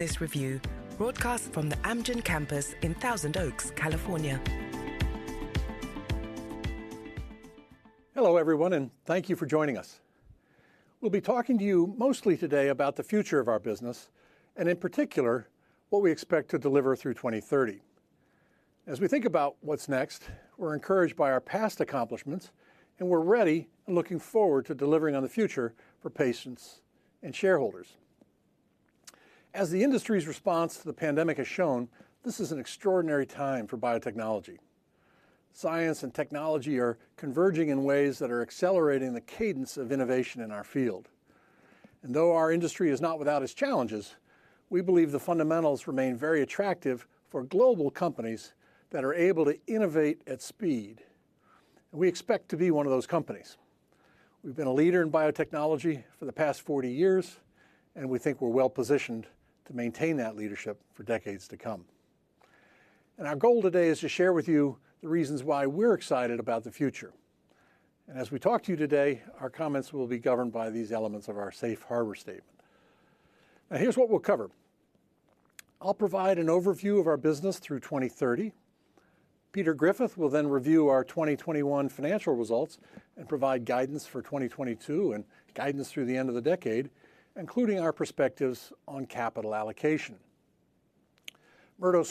This review, broadcast from the Amgen campus in Thousand Oaks, California. Hello, everyone, and thank you for joining us. We'll be talking to you mostly today about the future of our business, and in particular, what we expect to deliver through 2030. As we think about what's next, we're encouraged by our past accomplishments, and we're ready and looking forward to delivering on the future for patients and shareholders. As the industry's response to the pandemic has shown, this is an extraordinary time for biotechnology. Science and technology are converging in ways that are accelerating the cadence of innovation in our field. Though our industry is not without its challenges, we believe the fundamentals remain very attractive for global companies that are able to innovate at speed. We expect to be one of those companies. We've been a leader in biotechnology for the past 40 years, and we think we're well-positioned to maintain that leadership for decades to come. Our goal today is to share with you the reasons why we're excited about the future. As we talk to you today, our comments will be governed by these elements of our safe harbor statement. Now, here's what we'll cover. I'll provide an overview of our business through 2030. Peter Griffith will then review our 2021 financial results and provide guidance for 2022 and guidance through the end of the decade, including our perspectives on capital allocation. Murdo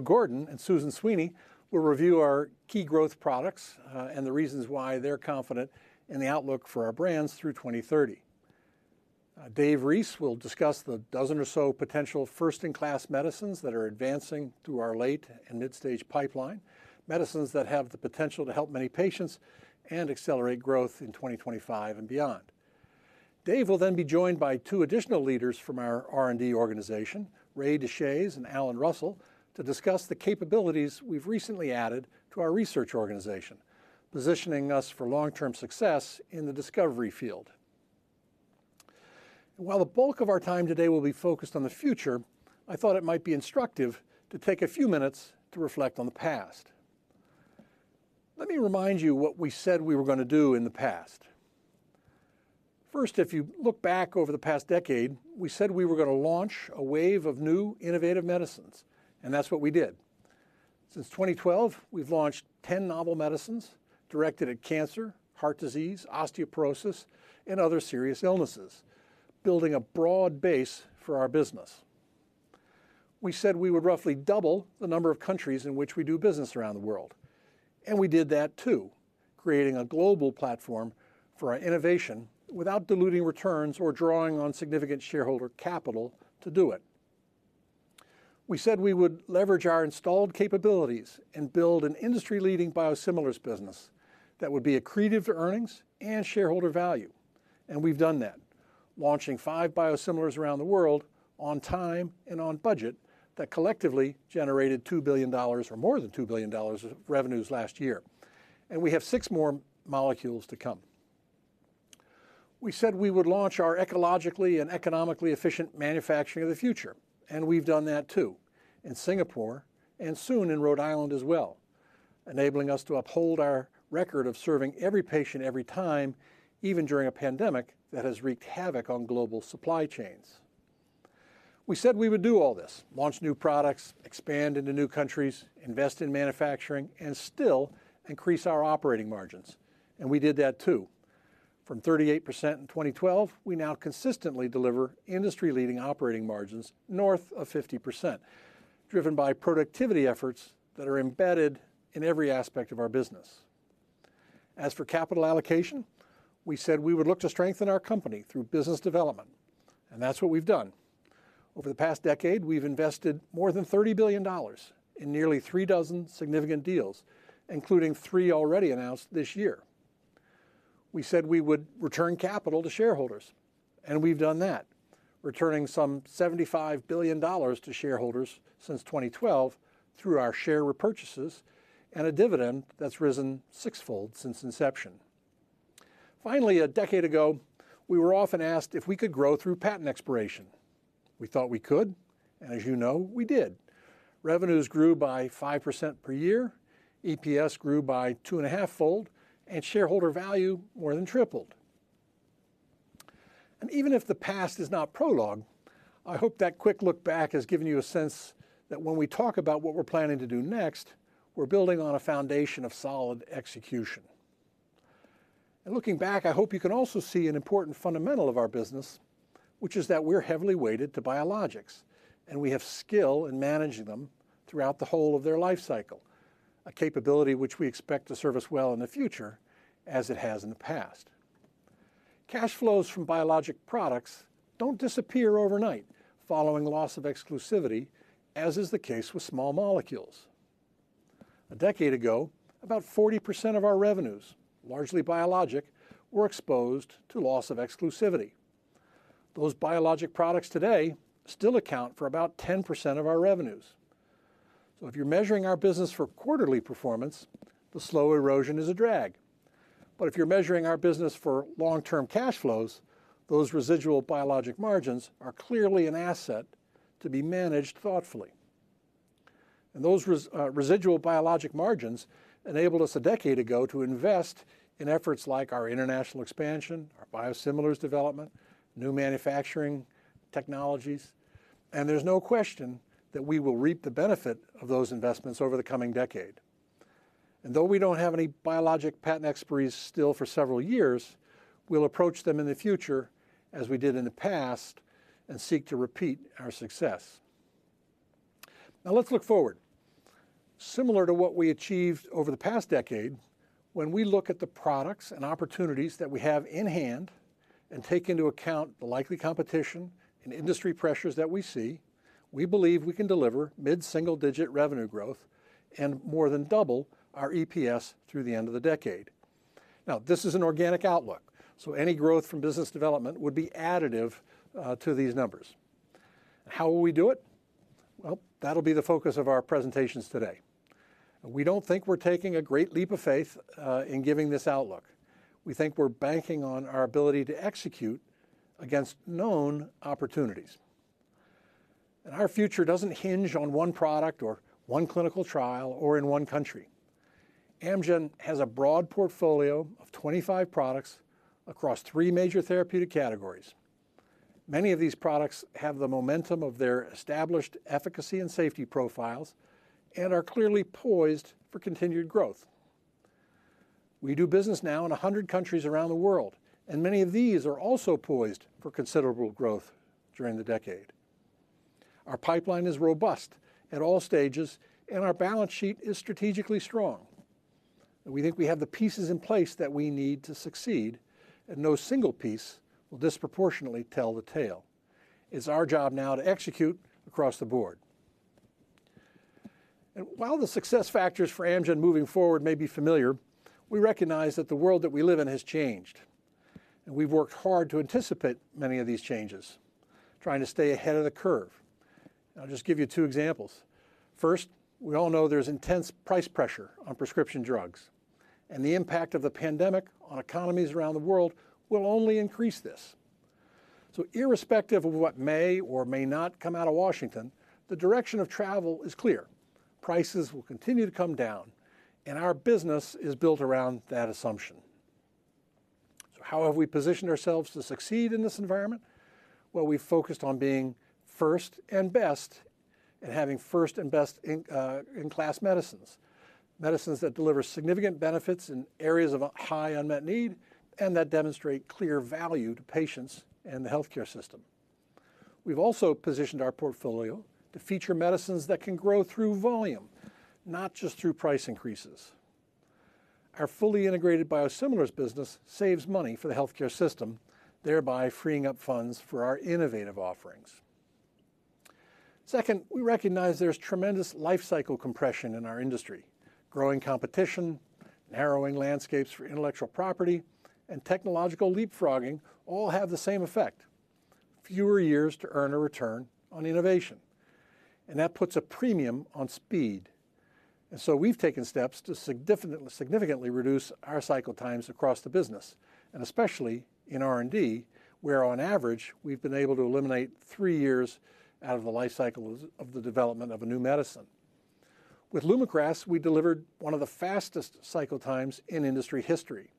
Gordon and Susan Sweeney will review our key growth products, and the reasons why they're confident in the outlook for our brands through 2030. David Reese will discuss the dozen or so potential first-in-class medicines that are advancing through our late and mid-stage pipeline, medicines that have the potential to help many patients and accelerate growth in 2025 and beyond. Dave will then be joined by two additional leaders from our R&D organization, Raymond Deshaies and Alan Russell, to discuss the capabilities we've recently added to our research organization, positioning us for long-term success in the discovery field. While the bulk of our time today will be focused on the future, I thought it might be instructive to take a few minutes to reflect on the past. Let me remind you what we said we were gonna do in the past. First, if you look back over the past decade, we said we were gonna launch a wave of new innovative medicines, and that's what we did. Since 2012, we've launched 10 novel medicines directed at cancer, heart disease, osteoporosis, and other serious illnesses, building a broad base for our business. We said we would roughly double the number of countries in which we do business around the world, and we did that, too, creating a global platform for our innovation without diluting returns or drawing on significant shareholder capital to do it. We said we would leverage our installed capabilities and build an industry-leading biosimilars business that would be accretive to earnings and shareholder value, and we've done that, launching five biosimilars around the world on time and on budget that collectively generated $2 billion or more than $2 billion of revenues last year. We have six more molecules to come. We said we would launch our ecologically and economically efficient manufacturing of the future, and we've done that, too, in Singapore and soon in Rhode Island as well, enabling us to uphold our record of serving every patient every time, even during a pandemic that has wreaked havoc on global supply chains. We said we would do all this, launch new products, expand into new countries, invest in manufacturing, and still increase our operating margins, and we did that, too. From 38% in 2012, we now consistently deliver industry-leading operating margins north of 50%, driven by productivity efforts that are embedded in every aspect of our business. As for capital allocation, we said we would look to strengthen our company through business development, and that's what we've done. Over the past decade, we've invested more than $30 billion in nearly three dozen significant deals, including three already announced this year. We said we would return capital to shareholders, and we've done that, returning some $75 billion to shareholders since 2012 through our share repurchases and a dividend that's risen six-fold since inception. Finally, a decade ago, we were often asked if we could grow through patent expiration. We thought we could, and as you know, we did. Revenues grew by 5% per year, EPS grew by 2.5-fold, and shareholder value more than tripled. Even if the past is not prologue, I hope that quick look back has given you a sense that when we talk about what we're planning to do next, we're building on a foundation of solid execution. Looking back, I hope you can also see an important fundamental of our business, which is that we're heavily weighted to biologics, and we have skill in managing them throughout the whole of their life cycle, a capability which we expect to serve us well in the future as it has in the past. Cash flows from biologic products don't disappear overnight following loss of exclusivity, as is the case with small molecules. A decade ago, about 40% of our revenues, largely biologic, were exposed to loss of exclusivity. Those biologic products today still account for about 10% of our revenues. If you're measuring our business for quarterly performance, the slow erosion is a drag. If you're measuring our business for long-term cash flows, those residual biologics margins are clearly an asset to be managed thoughtfully. Those residual biologics margins enabled us a decade ago to invest in efforts like our international expansion, our biosimilars development, new manufacturing technologies, and there's no question that we will reap the benefit of those investments over the coming decade. Though we don't have any biologics patent expiries still for several years, we'll approach them in the future as we did in the past and seek to repeat our success. Now let's look forward. Similar to what we achieved over the past decade, when we look at the products and opportunities that we have in hand and take into account the likely competition and industry pressures that we see, we believe we can deliver mid-single-digit revenue growth and more than double our EPS through the end of the decade. Now, this is an organic outlook, so any growth from business development would be additive to these numbers. How will we do it? Well, that'll be the focus of our presentations today. We don't think we're taking a great leap of faith in giving this outlook. We think we're banking on our ability to execute against known opportunities. Our future doesn't hinge on one product or one clinical trial or in one country. Amgen has a broad portfolio of 25 products across three major therapeutic categories. Many of these products have the momentum of their established efficacy and safety profiles and are clearly poised for continued growth. We do business now in 100 countries around the world, and many of these are also poised for considerable growth during the decade. Our pipeline is robust at all stages, and our balance sheet is strategically strong. We think we have the pieces in place that we need to succeed, and no single piece will disproportionately tell the tale. It's our job now to execute across the board. While the success factors for Amgen moving forward may be familiar, we recognize that the world that we live in has changed, and we've worked hard to anticipate many of these changes, trying to stay ahead of the curve. I'll just give you two examples. First, we all know there's intense price pressure on prescription drugs, and the impact of the pandemic on economies around the world will only increase this. Irrespective of what may or may not come out of Washington, the direction of travel is clear. Prices will continue to come down, and our business is built around that assumption. How have we positioned ourselves to succeed in this environment? Well, we've focused on being first and best and having first and best in class medicines that deliver significant benefits in areas of high unmet need and that demonstrate clear value to patients and the healthcare system. We've also positioned our portfolio to feature medicines that can grow through volume, not just through price increases. Our fully integrated biosimilars business saves money for the healthcare system, thereby freeing up funds for our innovative offerings. Second, we recognize there's tremendous life cycle compression in our industry. Growing competition, narrowing landscapes for intellectual property, and technological leapfrogging all have the same effect, fewer years to earn a return on innovation, and that puts a premium on speed. We've taken steps to significantly reduce our cycle times across the business, and especially in R&D, where on average, we've been able to eliminate three years out of the life cycle of the development of a new medicine. With Lumakras, we delivered one of the fastest cycle times in industry history.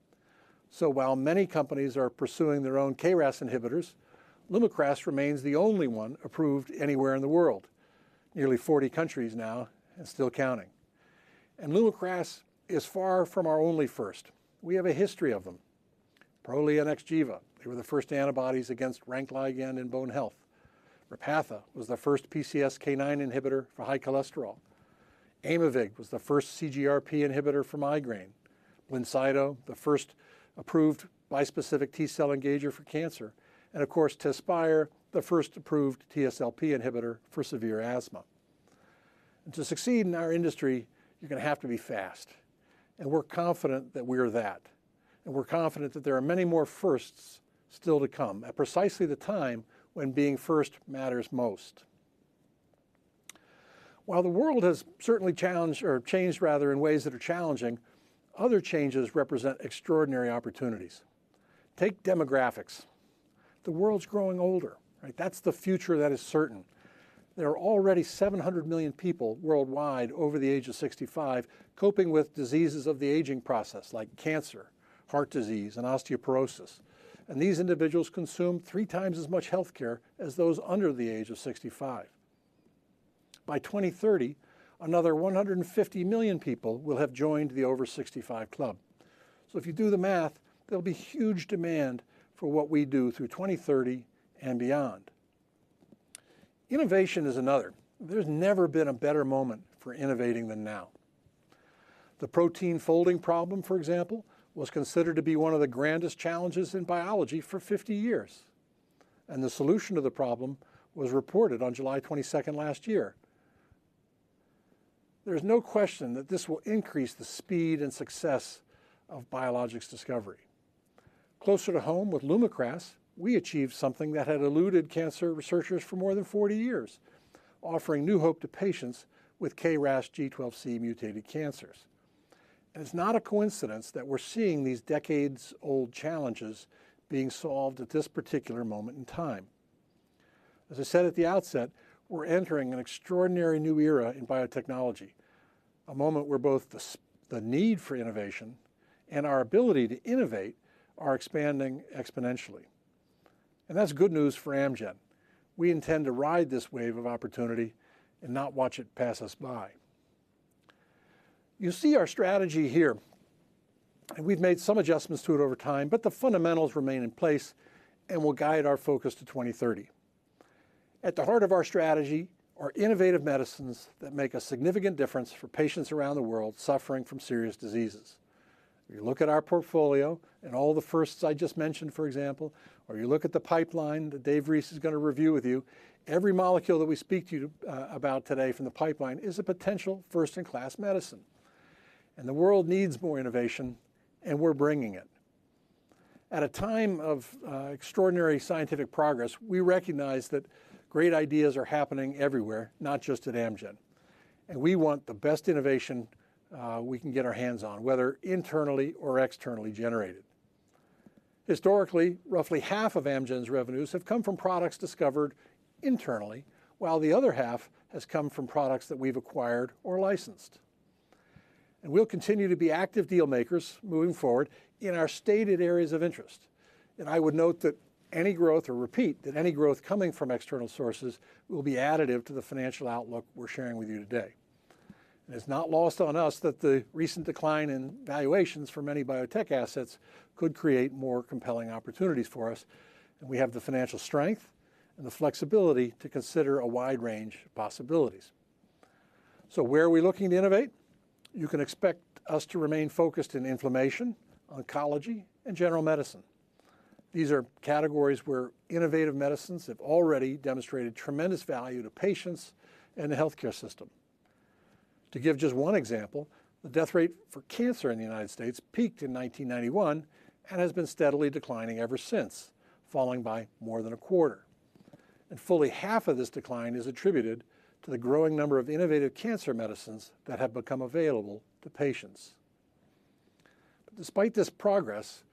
While many companies are pursuing their own KRAS inhibitors, Lumakras remains the only one approved anywhere in the world. Nearly 40 countries now and still counting. Lumakras is far from our only first. We have a history of them. Prolia and Xgeva, they were the first antibodies against RANKL ligand in bone health. Repatha was the first PCSK9 inhibitor for high cholesterol. Aimovig was the first CGRP inhibitor for migraine. BLINCYTO, the first approved bispecific T-cell engager for cancer. Of course, Tezspire, the first approved TSLP inhibitor for severe asthma. To succeed in our industry, you're going to have to be fast, and we're confident that we are that, and we're confident that there are many more firsts still to come at precisely the time when being first matters most. While the world has certainly challenged or changed rather in ways that are challenging, other changes represent extraordinary opportunities. Take demographics. The world's growing older, right? That's the future that is certain. There are already 700 million people worldwide over the age of 65 coping with diseases of the aging process like cancer, heart disease, and osteoporosis. These individuals consume 3x as much health care as those under the age of 65. By 2030, another 150 million people will have joined the over-65 club. If you do the math, there'll be huge demand for what we do through 2030 and beyond. Innovation is another. There's never been a better moment for innovating than now. The protein folding problem, for example, was considered to be one of the grandest challenges in biology for 50 years, and the solution to the problem was reported on July 22nd last year. There's no question that this will increase the speed and success of biologics discovery. Closer to home with Lumakras, we achieved something that had eluded cancer researchers for more than 40 years, offering new hope to patients with KRAS G12C mutated cancers. It's not a coincidence that we're seeing these decades-old challenges being solved at this particular moment in time. As I said at the outset, we're entering an extraordinary new era in biotechnology, a moment where both the need for innovation and our ability to innovate are expanding exponentially. That's good news for Amgen. We intend to ride this wave of opportunity and not watch it pass us by. You see our strategy here, and we've made some adjustments to it over time, but the fundamentals remain in place and will guide our focus to 2030. At the heart of our strategy are innovative medicines that make a significant difference for patients around the world suffering from serious diseases. You look at our portfolio and all the firsts I just mentioned, for example, or you look at the pipeline that Dave Reese is gonna review with you, every molecule that we speak to you about today from the pipeline is a potential first-in-class medicine, and the world needs more innovation, and we're bringing it. At a time of extraordinary scientific progress, we recognize that great ideas are happening everywhere, not just at Amgen, and we want the best innovation we can get our hands on, whether internally or externally generated. Historically, roughly half of Amgen's revenues have come from products discovered internally, while the other half has come from products that we've acquired or licensed. We'll continue to be active deal makers moving forward in our stated areas of interest. I would note that any growth coming from external sources will be additive to the financial outlook we're sharing with you today. It's not lost on us that the recent decline in valuations for many biotech assets could create more compelling opportunities for us, and we have the financial strength and the flexibility to consider a wide range of possibilities. Where are we looking to innovate? You can expect us to remain focused in inflammation, oncology, and general medicine. These are categories where innovative medicines have already demonstrated tremendous value to patients and the healthcare system. To give just one example, the death rate for cancer in the United States peaked in 1991 and has been steadily declining ever since, falling by more than a quarter. Fully half of this decline is attributed to the growing number of innovative cancer medicines that have become available to patients. Despite this progress,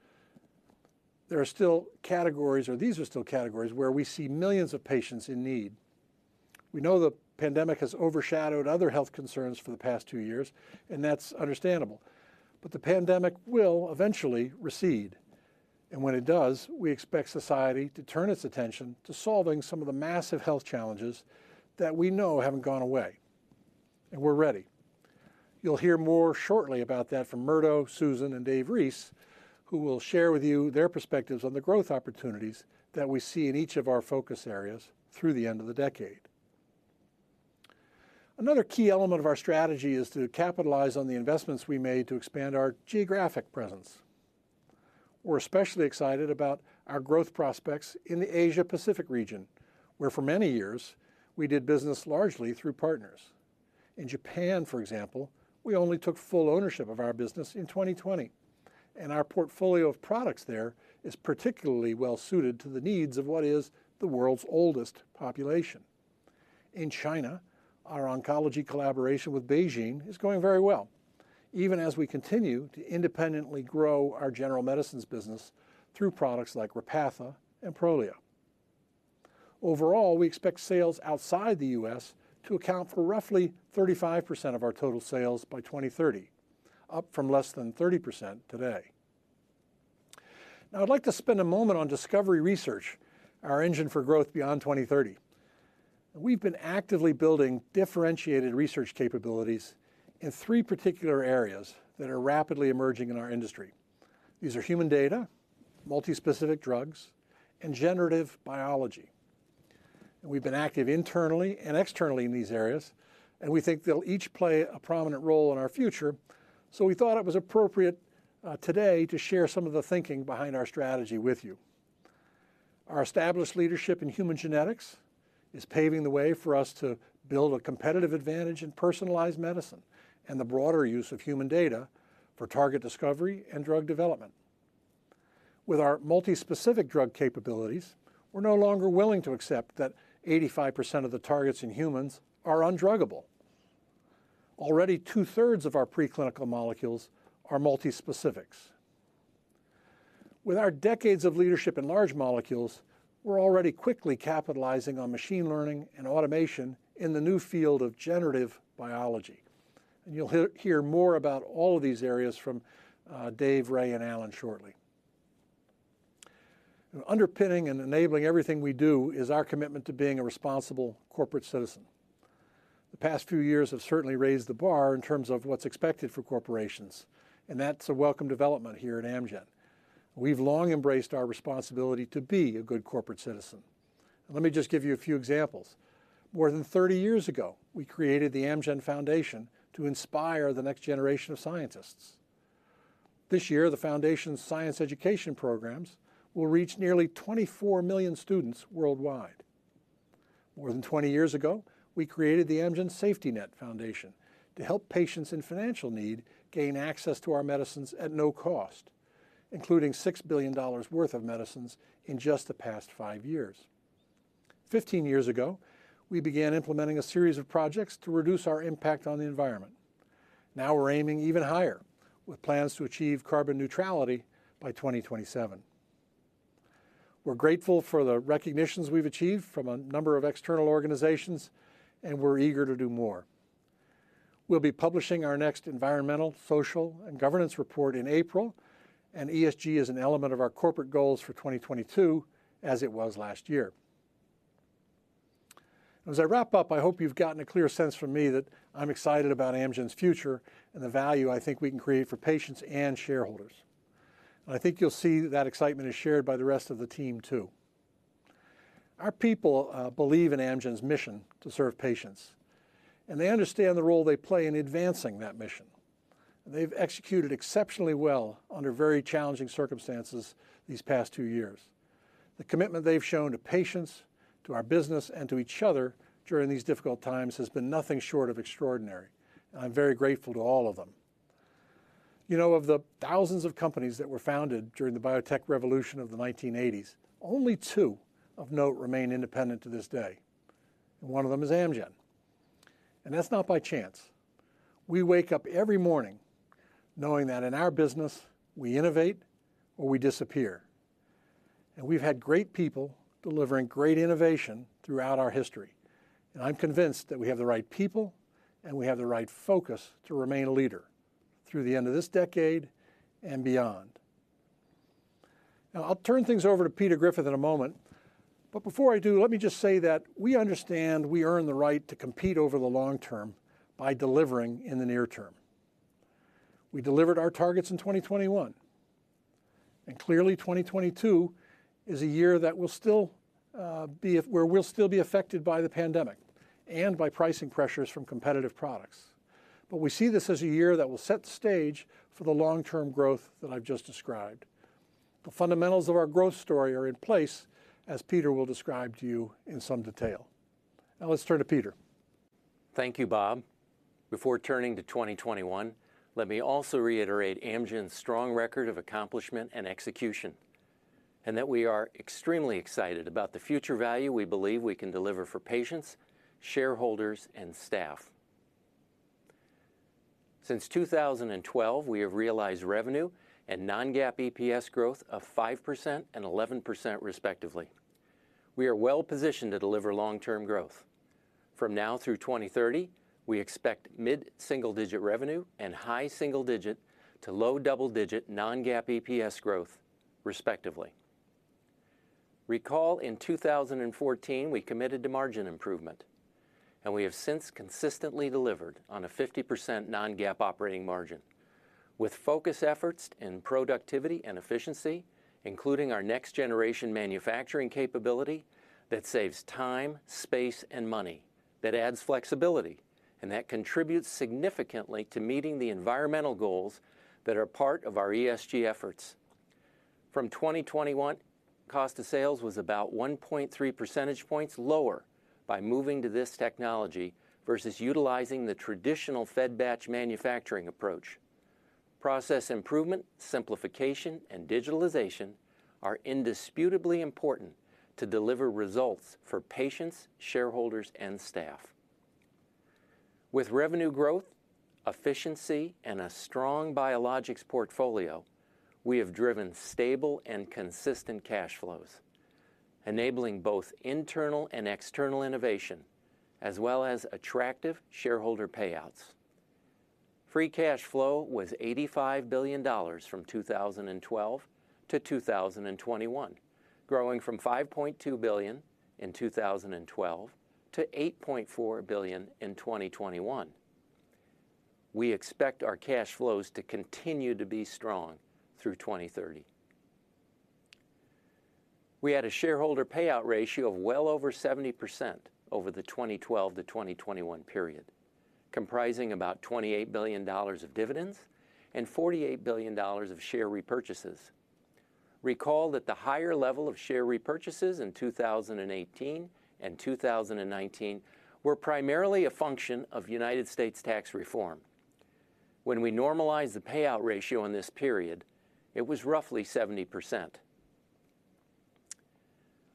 there are still categories, or these are still categories where we see millions of patients in need. We know the pandemic has overshadowed other health concerns for the past two years, and that's understandable. The pandemic will eventually recede. When it does, we expect society to turn its attention to solving some of the massive health challenges that we know haven't gone away, and we're ready. You'll hear more shortly about that from Murdo, Susan, and Dave Reese, who will share with you their perspectives on the growth opportunities that we see in each of our focus areas through the end of the decade. Another key element of our strategy is to capitalize on the investments we made to expand our geographic presence. We're especially excited about our growth prospects in the Asia-Pacific region, where for many years we did business largely through partners. In Japan, for example, we only took full ownership of our business in 2020, and our portfolio of products there is particularly well suited to the needs of what is the world's oldest population. In China, our oncology collaboration with BeiGene is going very well, even as we continue to independently grow our general medicines business through products like Repatha and Prolia. Overall, we expect sales outside the U.S. to account for roughly 35% of our total sales by 2030, up from less than 30% today. Now I'd like to spend a moment on discovery research, our engine for growth beyond 2030. We've been actively building differentiated research capabilities in three particular areas that are rapidly emerging in our industry. These are human data, multi-specific drugs, and generative biology. We've been active internally and externally in these areas, and we think they'll each play a prominent role in our future. We thought it was appropriate today to share some of the thinking behind our strategy with you. Our established leadership in human genetics is paving the way for us to build a competitive advantage in personalized medicine and the broader use of human data for target discovery and drug development. With our multi-specific drug capabilities, we're no longer willing to accept that 85% of the targets in humans are undruggable. Already two-thirds of our preclinical molecules are multi-specifics. With our decades of leadership in large molecules, we're already quickly capitalizing on machine learning and automation in the new field of generative biology. You'll hear more about all of these areas from Dave, Ray, and Alan shortly. Underpinning and enabling everything we do is our commitment to being a responsible corporate citizen. The past few years have certainly raised the bar in terms of what's expected for corporations, and that's a welcome development here at Amgen. We've long embraced our responsibility to be a good corporate citizen. Let me just give you a few examples. More than 30 years ago, we created the Amgen Foundation to inspire the next generation of scientists. This year, the foundation's science education programs will reach nearly 24 million students worldwide. More than 20 years ago, we created the Amgen Safety Net Foundation to help patients in financial need gain access to our medicines at no cost, including $6 billion worth of medicines in just the past five years. 15 years ago, we began implementing a series of projects to reduce our impact on the environment. Now we're aiming even higher with plans to achieve carbon neutrality by 2027. We're grateful for the recognitions we've achieved from a number of external organizations, and we're eager to do more. We'll be publishing our next environmental, social, and governance report in April, and ESG is an element of our corporate goals for 2022, as it was last year. As I wrap up, I hope you've gotten a clear sense from me that I'm excited about Amgen's future and the value I think we can create for patients and shareholders. I think you'll see that excitement is shared by the rest of the team, too. Our people believe in Amgen's mission to serve patients, and they understand the role they play in advancing that mission. They've executed exceptionally well under very challenging circumstances these past two years. The commitment they've shown to patients, to our business, and to each other during these difficult times has been nothing short of extraordinary. I'm very grateful to all of them. You know, of the thousands of companies that were founded during the biotech revolution of the 1980s, only two of note remain independent to this day, and one of them is Amgen. That's not by chance. We wake up every morning knowing that in our business, we innovate or we disappear. We've had great people delivering great innovation throughout our history. I'm convinced that we have the right people and we have the right focus to remain a leader through the end of this decade and beyond. Now, I'll turn things over to Peter Griffith in a moment, but before I do, let me just say that we understand we earn the right to compete over the long term by delivering in the near term. We delivered our targets in 2021, and clearly, 2022 is a year that will still be where we'll still be affected by the pandemic and by pricing pressures from competitive products. But we see this as a year that will set the stage for the long-term growth that I've just described. The fundamentals of our growth story are in place, as Peter will describe to you in some detail. Now let's turn to Peter. Thank you, Bob. Before turning to 2021, let me also reiterate Amgen's strong record of accomplishment and execution, and that we are extremely excited about the future value we believe we can deliver for patients, shareholders, and staff. Since 2012, we have realized revenue and non-GAAP EPS growth of 5% and 11%, respectively. We are well-positioned to deliver long-term growth. From now through 2030, we expect mid-single-digit revenue and high single-digit to low double-digit non-GAAP EPS growth, respectively. Recall in 2014, we committed to margin improvement, and we have since consistently delivered on a 50% non-GAAP operating margin with focus efforts in productivity and efficiency, including our next-generation manufacturing capability that saves time, space, and money, that adds flexibility, and that contributes significantly to meeting the environmental goals that are part of our ESG efforts. From 2021, cost of sales was about 1.3 percentage points lower by moving to this technology versus utilizing the traditional fed-batch manufacturing approach. Process improvement, simplification, and digitalization are indisputably important to deliver results for patients, shareholders, and staff. With revenue growth, efficiency, and a strong biologics portfolio, we have driven stable and consistent cash flows, enabling both internal and external innovation, as well as attractive shareholder payouts. Free cash flow was $85 billion from 2012-2021, growing from $5.2 billion in 2012 to $8.4 billion in 2021. We expect our cash flows to continue to be strong through 2030. We had a shareholder payout ratio of well over 70% over the 2012-2021 period, comprising about $28 billion of dividends and $48 billion of share repurchases. Recall that the higher level of share repurchases in 2018 and 2019 were primarily a function of U.S. tax reform. When we normalized the payout ratio in this period, it was roughly 70%.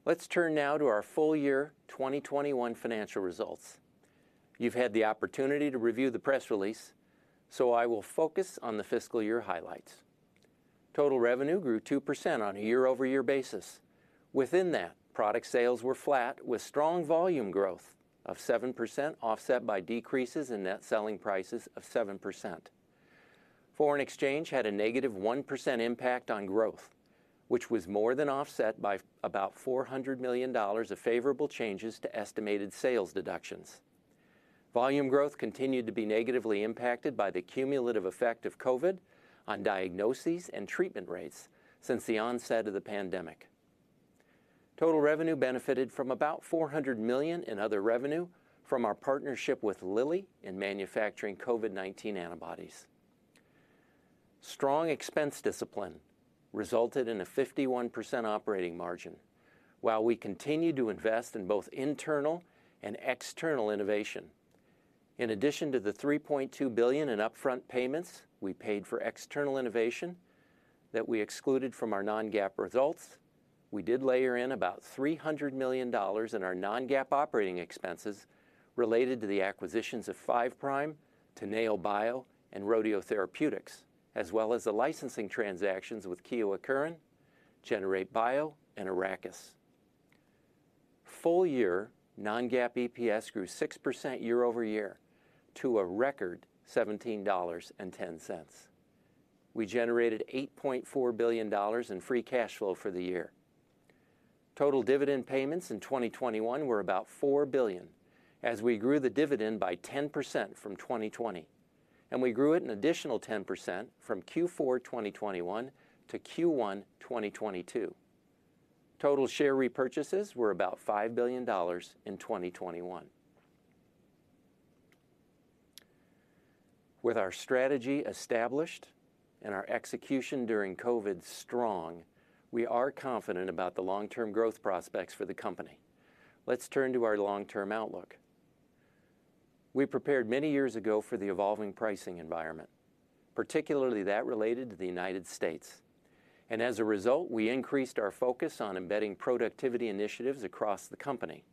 Let's turn now to our full year 2021 financial results. You've had the opportunity to review the press release, so I will focus on the fiscal year highlights. Total revenue grew 2% on a year-over-year basis. Within that, product sales were flat with strong volume growth of 7%, offset by decreases in net selling prices of 7%. Foreign exchange had a -1% impact on growth, which was more than offset by about $400 million of favorable changes to estimated sales deductions. Volume growth continued to be negatively impacted by the cumulative effect of COVID on diagnoses and treatment rates since the onset of the pandemic. Total revenue benefited from about $400 million in other revenue from our partnership with Lilly in manufacturing COVID-19 antibodies. Strong expense discipline resulted in a 51% operating margin, while we continued to invest in both internal and external innovation. In addition to the $3.2 billion in upfront payments we paid for external innovation that we excluded from our non-GAAP results, we did layer in about $300 million in our non-GAAP operating expenses related to the acquisitions of Five Prime, Teneobio, and Rodeo Therapeutics Corporation, as well as the licensing transactions with Kyowa Kirin, Generate Biomedicines, and Arrakis Therapeutics. Full-year non-GAAP EPS grew 6% year-over-year to a record $17.10. We generated $8.4 billion in free cash flow for the year. Total dividend payments in 2021 were about $4 billion as we grew the dividend by 10% from 2020, and we grew it an additional 10% from Q4 2021 to Q1 2022. Total share repurchases were about $5 billion in 2021. With our strategy established and our execution during COVID strong, we are confident about the long-term growth prospects for the company. Let's turn to our long-term outlook. We prepared many years ago for the evolving pricing environment, particularly that related to the United States. As a result, we increased our focus on embedding productivity initiatives across the company,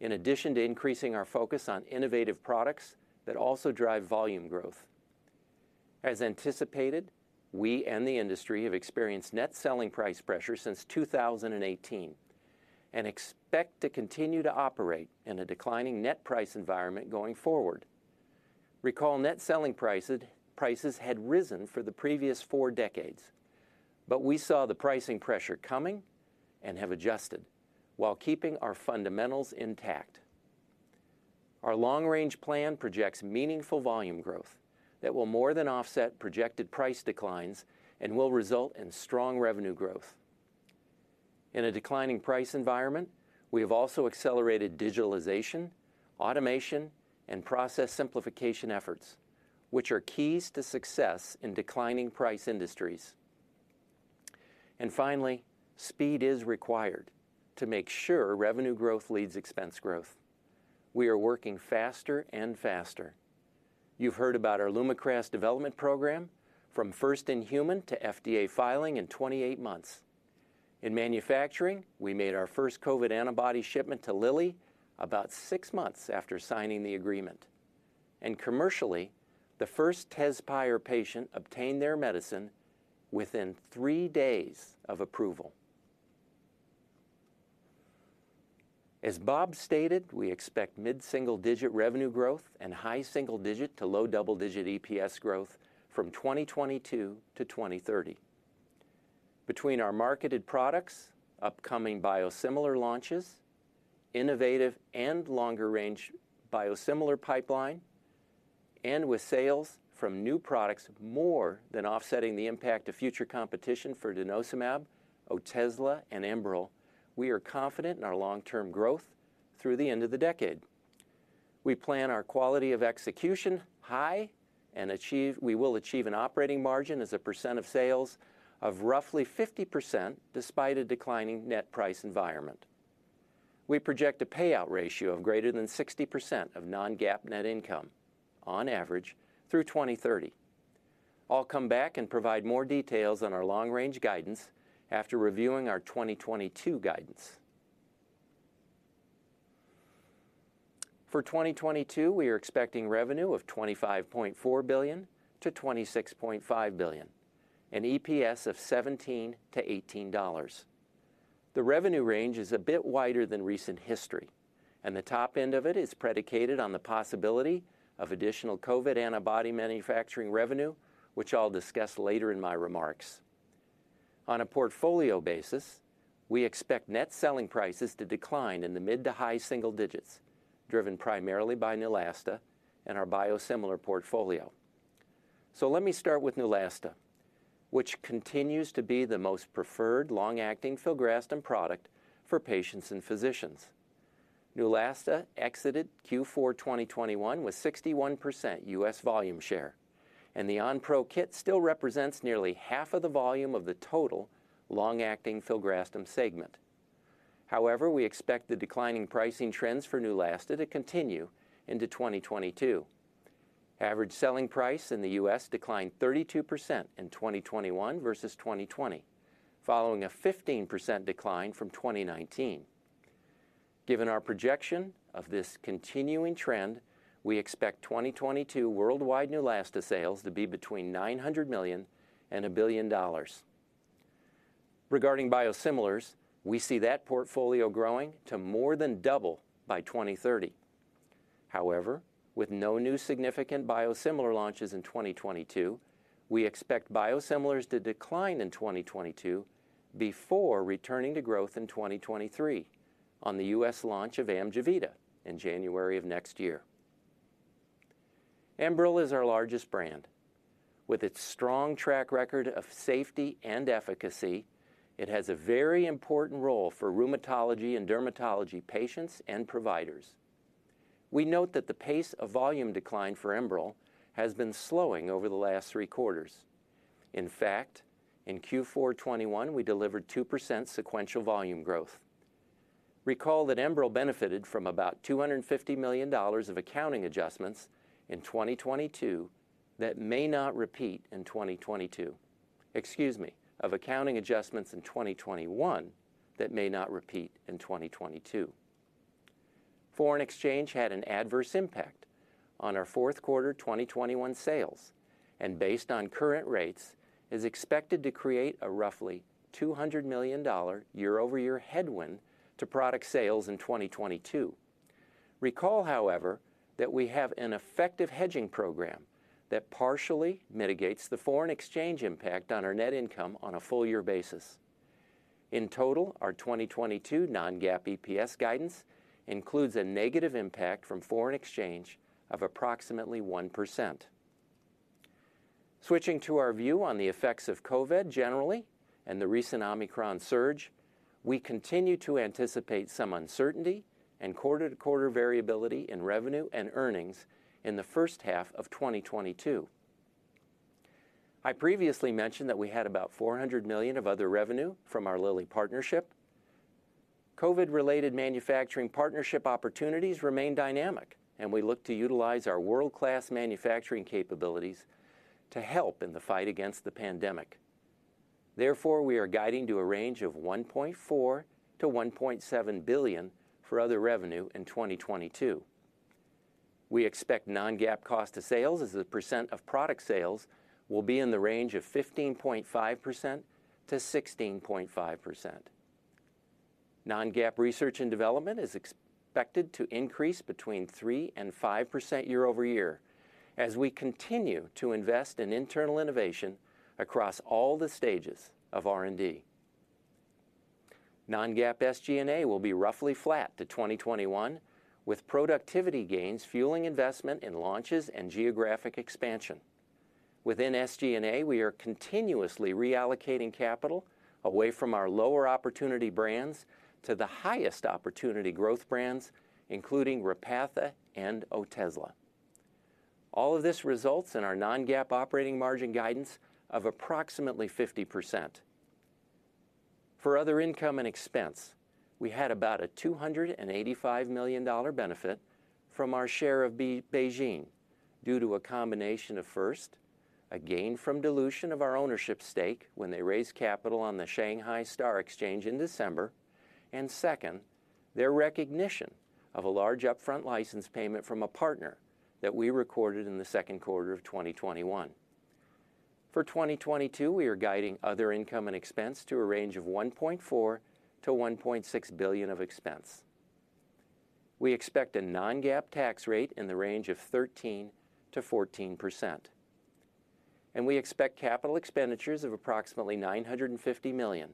in addition to increasing our focus on innovative products that also drive volume growth. As anticipated, we and the industry have experienced net selling price pressure since 2018 and expect to continue to operate in a declining net price environment going forward. Recall net selling prices had risen for the previous four decades, but we saw the pricing pressure coming and have adjusted while keeping our fundamentals intact. Our long-range plan projects meaningful volume growth that will more than offset projected price declines and will result in strong revenue growth. In a declining price environment, we have also accelerated digitalization, automation, and process simplification efforts, which are keys to success in declining price industries. Finally, speed is required to make sure revenue growth leads expense growth. We are working faster and faster. You've heard about our Lumakras development program from first-in-human to FDA filing in 28 months. In manufacturing, we made our first COVID antibody shipment to Lilly about six months after signing the agreement. Commercially, the first Tezspire patient obtained their medicine within three days of approval. As Bob stated, we expect mid-single-digit revenue growth and high single-digit to low double-digit EPS growth from 2022-2030. Between our marketed products, upcoming biosimilar launches, innovative and longer-range biosimilar pipeline, and with sales from new products more than offsetting the impact of future competition for Denosumab, Otezla, and Enbrel, we are confident in our long-term growth through the end of the decade. We plan our quality of execution high and we will achieve an operating margin as a percent of sales of roughly 50% despite a declining net price environment. We project a payout ratio of greater than 60% of non-GAAP net income on average through 2030. I'll come back and provide more details on our long-range guidance after reviewing our 2022 guidance. For 2022, we are expecting revenue of $25.4 billion-$26.5 billion, an EPS of $17-$18. The revenue range is a bit wider than recent history, and the top end of it is predicated on the possibility of additional COVID antibody manufacturing revenue, which I'll discuss later in my remarks. On a portfolio basis, we expect net selling prices to decline in the mid- to high-single digits, driven primarily by Neulasta and our biosimilar portfolio. Let me start with Neulasta, which continues to be the most preferred long-acting filgrastim product for patients and physicians. Neulasta exited Q4 2021 with 61% U.S. volume share, and the Onpro kit still represents nearly half of the volume of the total long-acting filgrastim segment. However, we expect the declining pricing trends for Neulasta to continue into 2022. Average selling price in the U.S. declined 32% in 2021 versus 2020, following a 15% decline from 2019. Given our projection of this continuing trend, we expect 2022 worldwide Neulasta sales to be between $900 million and $1 billion. Regarding biosimilars, we see that portfolio growing to more than double by 2030. With no new significant biosimilar launches in 2022, we expect biosimilars to decline in 2022 before returning to growth in 2023 on the U.S. launch of Amjevita in January of next year. Enbrel is our largest brand. With its strong track record of safety and efficacy, it has a very important role for rheumatology and dermatology patients and providers. We note that the pace of volume decline for Enbrel has been slowing over the last three quarters. In fact, in Q4 2021, we delivered 2% sequential volume growth. Recall that Enbrel benefited from about $250 million of accounting adjustments in 2022 that may not repeat in 2022. Excuse me, of accounting adjustments in 2021 that may not repeat in 2022. Foreign exchange had an adverse impact on our fourth quarter 2021 sales, and based on current rates, is expected to create a roughly $200 million year-over-year headwind to product sales in 2022. Recall, however, that we have an effective hedging program that partially mitigates the foreign exchange impact on our net income on a full-year basis. In total, our 2022 non-GAAP EPS guidance includes a negative impact from foreign exchange of approximately 1%. Switching to our view on the effects of COVID generally and the recent Omicron surge, we continue to anticipate some uncertainty and quarter-to-quarter variability in revenue and earnings in the first half of 2022. I previously mentioned that we had about $400 million of other revenue from our Lilly partnership. COVID-related manufacturing partnership opportunities remain dynamic, and we look to utilize our world-class manufacturing capabilities to help in the fight against the pandemic. Therefore, we are guiding to a range of $1.4 billion-$1.7 billion for other revenue in 2022. We expect non-GAAP cost of sales as a percent of product sales will be in the range of 15.5%-16.5%. Non-GAAP research and development is expected to increase between 3%-5% year-over-year as we continue to invest in internal innovation across all the stages of R&D. Non-GAAP SG&A will be roughly flat to 2021, with productivity gains fueling investment in launches and geographic expansion. Within SG&A, we are continuously reallocating capital away from our lower opportunity brands to the highest opportunity growth brands, including Repatha and Otezla. All of this results in our non-GAAP operating margin guidance of approximately 50%. For other income and expense, we had about a $285 million benefit from our share of BeiGene due to a combination of, first, a gain from dilution of our ownership stake when they raised capital on the Shanghai STAR Exchange in December, and second, their recognition of a large upfront license payment from a partner that we recorded in the second quarter of 2021. For 2022, we are guiding other income and expense to a range of $1.4-$1.6 billion of expense. We expect a non-GAAP tax rate in the range of 13%-14%. We expect capital expenditures of approximately $950 million,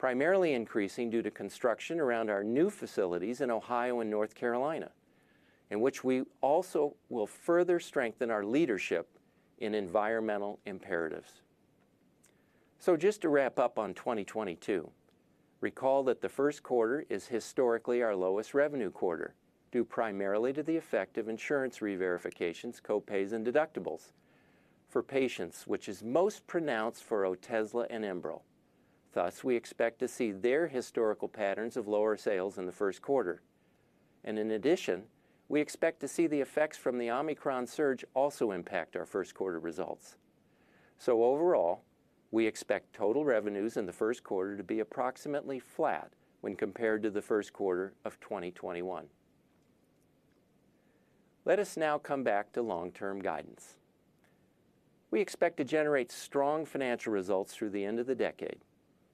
primarily increasing due to construction around our new facilities in Ohio and North Carolina, in which we also will further strengthen our leadership in environmental imperatives. Just to wrap up on 2022, recall that the first quarter is historically our lowest revenue quarter due primarily to the effect of insurance reverifications, co-pays, and deductibles for patients, which is most pronounced for Otezla and Enbrel. Thus, we expect to see their historical patterns of lower sales in the first quarter. In addition, we expect to see the effects from the Omicron surge also impact our first quarter results. Overall, we expect total revenues in the first quarter to be approximately flat when compared to the first quarter of 2021. Let us now come back to long-term guidance. We expect to generate strong financial results through the end of the decade,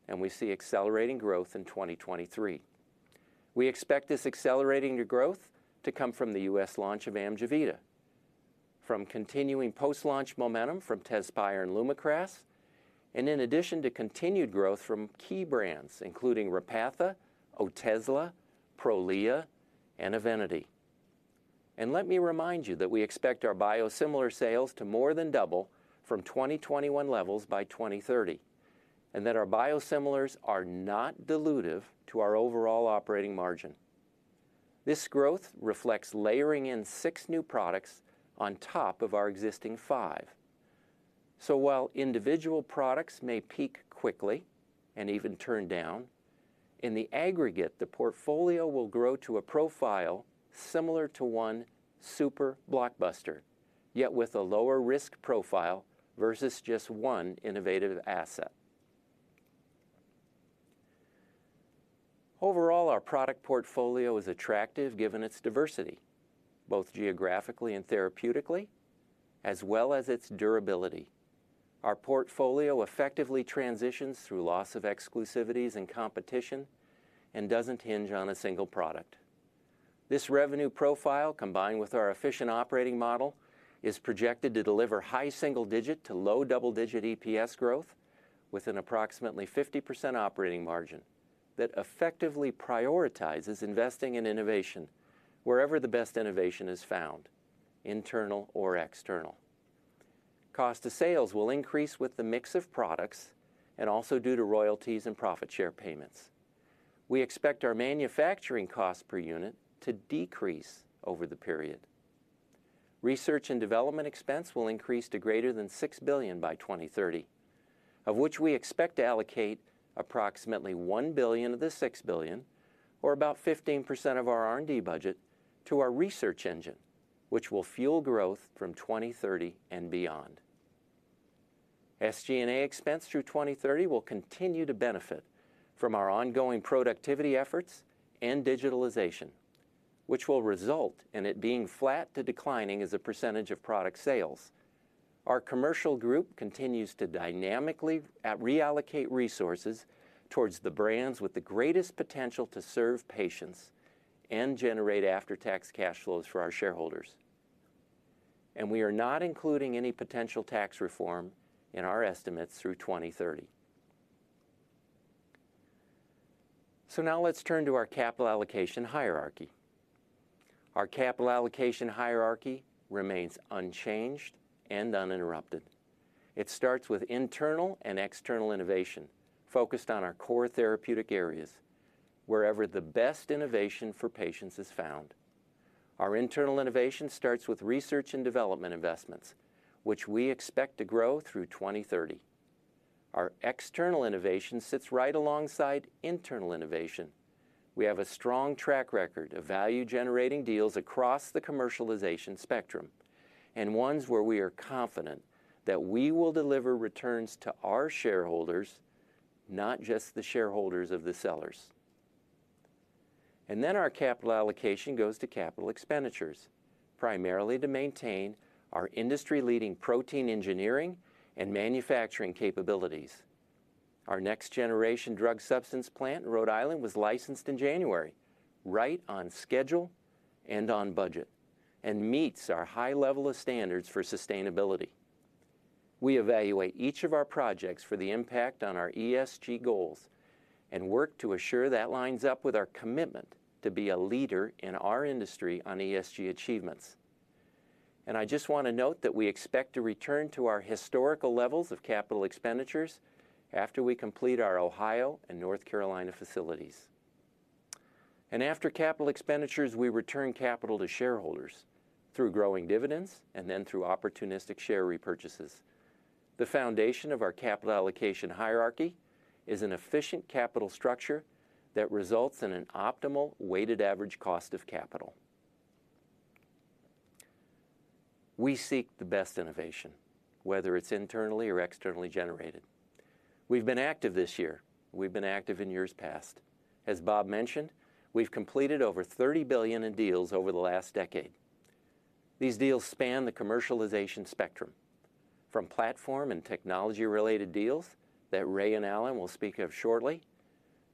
and we see accelerating growth in 2023. We expect this accelerating growth to come from the U.S. launch of Amjevita, from continuing post-launch momentum from Tezspire and Lumakras, and in addition to continued growth from key brands, including Repatha, Otezla, Prolia, and Evenity. Let me remind you that we expect our biosimilar sales to more than double from 2021 levels by 2030, and that our biosimilars are not dilutive to our overall operating margin. This growth reflects layering in six new products on top of our existing five. While individual products may peak quickly and even turn down, in the aggregate, the portfolio will grow to a profile similar to one super blockbuster, yet with a lower risk profile versus just one innovative asset. Overall, our product portfolio is attractive given its diversity, both geographically and therapeutically, as well as its durability. Our portfolio effectively transitions through loss of exclusivities and competition and doesn't hinge on a single product. This revenue profile, combined with our efficient operating model, is projected to deliver high single-digit to low double-digit EPS growth with an approximately 50% operating margin that effectively prioritizes investing in innovation wherever the best innovation is found, internal or external. Cost of sales will increase with the mix of products and also due to royalties and profit share payments. We expect our manufacturing cost per unit to decrease over the period. Research and development expense will increase to greater than $6 billion by 2030, of which we expect to allocate approximately $1 billion of the $6 billion or about 15% of our R&D budget to our research engine, which will fuel growth from 2030 and beyond. SG&A expense through 2030 will continue to benefit from our ongoing productivity efforts and digitalization, which will result in it being flat to declining as a percentage of product sales. Our commercial group continues to dynamically reallocate resources towards the brands with the greatest potential to serve patients and generate after-tax cash flows for our shareholders. We are not including any potential tax reform in our estimates through 2030. Now let's turn to our capital allocation hierarchy. Our capital allocation hierarchy remains unchanged and uninterrupted. It starts with internal and external innovation focused on our core therapeutic areas wherever the best innovation for patients is found. Our internal innovation starts with research and development investments, which we expect to grow through 2030. Our external innovation sits right alongside internal innovation. We have a strong track record of value-generating deals across the commercialization spectrum and ones where we are confident that we will deliver returns to our shareholders, not just the shareholders of the sellers. Our capital allocation goes to capital expenditures, primarily to maintain our industry-leading protein engineering and manufacturing capabilities. Our next-generation drug substance plant in Rhode Island was licensed in January, right on schedule and on budget, and meets our high level of standards for sustainability. We evaluate each of our projects for the impact on our ESG goals and work to assure that lines up with our commitment to be a leader in our industry on ESG achievements. I just wanna note that we expect to return to our historical levels of capital expenditures after we complete our Ohio and North Carolina facilities. After capital expenditures, we return capital to shareholders through growing dividends and then through opportunistic share repurchases. The foundation of our capital allocation hierarchy is an efficient capital structure that results in an optimal weighted average cost of capital. We seek the best innovation, whether it's internally or externally generated. We've been active this year. We've been active in years past. As Bob mentioned, we've completed over $30 billion in deals over the last decade. These deals span the commercialization spectrum, from platform and technology-related deals that Ray and Alan will speak of shortly,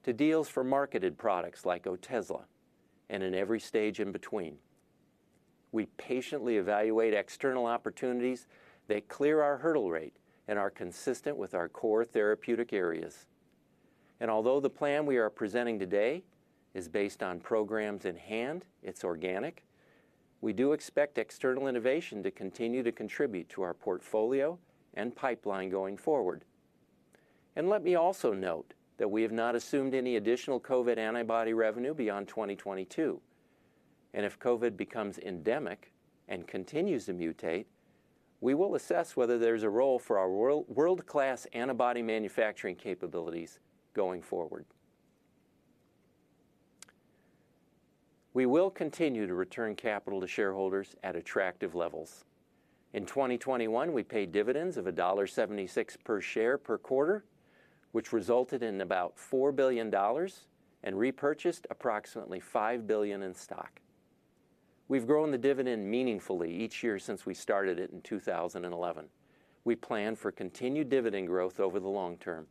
to deals for marketed products like Otezla, and in every stage in between. We patiently evaluate external opportunities that clear our hurdle rate and are consistent with our core therapeutic areas. Although the plan we are presenting today is based on programs in hand, it's organic, we do expect external innovation to continue to contribute to our portfolio and pipeline going forward. Let me also note that we have not assumed any additional COVID antibody revenue beyond 2022, and if COVID becomes endemic and continues to mutate, we will assess whether there's a role for our world-class antibody manufacturing capabilities going forward. We will continue to return capital to shareholders at attractive levels. In 2021, we paid dividends of $1.76 per share per quarter, which resulted in about $4 billion and repurchased approximately $5 billion in stock. We've grown the dividend meaningfully each year since we started it in 2011. We plan for continued dividend growth over the long term.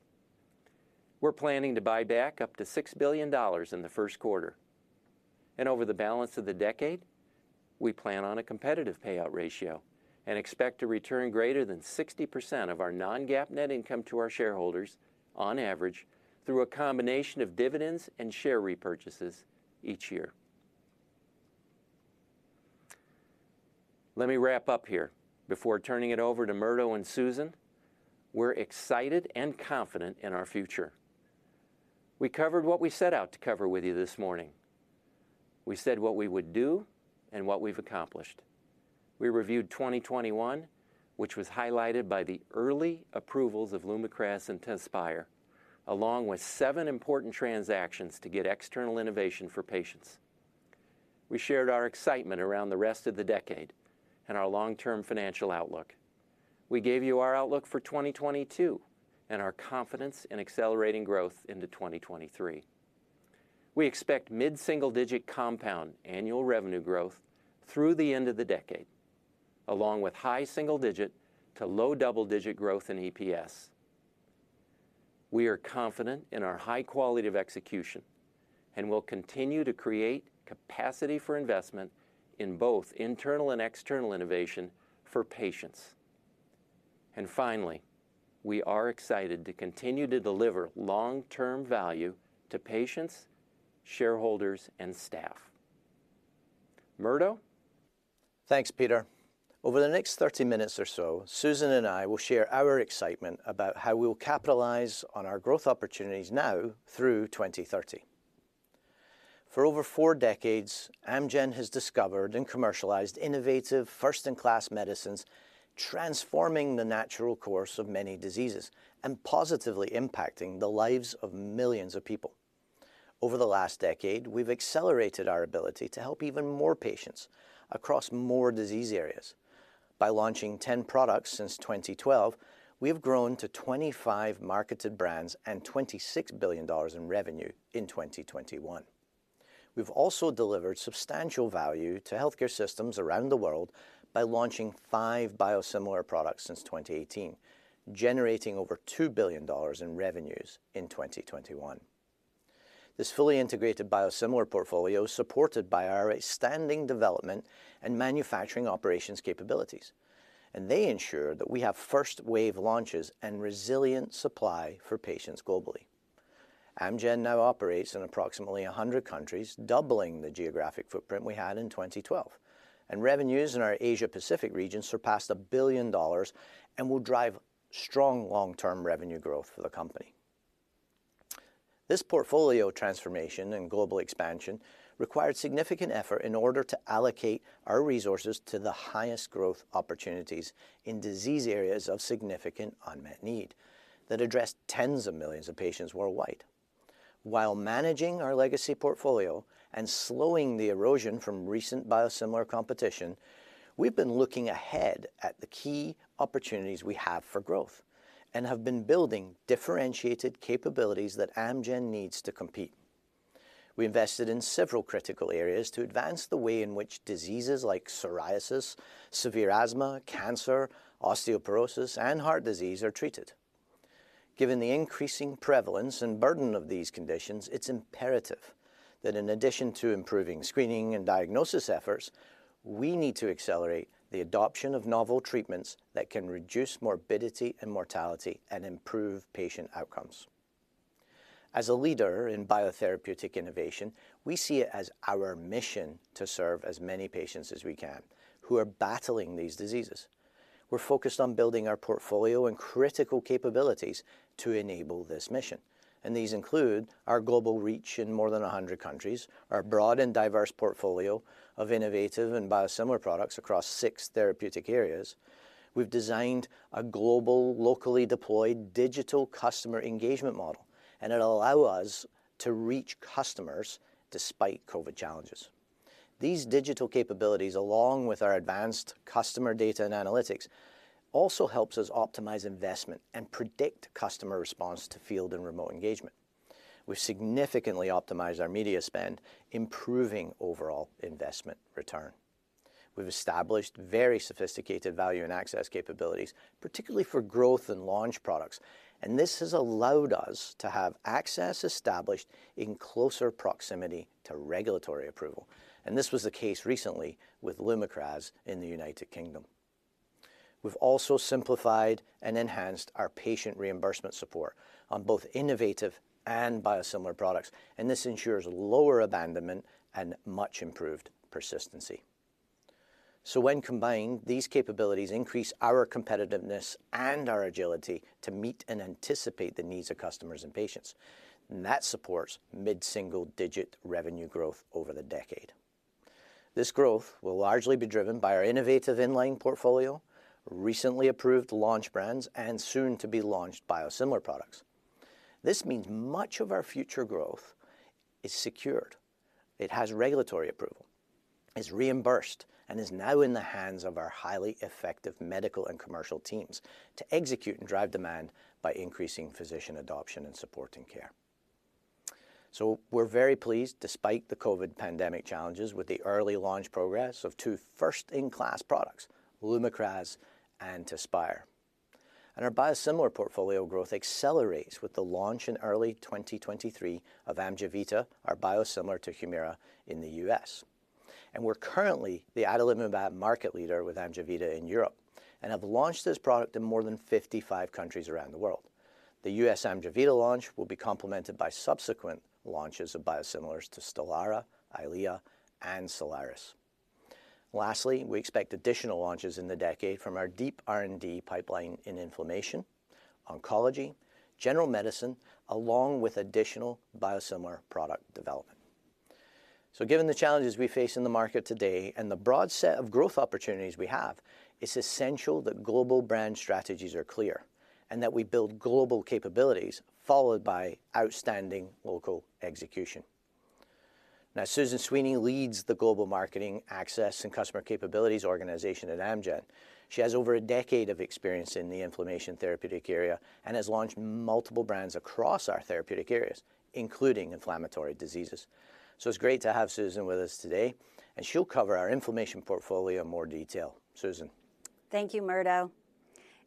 We're planning to buy back up to $6 billion in the first quarter, and over the balance of the decade, we plan on a competitive payout ratio and expect to return greater than 60% of our non-GAAP net income to our shareholders on average through a combination of dividends and share repurchases each year. Let me wrap up here before turning it over to Murdo and Susan. We're excited and confident in our future. We covered what we set out to cover with you this morning. We said what we would do and what we've accomplished. We reviewed 2021, which was highlighted by the early approvals of Lumakras and Tezspire, along with seven important transactions to get external innovation for patients. We shared our excitement around the rest of the decade and our long-term financial outlook. We gave you our outlook for 2022 and our confidence in accelerating growth into 2023. We expect mid-single-digit compound annual revenue growth through the end of the decade, along with high single-digit to low double-digit growth in EPS. We are confident in our high quality of execution and will continue to create capacity for investment in both internal and external innovation for patients. Finally, we are excited to continue to deliver long-term value to patients, shareholders, and staff. Murdo? Thanks, Peter. Over the next 30 minutes or so, Susan and I will share our excitement about how we'll capitalize on our growth opportunities now through 2030. For over four decades, Amgen has discovered and commercialized innovative first-in-class medicines, transforming the natural course of many diseases and positively impacting the lives of millions of people. Over the last decade, we've accelerated our ability to help even more patients across more disease areas. By launching 10 products since 2012, we have grown to 25 marketed brands and $26 billion in revenue in 2021. We've also delivered substantial value to healthcare systems around the world by launching 5 biosimilar products since 2018, generating over $2 billion in revenues in 2021. This fully integrated biosimilar portfolio is supported by our outstanding development and manufacturing operations capabilities, and they ensure that we have first wave launches and resilient supply for patients globally. Amgen now operates in approximately 100 countries, doubling the geographic footprint we had in 2012, and revenues in our Asia-Pacific region surpassed $1 billion and will drive strong long-term revenue growth for the company. This portfolio transformation and global expansion required significant effort in order to allocate our resources to the highest growth opportunities in disease areas of significant unmet need that address tens of millions of patients worldwide. While managing our legacy portfolio and slowing the erosion from recent biosimilar competition, we've been looking ahead at the key opportunities we have for growth and have been building differentiated capabilities that Amgen needs to compete. We invested in several critical areas to advance the way in which diseases like psoriasis, severe asthma, cancer, osteoporosis, and heart disease are treated. Given the increasing prevalence and burden of these conditions, it's imperative that in addition to improving screening and diagnosis efforts, we need to accelerate the adoption of novel treatments that can reduce morbidity and mortality and improve patient outcomes. As a leader in biotherapeutic innovation, we see it as our mission to serve as many patients as we can who are battling these diseases. We're focused on building our portfolio and critical capabilities to enable this mission, and these include our global reach in more than 100 countries, our broad and diverse portfolio of innovative and biosimilar products across six therapeutic areas. We've designed a global, locally deployed digital customer engagement model, and it'll allow us to reach customers despite COVID challenges. These digital capabilities, along with our advanced customer data and analytics, also helps us optimize investment and predict customer response to field and remote engagement. We've significantly optimized our media spend, improving overall investment return. We've established very sophisticated value and access capabilities, particularly for growth in launch products, and this has allowed us to have access established in closer proximity to regulatory approval, and this was the case recently with Lumakras in the United Kingdom. We've also simplified and enhanced our patient reimbursement support on both innovative and biosimilar products, and this ensures lower abandonment and much improved persistency. When combined, these capabilities increase our competitiveness and our agility to meet and anticipate the needs of customers and patients, and that supports mid-single-digit revenue growth over the decade. This growth will largely be driven by our innovative in-line portfolio, recently approved launch brands, and soon-to-be-launched biosimilar products. This means much of our future growth is secured, it has regulatory approval, is reimbursed, and is now in the hands of our highly effective medical and commercial teams to execute and drive demand by increasing physician adoption and supporting care. We're very pleased, despite the COVID pandemic challenges, with the early launch progress of two first-in-class products, Lumakras and Tezspire. Our biosimilar portfolio growth accelerates with the launch in early 2023 of Amjevita, our biosimilar to Humira in the U.S. We're currently the adalimumab market leader with Amjevita in Europe and have launched this product in more than 55 countries around the world. The U.S. Amgen launch will be complemented by subsequent launches of biosimilars to Stelara, EYLEA, and Soliris. Lastly, we expect additional launches in the decade from our deep R&D pipeline in inflammation, oncology, general medicine, along with additional biosimilar product development. Given the challenges we face in the market today and the broad set of growth opportunities we have, it's essential that global brand strategies are clear and that we build global capabilities followed by outstanding local execution. Now, Susan Sweeney leads the Global Marketing, Access, and Customer Capabilities organization at Amgen. She has over a decade of experience in the inflammation therapeutic area and has launched multiple brands across our therapeutic areas, including inflammatory diseases. It's great to have Susan with us today, and she'll cover our inflammation portfolio in more detail. Susan? Thank you, Murdo.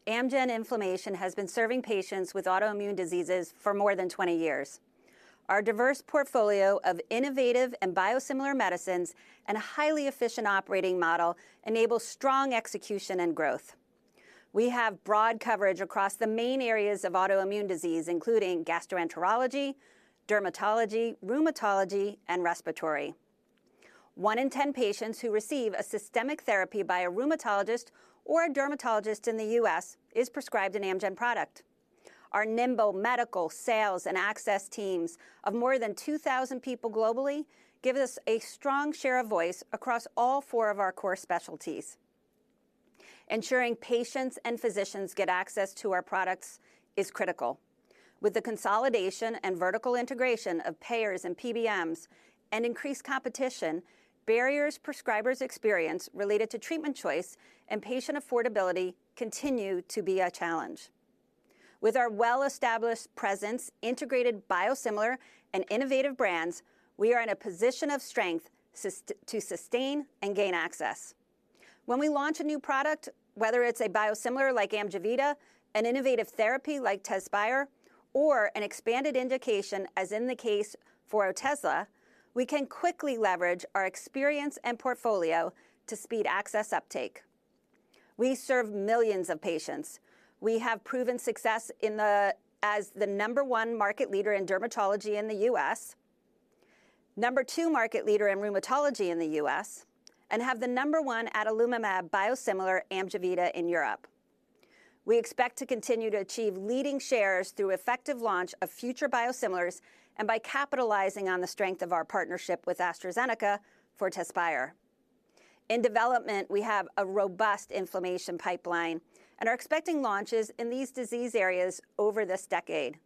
Amgen Inflammation has been serving patients with autoimmune diseases for more than 20 years. Our diverse portfolio of innovative and biosimilar medicines and a highly efficient operating model enables strong execution and growth. We have broad coverage across the main areas of autoimmune disease, including gastroenterology, dermatology, rheumatology, and respiratory. One in 10 patients who receive a systemic therapy by a rheumatologist or a dermatologist in the U.S. is prescribed an Amgen product. Our nimble medical, sales, and access teams of more than 2,000 people globally give us a strong share of voice across all four of our core specialties. Ensuring patients and physicians get access to our products is critical. With the consolidation and vertical integration of payers and PBMs and increased competition, barriers prescribers experience related to treatment choice and patient affordability continue to be a challenge. With our well-established presence, integrated biosimilar, and innovative brands, we are in a position of strength to sustain and gain access. When we launch a new product, whether it's a biosimilar like Amjevita, an innovative therapy like Tezspire, or an expanded indication, as in the case for Otezla, we can quickly leverage our experience and portfolio to speed access uptake. We serve millions of patients. We have proven success as the number one market leader in dermatology in the U.S., number two market leader in rheumatology in the U.S., and have the number one adalimumab biosimilar, Amjevita, in Europe. We expect to continue to achieve leading shares through effective launch of future biosimilars and by capitalizing on the strength of our partnership with AstraZeneca for Tezspire. In development, we have a robust inflammation pipeline and are expecting launches in these disease areas over this decade.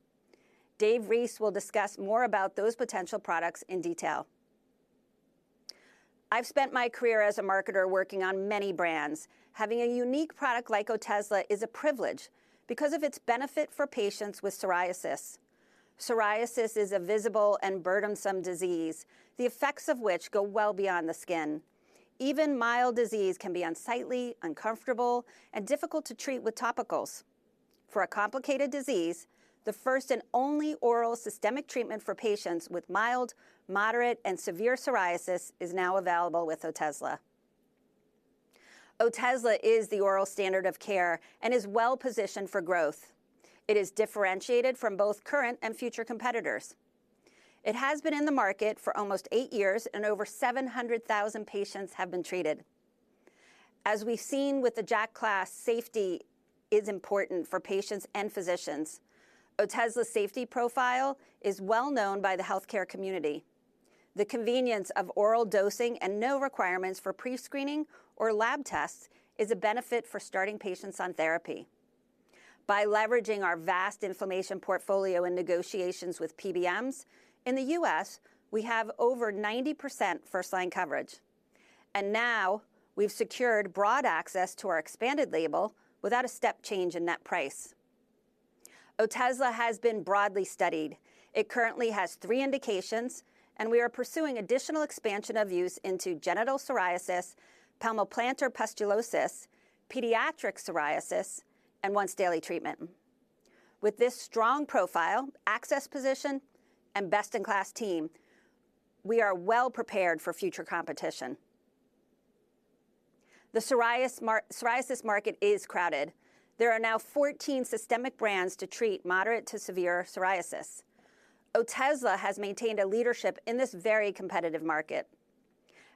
David Reese will discuss more about those potential products in detail. I've spent my career as a marketer working on many brands. Having a unique product like Otezla is a privilege because of its benefit for patients with psoriasis. Psoriasis is a visible and burdensome disease, the effects of which go well beyond the skin. Even mild disease can be unsightly, uncomfortable, and difficult to treat with topicals. For a complicated disease, the first and only oral systemic treatment for patients with mild, moderate, and severe psoriasis is now available with Otezla. Otezla is the oral standard of care and is well-positioned for growth. It is differentiated from both current and future competitors. It has been in the market for almost eight years, and over 700,000 patients have been treated. As we've seen with the JAK class, safety is important for patients and physicians. Otezla's safety profile is well known by the healthcare community. The convenience of oral dosing and no requirements for pre-screening or lab tests is a benefit for starting patients on therapy. By leveraging our vast inflammation portfolio and negotiations with PBMs, in the U.S., we have over 90% first-line coverage. Now we've secured broad access to our expanded label without a step change in net price. Otezla has been broadly studied. It currently has three indications, and we are pursuing additional expansion of use into genital psoriasis, palmoplantar pustulosis, pediatric psoriasis, and once-daily treatment. With this strong profile, access position, and best-in-class team, we are well prepared for future competition. The psoriasis market is crowded. There are now 14 systemic brands to treat moderate to severe psoriasis. Otezla has maintained a leadership in this very competitive market.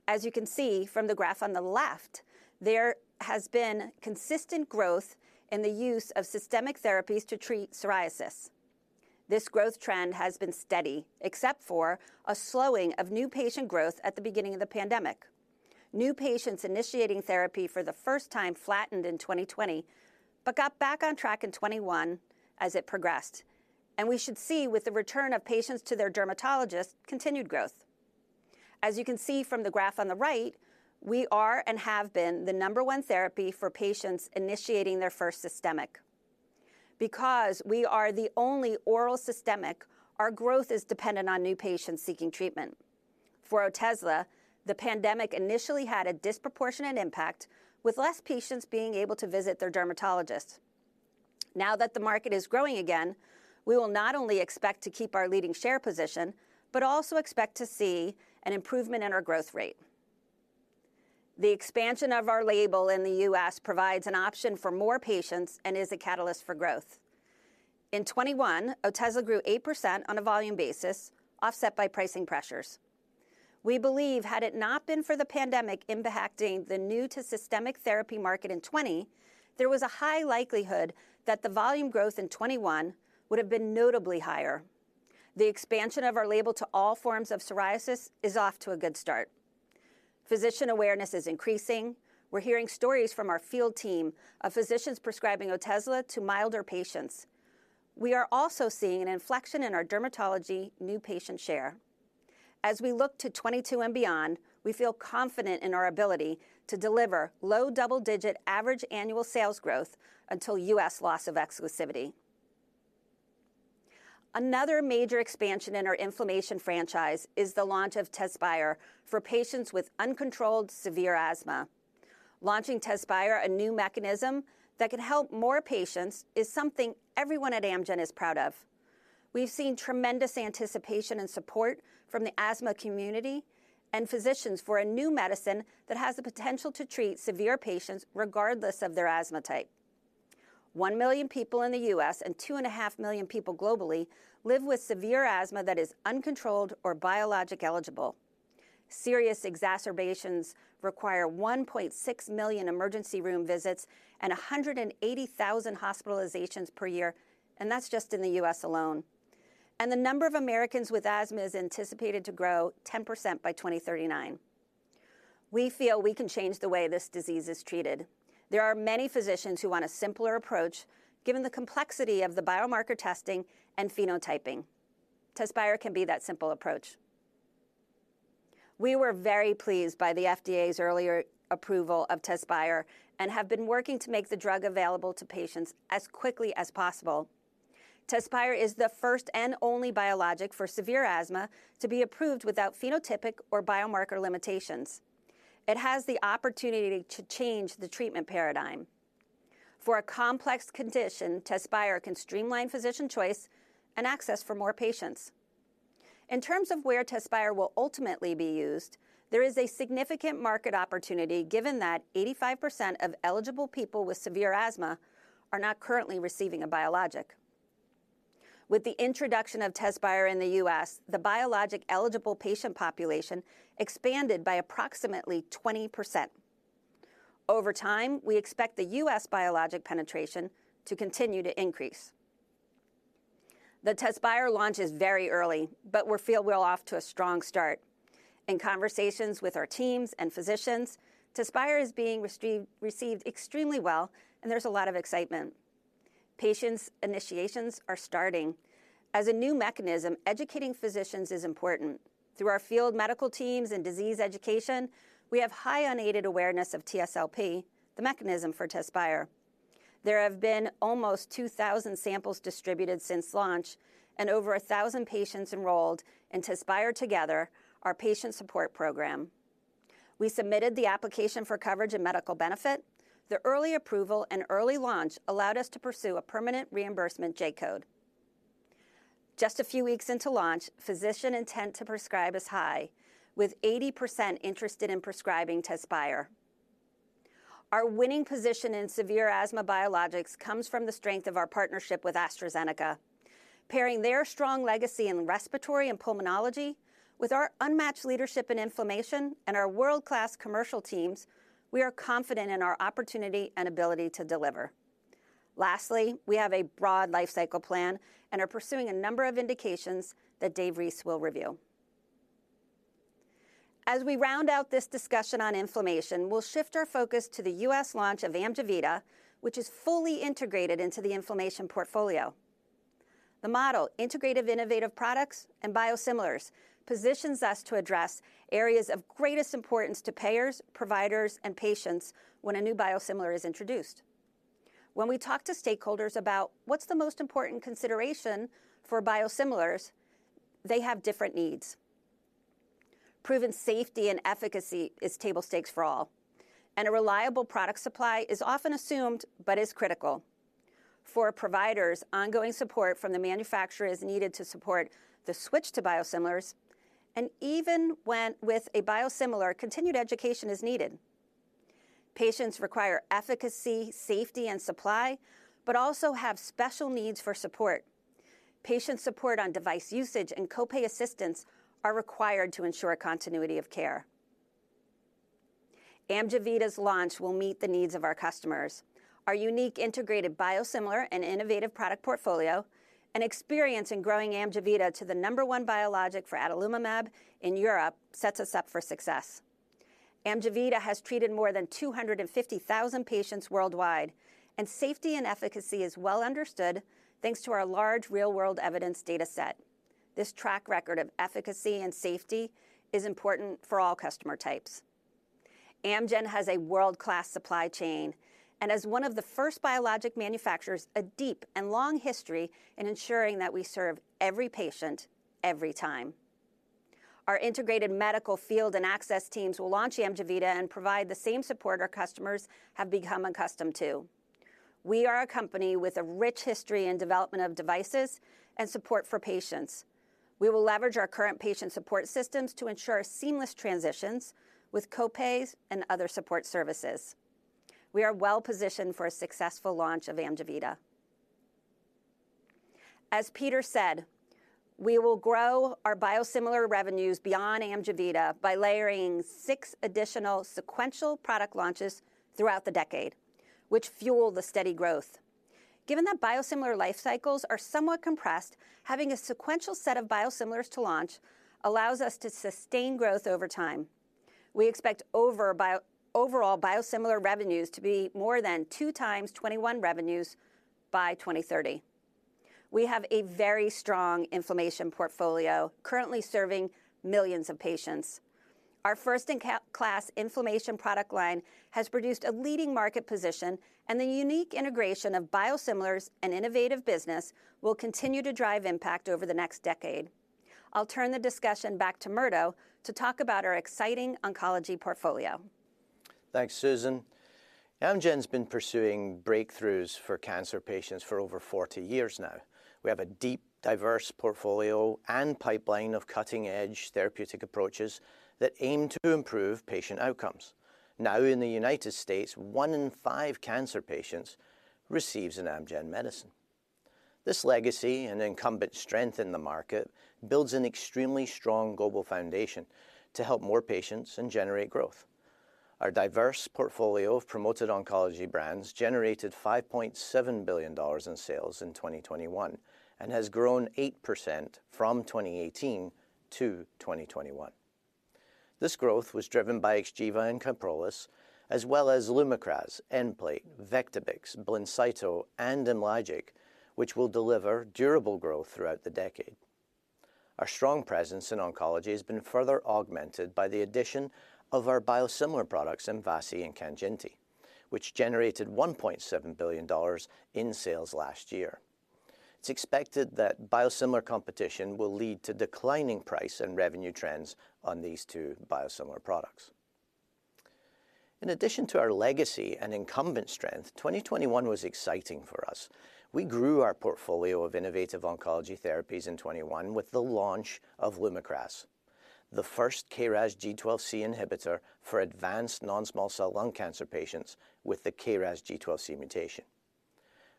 As you can see from the graph on the left, there has been consistent growth in the use of systemic therapies to treat psoriasis. This growth trend has been steady, except for a slowing of new patient growth at the beginning of the pandemic. New patients initiating therapy for the first time flattened in 2020, but got back on track in 2021 as it progressed. We should see with the return of patients to their dermatologist, continued growth. As you can see from the graph on the right, we are and have been the number one therapy for patients initiating their first systemic. Because we are the only oral systemic, our growth is dependent on new patients seeking treatment. For Otezla, the pandemic initially had a disproportionate impact, with less patients being able to visit their dermatologists. Now that the market is growing again, we will not only expect to keep our leading share position, but also expect to see an improvement in our growth rate. The expansion of our label in the U.S. provides an option for more patients and is a catalyst for growth. In 2021, Otezla grew 8% on a volume basis, offset by pricing pressures. We believe had it not been for the pandemic impacting the new to systemic therapy market in 2020, there was a high likelihood that the volume growth in 2021 would have been notably higher. The expansion of our label to all forms of psoriasis is off to a good start. Physician awareness is increasing. We're hearing stories from our field team of physicians prescribing Otezla to milder patients. We are also seeing an inflection in our dermatology new patient share. As we look to 2022 and beyond, we feel confident in our ability to deliver low double-digit average annual sales growth until U.S. loss of exclusivity. Another major expansion in our inflammation franchise is the launch of Tezspire for patients with uncontrolled severe asthma. Launching Tezspire, a new mechanism that can help more patients, is something everyone at Amgen is proud of. We've seen tremendous anticipation and support from the asthma community and physicians for a new medicine that has the potential to treat severe patients regardless of their asthma type. 1 million people in the U.S. and 2.5 million people globally live with severe asthma that is uncontrolled or biologic-eligible. Serious exacerbations require 1.6 million emergency room visits and 180,000 hospitalizations per year, and that's just in the U.S. alone. The number of Americans with asthma is anticipated to grow 10% by 2039. We feel we can change the way this disease is treated. There are many physicians who want a simpler approach given the complexity of the biomarker testing and phenotyping. Tezspire can be that simple approach. We were very pleased by the FDA's earlier approval of Tezspire and have been working to make the drug available to patients as quickly as possible. Tezspire is the first and only biologic for severe asthma to be approved without phenotypic or biomarker limitations. It has the opportunity to change the treatment paradigm. For a complex condition, Tezspire can streamline physician choice and access for more patients. In terms of where Tezspire will ultimately be used, there is a significant market opportunity given that 85% of eligible people with severe asthma are not currently receiving a biologic. With the introduction of Tezspire in the U.S., the biologic-eligible patient population expanded by approximately 20%. Over time, we expect the U.S. biologic penetration to continue to increase. The Tezspire launch is very early, but we feel we're off to a strong start. In conversations with our teams and physicians, Tezspire is being received extremely well, and there's a lot of excitement. Patient initiations are starting. As a new mechanism, educating physicians is important. Through our field medical teams and disease education, we have high unaided awareness of TSLP, the mechanism for Tezspire. There have been almost 2,000 samples distributed since launch and over 1,000 patients enrolled in Tezspire Together, our patient support program. We submitted the application for coverage and medical benefit. The early approval and early launch allowed us to pursue a permanent reimbursement J-code. Just a few weeks into launch, physician intent to prescribe is high, with 80% interested in prescribing Tezspire. Our winning position in severe asthma biologics comes from the strength of our partnership with AstraZeneca. Pairing their strong legacy in respiratory and pulmonology with our unmatched leadership in inflammation and our world-class commercial teams, we are confident in our opportunity and ability to deliver. Lastly, we have a broad lifecycle plan and are pursuing a number of indications that Dave Reese will review. As we round out this discussion on inflammation, we'll shift our focus to the U.S. launch of Amjevita, which is fully integrated into the inflammation portfolio. The model, integrative innovative products and biosimilars, positions us to address areas of greatest importance to payers, providers, and patients when a new biosimilar is introduced. When we talk to stakeholders about what's the most important consideration for biosimilars, they have different needs. Proven safety and efficacy is table stakes for all, and a reliable product supply is often assumed but is critical. For providers, ongoing support from the manufacturer is needed to support the switch to biosimilars, and even when with a biosimilar, continued education is needed. Patients require efficacy, safety, and supply, but also have special needs for support. Patient support on device usage and copay assistance are required to ensure continuity of care. Amjevita's launch will meet the needs of our customers. Our unique integrated biosimilar and innovative product portfolio and experience in growing Amjevita to the number one biologic for adalimumab in Europe sets us up for success. Amgen has treated more than 250,000 patients worldwide, and safety and efficacy is well understood thanks to our large real-world evidence dataset. This track record of efficacy and safety is important for all customer types. Amgen has a world-class supply chain, and as one of the first biologic manufacturers, a deep and long history in ensuring that we serve every patient every time. Our integrated medical field and access teams will launch Amjevita and provide the same support our customers have become accustomed to. We are a company with a rich history in development of devices and support for patients. We will leverage our current patient support systems to ensure seamless transitions with copays and other support services. We are well-positioned for a successful launch of Amjevita. As Peter said, we will grow our biosimilar revenues beyond Amjevita by layering six additional sequential product launches throughout the decade, which fuel the steady growth. Given that biosimilar lifecycles are somewhat compressed, having a sequential set of biosimilars to launch allows us to sustain growth over time. We expect overall biosimilar revenues to be more than two times 2021 revenues by 2030. We have a very strong inflammation portfolio currently serving millions of patients. Our first-in-class inflammation product line has produced a leading market position, and the unique integration of biosimilars and innovative business will continue to drive impact over the next decade. I'll turn the discussion back to Murdo to talk about our exciting oncology portfolio. Thanks, Susan. Amgen's been pursuing breakthroughs for cancer patients for over 40 years now. We have a deep, diverse portfolio and pipeline of cutting-edge therapeutic approaches that aim to improve patient outcomes. Now, in the United States, one in five cancer patients receives an Amgen medicine. This legacy and incumbent strength in the market builds an extremely strong global foundation to help more patients and generate growth. Our diverse portfolio of promoted oncology brands generated $5.7 billion in sales in 2021 and has grown 8% from 2018-2021. This growth was driven by Xgeva and Kyprolis, as well as Lumakras, Nplate, Vectibix, BLINCYTO, and IMLYGIC, which will deliver durable growth throughout the decade. Our strong presence in oncology has been further augmented by the addition of our biosimilar products MVASI and KANJINTI, which generated $1.7 billion in sales last year. It's expected that biosimilar competition will lead to declining price and revenue trends on these two biosimilar products. In addition to our legacy and incumbent strength, 2021 was exciting for us. We grew our portfolio of innovative oncology therapies in 2021 with the launch of Lumakras, the first KRAS G12C inhibitor for advanced non-small cell lung cancer patients with the KRAS G12C mutation.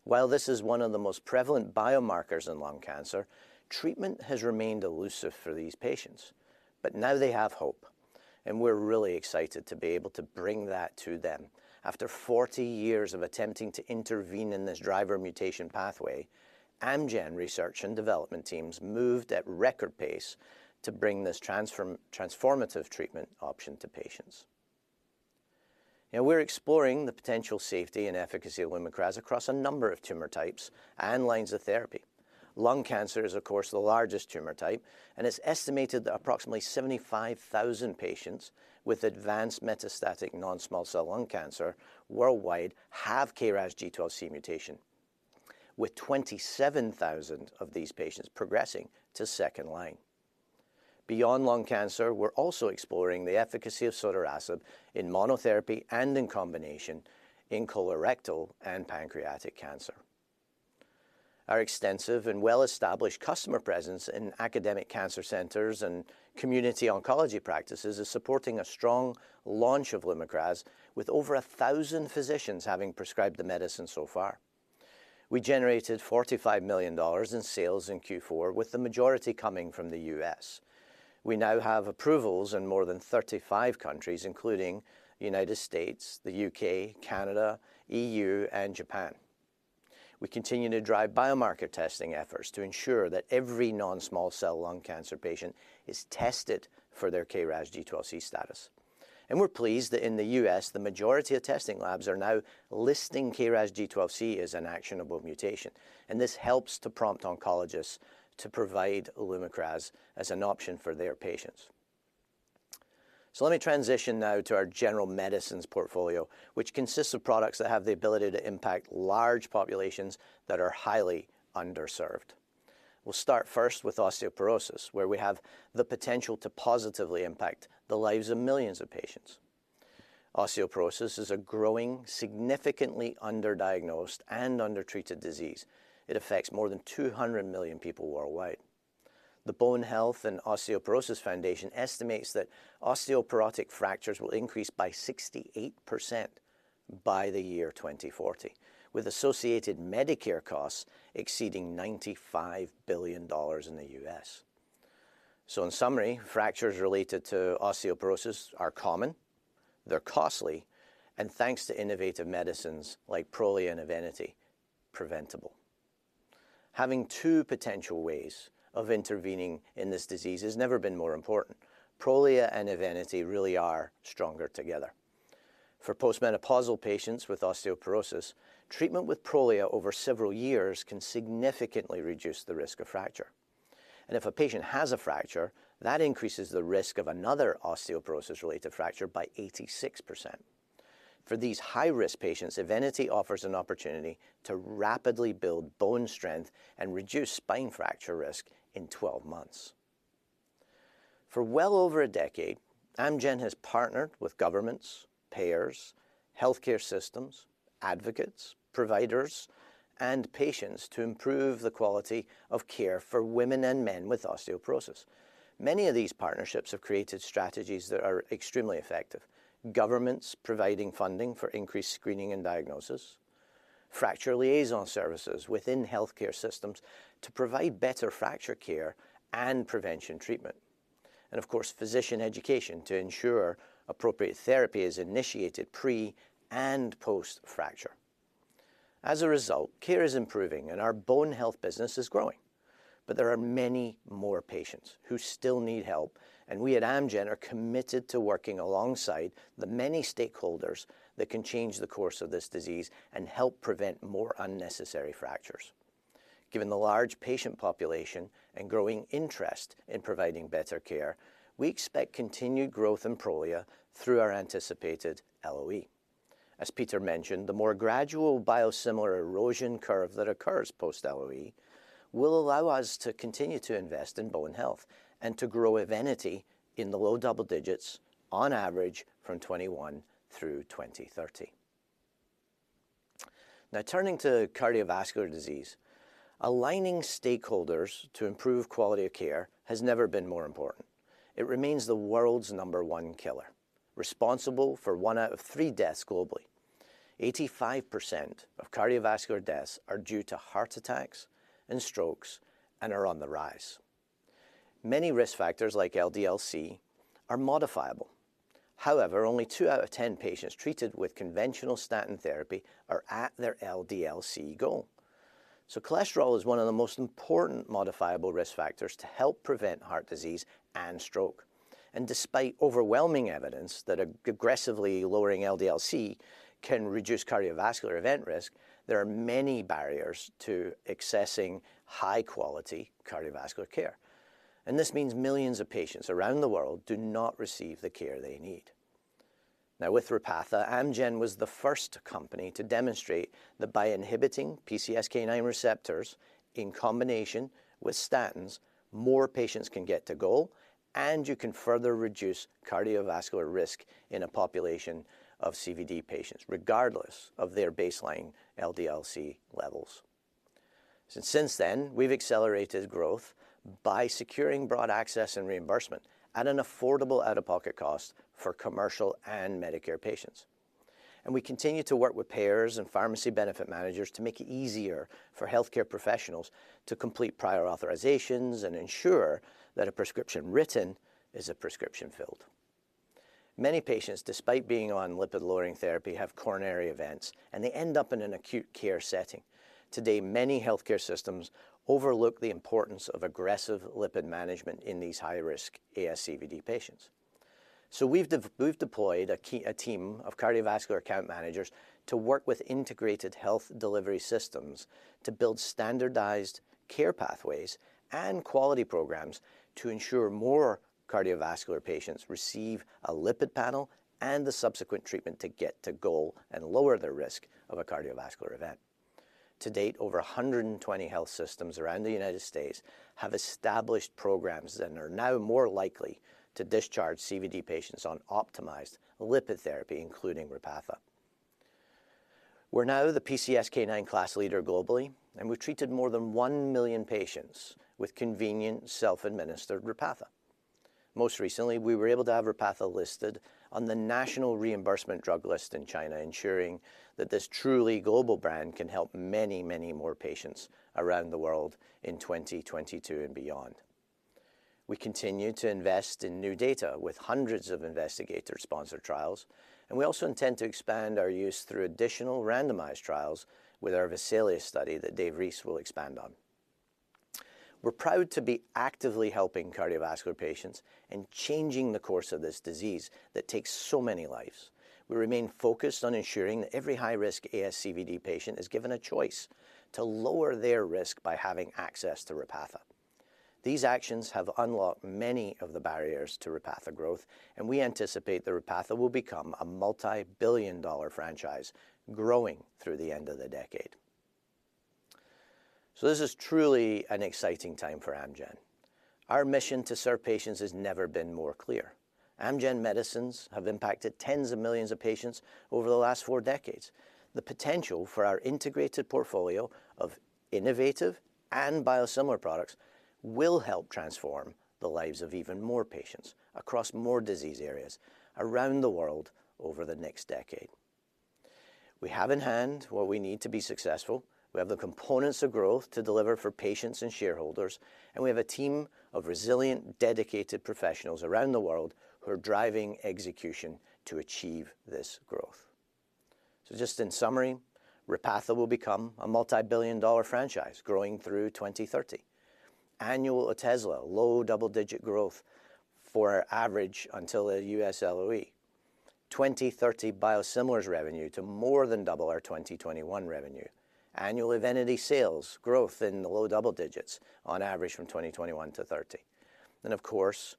While this is one of the most prevalent biomarkers in lung cancer, treatment has remained elusive for these patients. Now they have hope, and we're really excited to be able to bring that to them. After 40 years of attempting to intervene in this driver mutation pathway, Amgen research and development teams moved at record pace to bring this transformative treatment option to patients. Now we're exploring the potential safety and efficacy of Lumakras across a number of tumor types and lines of therapy. Lung cancer is, of course, the largest tumor type, and it's estimated that approximately 75,000 patients with advanced metastatic non-small cell lung cancer worldwide have KRAS G12C mutation, with 27,000 of these patients progressing to second-line. Beyond lung cancer, we're also exploring the efficacy of sotorasib in monotherapy and in combination in colorectal and pancreatic cancer. Our extensive and well-established customer presence in academic cancer centers and community oncology practices is supporting a strong launch of Lumakras, with over 1,000 physicians having prescribed the medicine so far. We generated $45 million in sales in Q4, with the majority coming from the U.S. We now have approvals in more than 35 countries, including United States, the U.K., Canada, E.U., and Japan. We continue to drive biomarker testing efforts to ensure that every non-small cell lung cancer patient is tested for their KRAS G12C status. We're pleased that in the U.S., the majority of testing labs are now listing KRAS G12C as an actionable mutation, and this helps to prompt oncologists to provide Lumakras as an option for their patients. Let me transition now to our general medicines portfolio, which consists of products that have the ability to impact large populations that are highly underserved. We'll start first with osteoporosis, where we have the potential to positively impact the lives of millions of patients. Osteoporosis is a growing, significantly underdiagnosed and undertreated disease. It affects more than 200 million people worldwide. The Bone Health and Osteoporosis Foundation estimates that osteoporotic fractures will increase by 68% by the year 2040, with associated Medicare costs exceeding $95 billion in the U.S. In summary, fractures related to osteoporosis are common, they're costly, and thanks to innovative medicines like Prolia and Evenity, preventable. Having two potential ways of intervening in this disease has never been more important. Prolia and Evenity really are stronger together. For post-menopausal patients with osteoporosis, treatment with Prolia over several years can significantly reduce the risk of fracture. If a patient has a fracture, that increases the risk of another osteoporosis-related fracture by 86%. For these high-risk patients, Evenity offers an opportunity to rapidly build bone strength and reduce spine fracture risk in 12 months. For well over a decade, Amgen has partnered with governments, payers, healthcare systems, advocates, providers, and patients to improve the quality of care for women and men with osteoporosis. Many of these partnerships have created strategies that are extremely effective. Governments providing funding for increased screening and diagnosis, fracture liaison services within healthcare systems to provide better fracture care and prevention treatment, and of course, physician education to ensure appropriate therapy is initiated pre and post-fracture. As a result, care is improving and our bone health business is growing. There are many more patients who still need help, and we at Amgen are committed to working alongside the many stakeholders that can change the course of this disease and help prevent more unnecessary fractures. Given the large patient population and growing interest in providing better care, we expect continued growth in Prolia through our anticipated LOE. As Peter mentioned, the more gradual biosimilar erosion curve that occurs post-LOE will allow us to continue to invest in bone health and to grow Evenity in the low double digits on average from 2021 through 2030. Now, turning to cardiovascular disease, aligning stakeholders to improve quality of care has never been more important. It remains the world's number one killer. Responsible for one out of three deaths globally. 85% of cardiovascular deaths are due to heart attacks and strokes and are on the rise. Many risk factors like LDL-C are modifiable. However, only two out of 10 patients treated with conventional statin therapy are at their LDL-C goal. Cholesterol is one of the most important modifiable risk factors to help prevent heart disease and stroke. Despite overwhelming evidence that aggressively lowering LDL-C can reduce cardiovascular event risk, there are many barriers to accessing high-quality cardiovascular care. This means millions of patients around the world do not receive the care they need. Now, with Repatha, Amgen was the first company to demonstrate that by inhibiting PCSK9 receptors in combination with statins, more patients can get to goal, and you can further reduce cardiovascular risk in a population of CVD patients, regardless of their baseline LDL-C levels. Since then, we've accelerated growth by securing broad access and reimbursement at an affordable out-of-pocket cost for commercial and Medicare patients. We continue to work with payers and pharmacy benefit managers to make it easier for healthcare professionals to complete prior authorizations and ensure that a prescription written is a prescription filled. Many patients, despite being on lipid-lowering therapy, have coronary events, and they end up in an acute care setting. Today, many healthcare systems overlook the importance of aggressive lipid management in these high-risk ASCVD patients. We've deployed a team of cardiovascular account managers to work with integrated health delivery systems to build standardized care pathways and quality programs to ensure more cardiovascular patients receive a lipid panel and the subsequent treatment to get to goal and lower their risk of a cardiovascular event. To date, over 120 health systems around the United States have established programs and are now more likely to discharge CVD patients on optimized lipid therapy, including Repatha. We're now the PCSK9 class leader globally, and we've treated more than 1 million patients with convenient self-administered Repatha. Most recently, we were able to have Repatha listed on the National Reimbursement Drug List in China, ensuring that this truly global brand can help many, many more patients around the world in 2022 and beyond. We continue to invest in new data with hundreds of investigator-sponsored trials, and we also intend to expand our use through additional randomized trials with our VESALIUS study that David Reese will expand on. We're proud to be actively helping cardiovascular patients and changing the course of this disease that takes so many lives. We remain focused on ensuring that every high-risk ASCVD patient is given a choice to lower their risk by having access to Repatha. These actions have unlocked many of the barriers to Repatha growth, and we anticipate that Repatha will become a multi-billion-dollar franchise growing through the end of the decade. This is truly an exciting time for Amgen. Our mission to serve patients has never been more clear. Amgen medicines have impacted tens of millions of patients over the last four decades. The potential for our integrated portfolio of innovative and biosimilar products will help transform the lives of even more patients across more disease areas around the world over the next decade. We have in hand what we need to be successful. We have the components of growth to deliver for patients and shareholders, and we have a team of resilient, dedicated professionals around the world who are driving execution to achieve this growth. Just in summary, Repatha will become a multi-billion-dollar franchise growing through 2030. Annual Otezla low double-digit growth on average until the U.S. LOE. 2030 biosimilars revenue to more than double our 2021 revenue. Annual Evenity sales growth in the low double digits% on average from 2021-2030. Of course,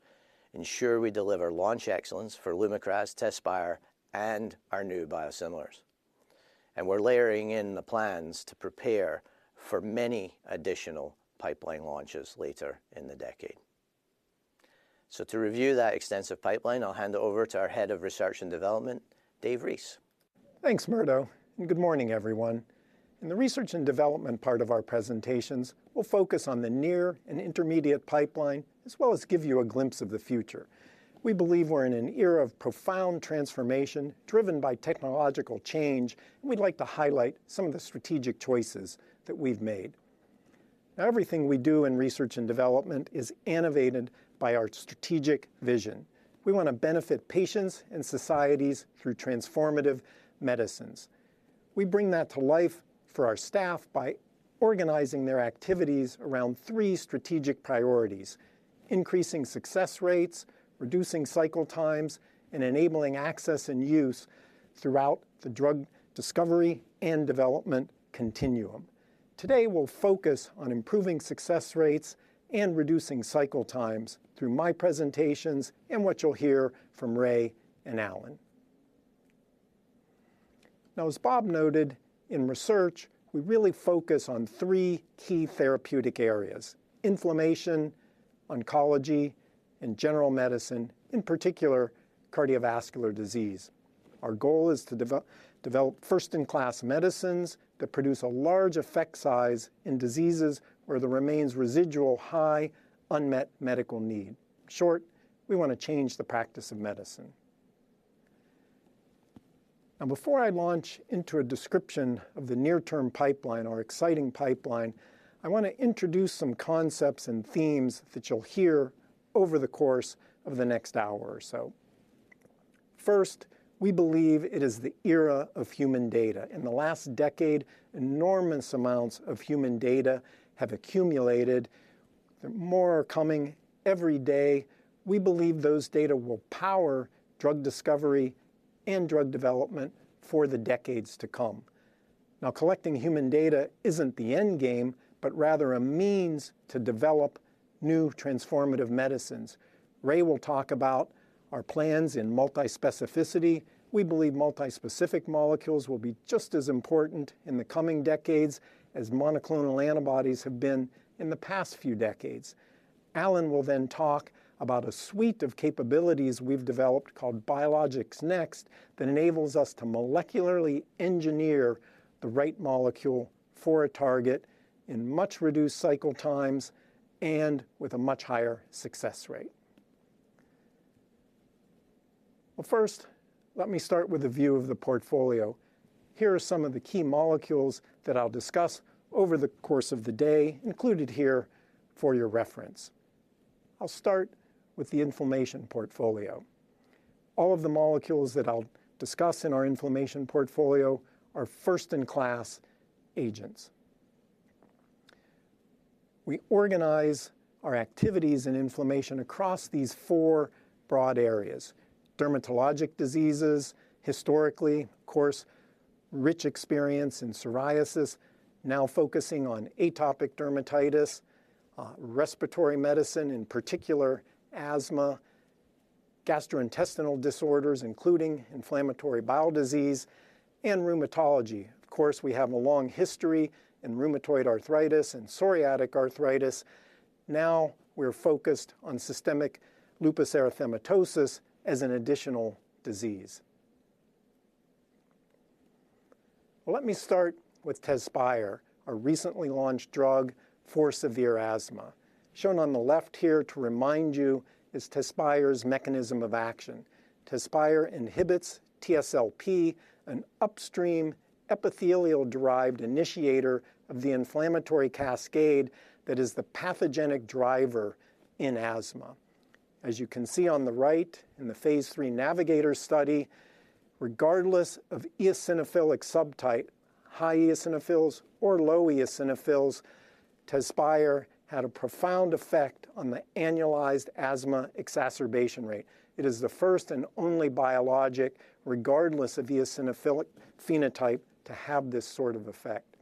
ensure we deliver launch excellence for Lumakras, Tezspire, and our new biosimilars. We're layering in the plans to prepare for many additional pipeline launches later in the decade. To review that extensive pipeline, I'll hand it over to our Head of Research and Development, David Reese. Thanks, Murdo, and good morning, everyone. In the research and development part of our presentations, we'll focus on the near and intermediate pipeline, as well as give you a glimpse of the future. We believe we're in an era of profound transformation driven by technological change, and we'd like to highlight some of the strategic choices that we've made. Everything we do in research and development is innovated by our strategic vision. We wanna benefit patients and societies through transformative medicines. We bring that to life for our staff by organizing their activities around three strategic priorities: increasing success rates, reducing cycle times, and enabling access and use throughout the drug discovery and development continuum. Today, we'll focus on improving success rates and reducing cycle times through my presentations and what you'll hear from Ray and Alan. Now, as Bob noted, in research, we really focus on three key therapeutic areas: inflammation, oncology, and general medicine, in particular, cardiovascular disease. Our goal is to develop first-in-class medicines that produce a large effect size in diseases where there remains residual high unmet medical need. In short, we want to change the practice of medicine. Now, before I launch into a description of the near-term pipeline, our exciting pipeline, I want to introduce some concepts and themes that you'll hear over the course of the next hour or so. First, we believe it is the era of human data. In the last decade, enormous amounts of human data have accumulated. More are coming every day. We believe those data will power drug discovery and drug development for the decades to come. Now, collecting human data isn't the end game, but rather a means to develop new transformative medicines. Ray will talk about our plans in multispecificity. We believe multispecific molecules will be just as important in the coming decades as monoclonal antibodies have been in the past few decades. Alan Russell will then talk about a suite of capabilities we've developed called Biologics NExT that enables us to molecularly engineer the right molecule for a target in much reduced cycle times and with a much higher success rate. Well, first, let me start with a view of the portfolio. Here are some of the key molecules that I'll discuss over the course of the day, included here for your reference. I'll start with the inflammation portfolio. All of the molecules that I'll discuss in our inflammation portfolio are first-in-class agents. We organize our activities in inflammation across these four broad areas. Dermatologic diseases, historically, of course, rich experience in psoriasis, now focusing on atopic dermatitis, respiratory medicine, in particular asthma, gastrointestinal disorders, including inflammatory bowel disease, and rheumatology. Of course, we have a long history in rheumatoid arthritis and psoriatic arthritis. Now we're focused on systemic lupus erythematosus as an additional disease. Well, let me start with Tezspire, our recently launched drug for severe asthma. Shown on the left here to remind you is Tezspire's mechanism of action. Tezspire inhibits TSLP, an upstream epithelial-derived initiator of the inflammatory cascade that is the pathogenic driver in asthma. As you can see on the right in the phase III NAVIGATOR study, regardless of eosinophilic subtype, high eosinophils or low eosinophils, Tezspire had a profound effect on the annualized asthma exacerbation rate. It is the first and only biologic, regardless of eosinophilic phenotype, to have this sort of effect.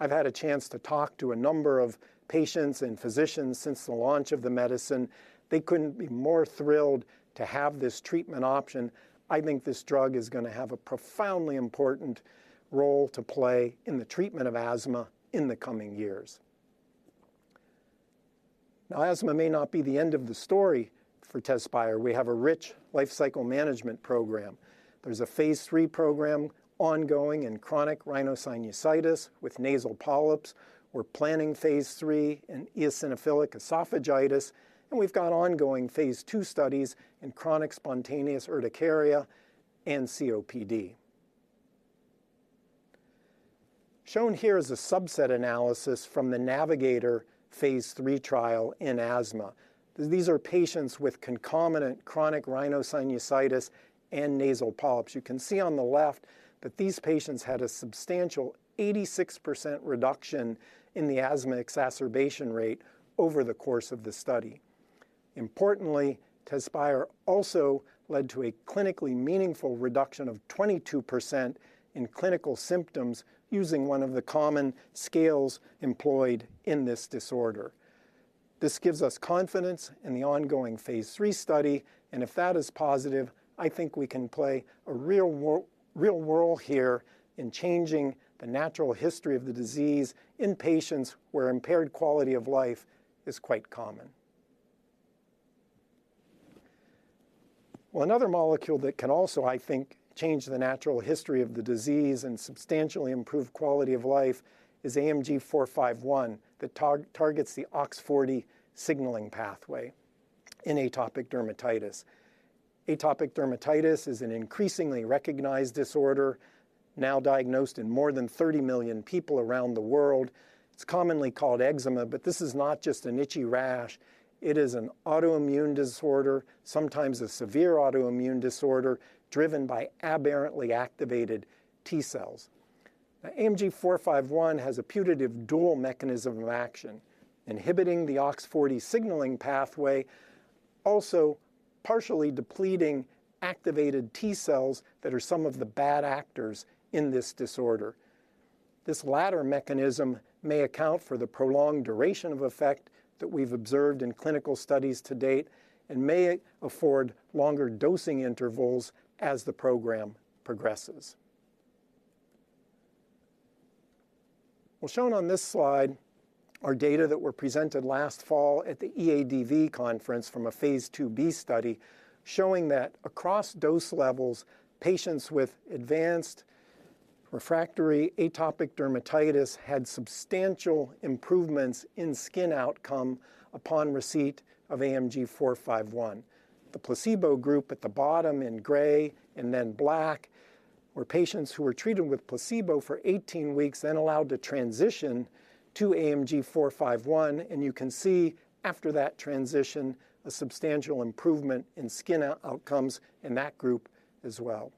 I've had a chance to talk to a number of patients and physicians since the launch of the medicine. They couldn't be more thrilled to have this treatment option. I think this drug is going to have a profoundly important role to play in the treatment of asthma in the coming years. Now, asthma may not be the end of the story for Tezspire. We have a rich lifecycle management program. There's a phase III program ongoing in chronic rhinosinusitis with nasal polyps. We're planning phase III in eosinophilic esophagitis, and we've got ongoing phase II studies in chronic spontaneous urticaria and COPD. Shown here is a subset analysis from the NAVIGATOR phase III trial in asthma. These are patients with concomitant chronic rhinosinusitis and nasal polyps. You can see on the left that these patients had a substantial 86% reduction in the asthma exacerbation rate over the course of the study. Importantly, Tezspire also led to a clinically meaningful reduction of 22% in clinical symptoms using one of the common scales employed in this disorder. This gives us confidence in the ongoing phase III study, and if that is positive, I think we can play a real role here in changing the natural history of the disease in patients where impaired quality of life is quite common. Well, another molecule that can also, I think, change the natural history of the disease and substantially improve quality of life is AMG 451 that targets the OX40 signaling pathway in atopic dermatitis. Atopic dermatitis is an increasingly recognized disorder now diagnosed in more than 30 million people around the world. It's commonly called eczema, but this is not just an itchy rash. It is an autoimmune disorder, sometimes a severe autoimmune disorder driven by aberrantly activated T cells. AMG 451 has a putative dual mechanism of action, inhibiting the OX40 signaling pathway, also partially depleting activated T cells that are some of the bad actors in this disorder. This latter mechanism may account for the prolonged duration of effect that we've observed in clinical studies to date and may afford longer dosing intervals as the program progresses. Well, shown on this slide are data that were presented last fall at the EADV conference from a phase II-B study showing that across dose levels, patients with advanced refractory atopic dermatitis had substantial improvements in skin outcome upon receipt of AMG 451. The placebo group at the bottom in gray and then black were patients who were treated with placebo for 18 weeks, then allowed to transition to AMG 451. You can see after that transition, a substantial improvement in skin outcomes in that group as well.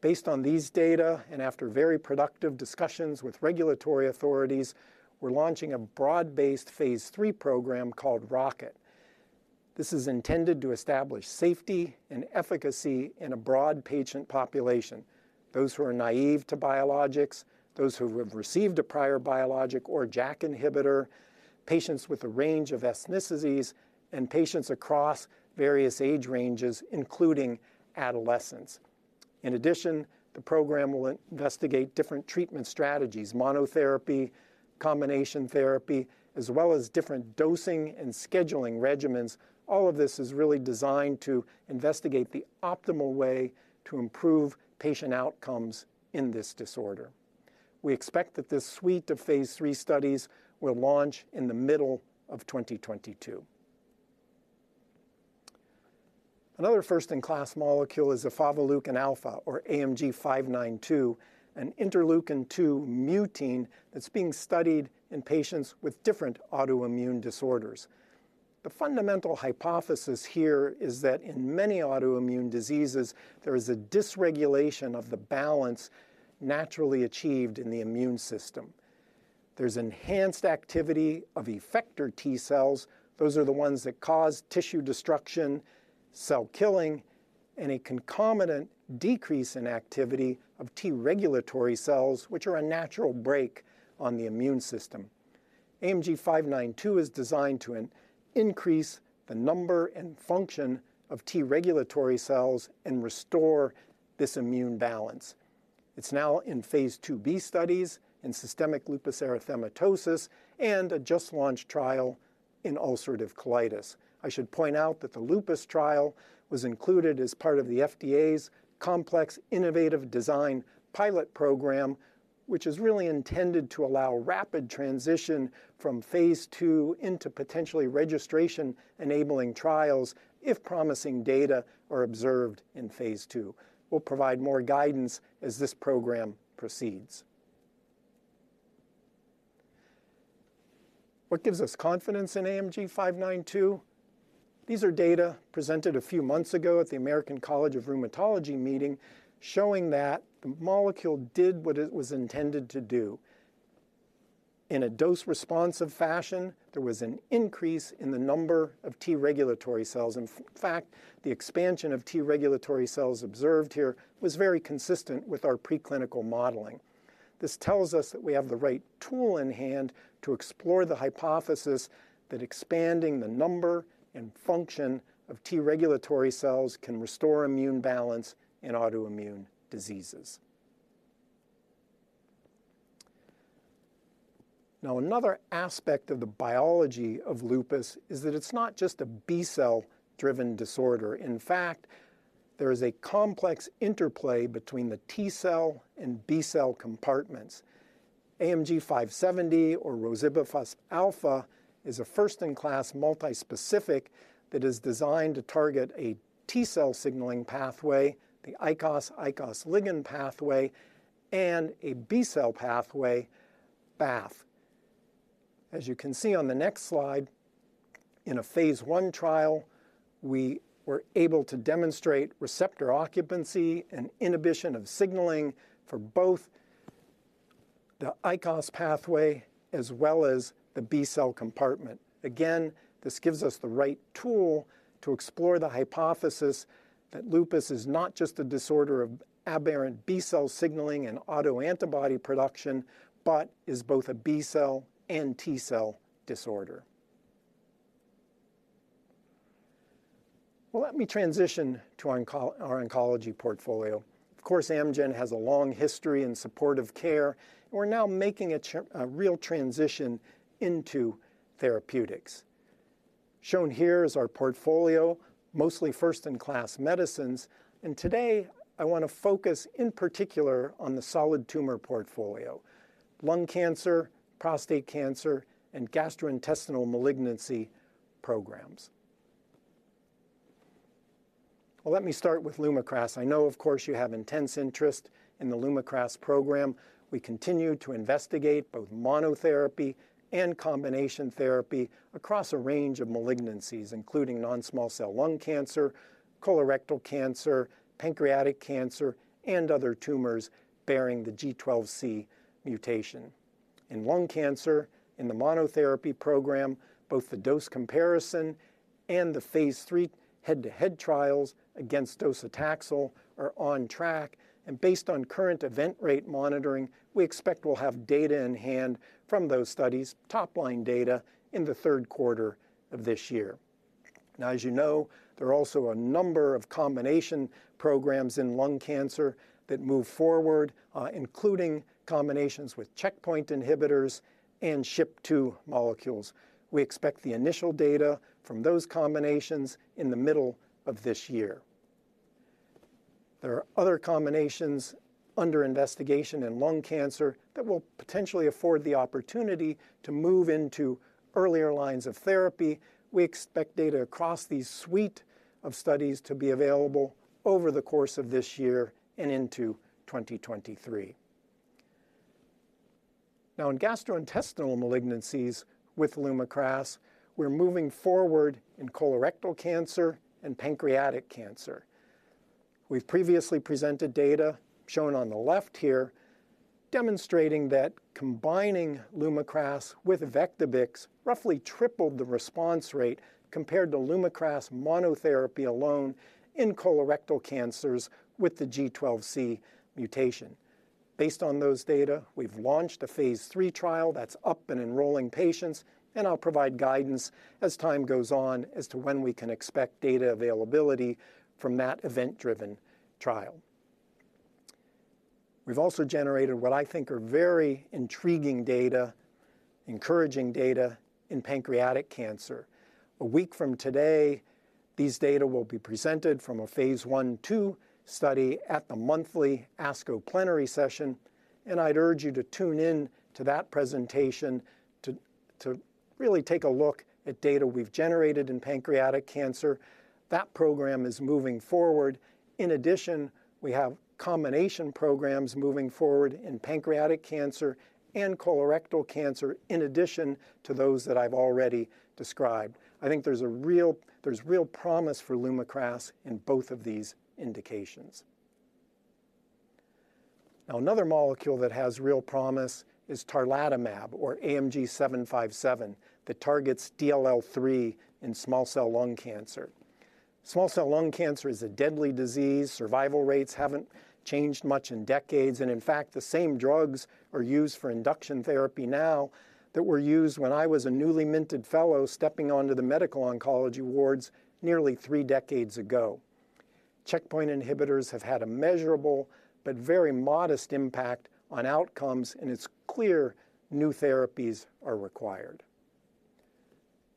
Based on these data, and after very productive discussions with regulatory authorities, we're launching a broad-based phase III program called ROCKET. This is intended to establish safety and efficacy in a broad patient population, those who are naive to biologics, those who have received a prior biologic or JAK inhibitor, patients with a range of ethnicities, and patients across various age ranges, including adolescents. In addition, the program will investigate different treatment strategies, monotherapy, combination therapy, as well as different dosing and scheduling regimens. All of this is really designed to investigate the optimal way to improve patient outcomes in this disorder. We expect that this suite of phase III studies will launch in the middle of 2022. Another first-in-class molecule is Efavaleukin alfa, or AMG 592, an interleukin-2 mutein that's being studied in patients with different autoimmune disorders. The fundamental hypothesis here is that in many autoimmune diseases, there is a dysregulation of the balance naturally achieved in the immune system. There's enhanced activity of effector T cells, those are the ones that cause tissue destruction, cell killing, and a concomitant decrease in activity of T regulatory cells, which are a natural brake on the immune system. AMG 592 is designed to increase the number and function of T regulatory cells and restore this immune balance. It's now in phase II-B studies in systemic lupus erythematosus and a just-launched trial in ulcerative colitis. I should point out that the lupus trial was included as part of the FDA's Complex Innovative Design Pilot Program, which is really intended to allow rapid transition from phase II into potentially registration-enabling trials if promising data are observed in phase II. We'll provide more guidance as this program proceeds. What gives us confidence in AMG 592? These are data presented a few months ago at the American College of Rheumatology meeting showing that the molecule did what it was intended to do. In a dose-responsive fashion, there was an increase in the number of T regulatory cells. In fact, the expansion of T regulatory cells observed here was very consistent with our preclinical modeling. This tells us that we have the right tool in hand to explore the hypothesis that expanding the number and function of T regulatory cells can restore immune balance in autoimmune diseases. Now, another aspect of the biology of lupus is that it's not just a B cell-driven disorder. In fact, there is a complex interplay between the T cell and B cell compartments. AMG 570 or Rozibafusp alfa is a first-in-class multispecific that is designed to target a T cell signaling pathway, the ICOS ligand pathway, and a B cell pathway, BAFF. As you can see on the next slide, in a phase I trial, we were able to demonstrate receptor occupancy and inhibition of signaling for both the ICOS pathway as well as the B cell compartment. Again, this gives us the right tool to explore the hypothesis that lupus is not just a disorder of aberrant B cell signaling and autoantibody production, but is both a B cell and T cell disorder. Well, let me transition to our oncology portfolio. Of course, Amgen has a long history in supportive care, and we're now making a real transition into therapeutics. Shown here is our portfolio, mostly first-in-class medicines, and today I want to focus in particular on the solid tumor portfolio, lung cancer, prostate cancer, and gastrointestinal malignancy programs. Well, let me start with Lumakras. I know, of course, you have intense interest in the Lumakras program. We continue to investigate both monotherapy and combination therapy across a range of malignancies, including non-small cell lung cancer, colorectal cancer, pancreatic cancer, and other tumors bearing the G12C mutation. In lung cancer, in the monotherapy program, both the dose comparison and the phase III head-to-head trials against docetaxel are on track. Based on current event rate monitoring, we expect we'll have data in hand from those studies, top-line data, in the third quarter of this year. Now, as you know, there are also a number of combination programs in lung cancer that move forward, including combinations with checkpoint inhibitors and SHP2 molecules. We expect the initial data from those combinations in the middle of this year. There are other combinations under investigation in lung cancer that will potentially afford the opportunity to move into earlier lines of therapy. We expect data across these suite of studies to be available over the course of this year and into 2023. Now in gastrointestinal malignancies with Lumakras, we're moving forward in colorectal cancer and pancreatic cancer. We've previously presented data shown on the left here demonstrating that combining Lumakras with Vectibix roughly tripled the response rate compared to Lumakras monotherapy alone in colorectal cancers with the G12C mutation. Based on those data, we've launched a phase III trial that's up and enrolling patients, and I'll provide guidance as time goes on as to when we can expect data availability from that event-driven trial. We've also generated what I think are very intriguing data, encouraging data in pancreatic cancer. A week from today, these data will be presented from a phase I-II study at the monthly ASCO plenary session. I'd urge you to tune in to that presentation to really take a look at data we've generated in pancreatic cancer. That program is moving forward. In addition, we have combination programs moving forward in pancreatic cancer and colorectal cancer, in addition to those that I've already described. I think there's real promise for Lumakras in both of these indications. Now, another molecule that has real promise is tarlatamab, or AMG 757, that targets DLL3 in small cell lung cancer. Small cell lung cancer is a deadly disease. Survival rates haven't changed much in decades, and in fact, the same drugs are used for induction therapy now that were used when I was a newly minted fellow stepping onto the medical oncology wards nearly three decades ago. Checkpoint inhibitors have had a measurable but very modest impact on outcomes, and it's clear new therapies are required.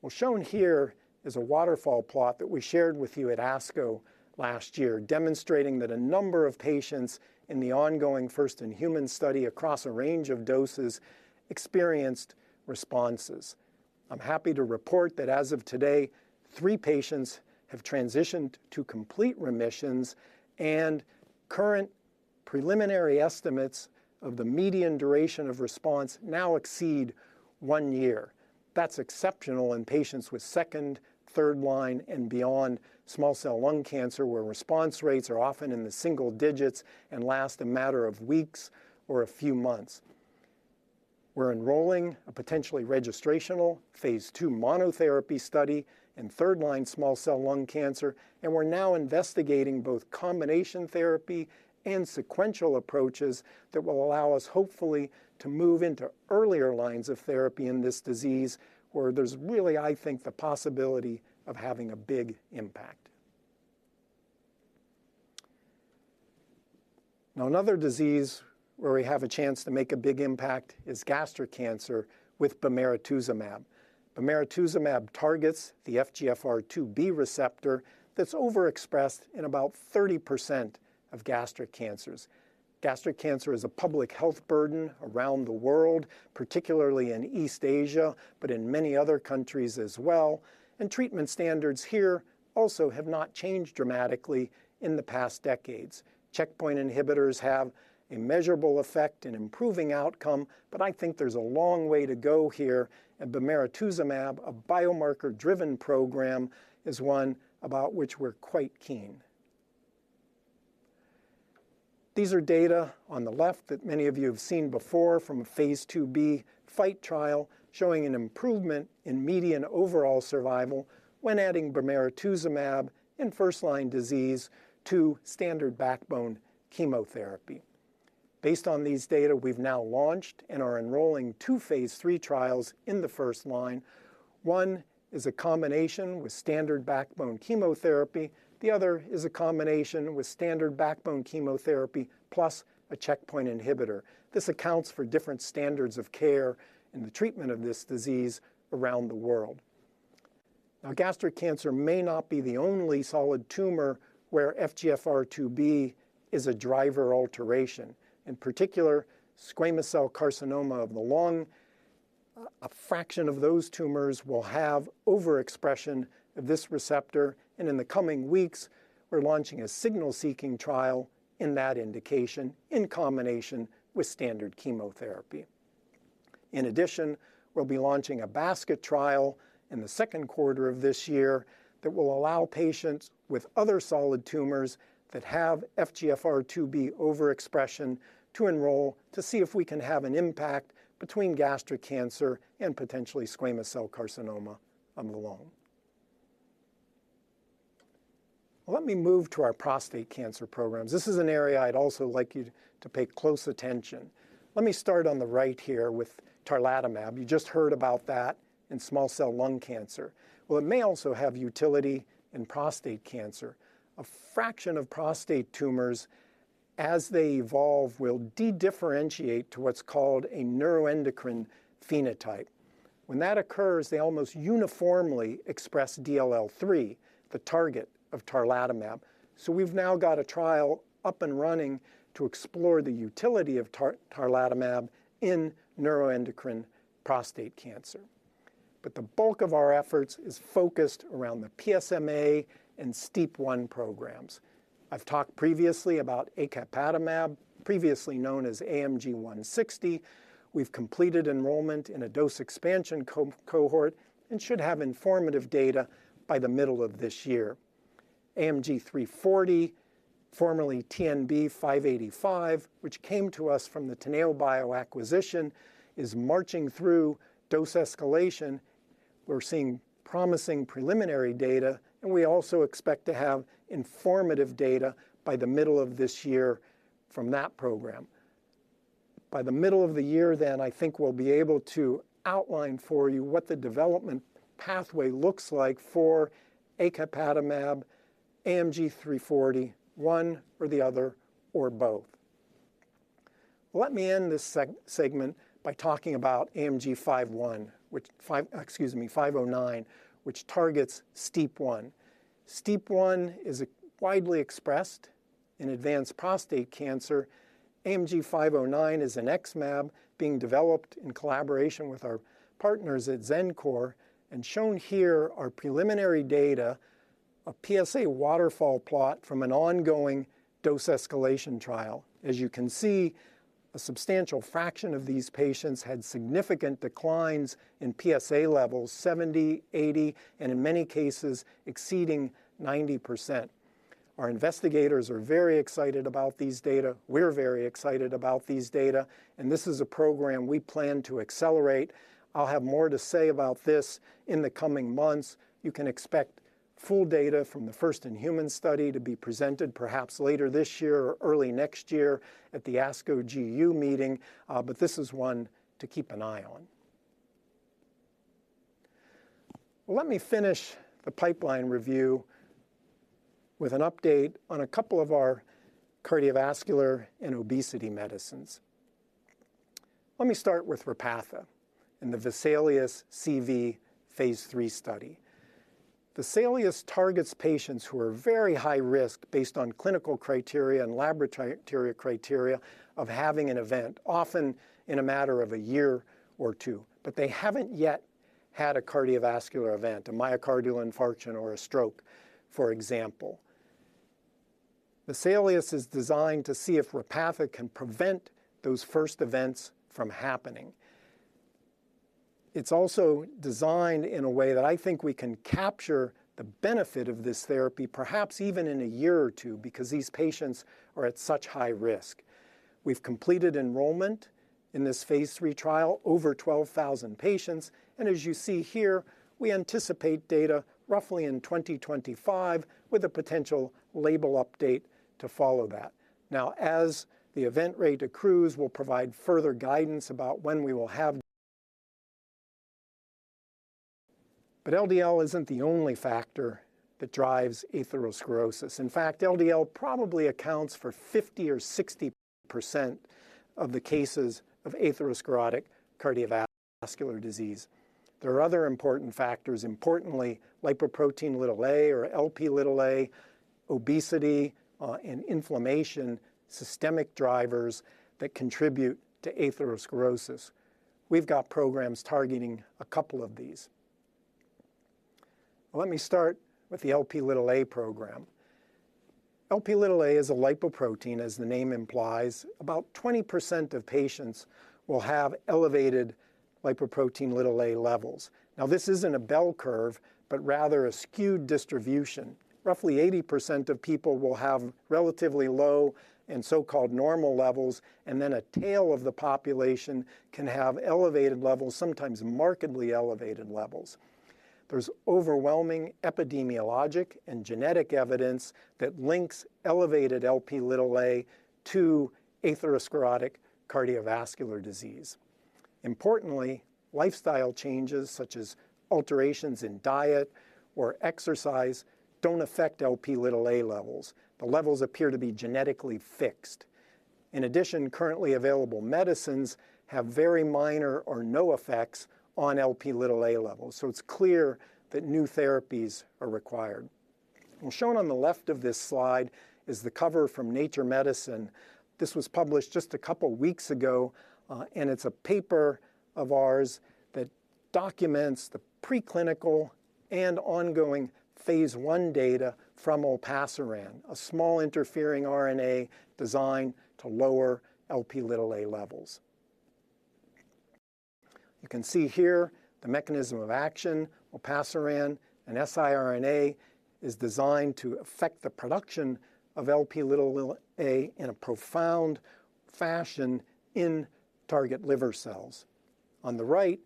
Well, shown here is a waterfall plot that we shared with you at ASCO last year, demonstrating that a number of patients in the ongoing first-in-human study across a range of doses experienced responses. I'm happy to report that as of today, three patients have transitioned to complete remissions and current preliminary estimates of the median duration of response now exceed one year. That's exceptional in patients with second-, third-line, and beyond small cell lung cancer where response rates are often in the single digits and last a matter of weeks or a few months. We're enrolling a potentially registrational phase II monotherapy study in third-line small cell lung cancer, and we're now investigating both combination therapy and sequential approaches that will allow us, hopefully, to move into earlier lines of therapy in this disease where there's really, I think, the possibility of having a big impact. Now, another disease where we have a chance to make a big impact is gastric cancer with Bemarituzumab. Bemarituzumab targets the FGFR2b receptor that's overexpressed in about 30% of gastric cancers. Gastric cancer is a public health burden around the world, particularly in East Asia, but in many other countries as well. Treatment standards here also have not changed dramatically in the past decades. Checkpoint inhibitors have a measurable effect in improving outcome, but I think there's a long way to go here. Bemarituzumab, a biomarker-driven program, is one about which we're quite keen. These are data on the left that many of you have seen before from a phase II FIGHT trial showing an improvement in median overall survival when adding Bemarituzumab in first-line disease to standard backbone chemotherapy. Based on these data, we've now launched and are enrolling two phase III trials in the first line. One is a combination with standard backbone chemotherapy. The other is a combination with standard backbone chemotherapy plus a checkpoint inhibitor. This accounts for different standards of care in the treatment of this disease around the world. Now, gastric cancer may not be the only solid tumor where FGFR2b is a driver alteration. In particular, squamous cell carcinoma of the lung, a fraction of those tumors will have overexpression of this receptor. In the coming weeks, we're launching a signal-seeking trial in that indication in combination with standard chemotherapy. In addition, we'll be launching a basket trial in the second quarter of this year that will allow patients with other solid tumors that have FGFR2b overexpression to enroll to see if we can have an impact between gastric cancer and potentially squamous cell carcinoma of the lung. Let me move to our prostate cancer programs. This is an area I'd also like you to pay close attention. Let me start on the right here with tarlatamab. You just heard about that in small cell lung cancer. Well, it may also have utility in prostate cancer. A fraction of prostate tumors, as they evolve, will dedifferentiate to what's called a neuroendocrine phenotype. When that occurs, they almost uniformly express DLL3, the target of tarlatamab. So we've now got a trial up and running to explore the utility of tarlatamab in neuroendocrine prostate cancer. The bulk of our efforts is focused around the PSMA and STEAP1 programs. I've talked previously about Acapatamab, previously known as AMG 160. We've completed enrollment in a dose expansion cohort and should have informative data by the middle of this year. AMG 340, formerly TNB-585, which came to us from the Teneobio acquisition, is marching through dose escalation. We're seeing promising preliminary data, and we also expect to have informative data by the middle of this year from that program. By the middle of the year then, I think we'll be able to outline for you what the development pathway looks like for Acapatamab, AMG 340, one or the other or both. Let me end this segment by talking about AMG 509, which targets STEAP1. STEAP1 is widely expressed in advanced prostate cancer. AMG 509 is an XmAb being developed in collaboration with our partners at Xencor and shown here are preliminary data, a PSA waterfall plot from an ongoing dose escalation trial. As you can see, a substantial fraction of these patients had significant declines in PSA levels, 70%, 80%, and in many cases, exceeding 90%. Our investigators are very excited about these data. We're very excited about these data, and this is a program we plan to accelerate. I'll have more to say about this in the coming months. You can expect full data from the first-in-human study to be presented perhaps later this year or early next year at the ASCO GU meeting, but this is one to keep an eye on. Let me finish the pipeline review with an update on a couple of our cardiovascular and obesity medicines. Let me start with Repatha and the Vesalius CV phase III study. Vesalius targets patients who are very high risk based on clinical criteria and laboratory criteria of having an event, often in a matter of a year or two. They haven't yet had a cardiovascular event, a myocardial infarction or a stroke, for example. Vesalius is designed to see if Repatha can prevent those first events from happening. It's also designed in a way that I think we can capture the benefit of this therapy, perhaps even in a year or two, because these patients are at such high risk. We've completed enrollment in this phase III trial, over 12,000 patients. As you see here, we anticipate data roughly in 2025 with a potential label update to follow that. Now, as the event rate accrues, we'll provide further guidance about when we will have... LDL isn't the only factor that drives atherosclerosis. In fact, LDL probably accounts for 50% or 60% of the cases of atherosclerotic cardiovascular disease. There are other important factors, importantly, lipoprotein(a) or Lp(a), obesity, and inflammation, systemic drivers that contribute to atherosclerosis. We've got programs targeting a couple of these. Let me start with the Lp(a) program. Lp(a) is a lipoprotein, as the name implies. About 20% of patients will have elevated lipoprotein(a) levels. Now, this isn't a bell curve, but rather a skewed distribution. Roughly 80% of people will have relatively low and so-called normal levels, and then a tail of the population can have elevated levels, sometimes markedly elevated levels. There's overwhelming epidemiologic and genetic evidence that links elevated Lp(a) to atherosclerotic cardiovascular disease. Importantly, lifestyle changes such as alterations in diet or exercise don't affect Lp(a) levels. The levels appear to be genetically fixed. In addition, currently available medicines have very minor or no effects on Lp(a) levels. It's clear that new therapies are required. Shown on the left of this slide is the cover from Nature Medicine. This was published just a couple of weeks ago, and it's a paper of ours that documents the preclinical and ongoing phase I data from Olpasiran, a small interfering RNA designed to lower Lp(a) levels. You can see here the mechanism of action. Olpasiran, an siRNA, is designed to affect the production of Lp(a) in a profound fashion in target liver cells. On the right,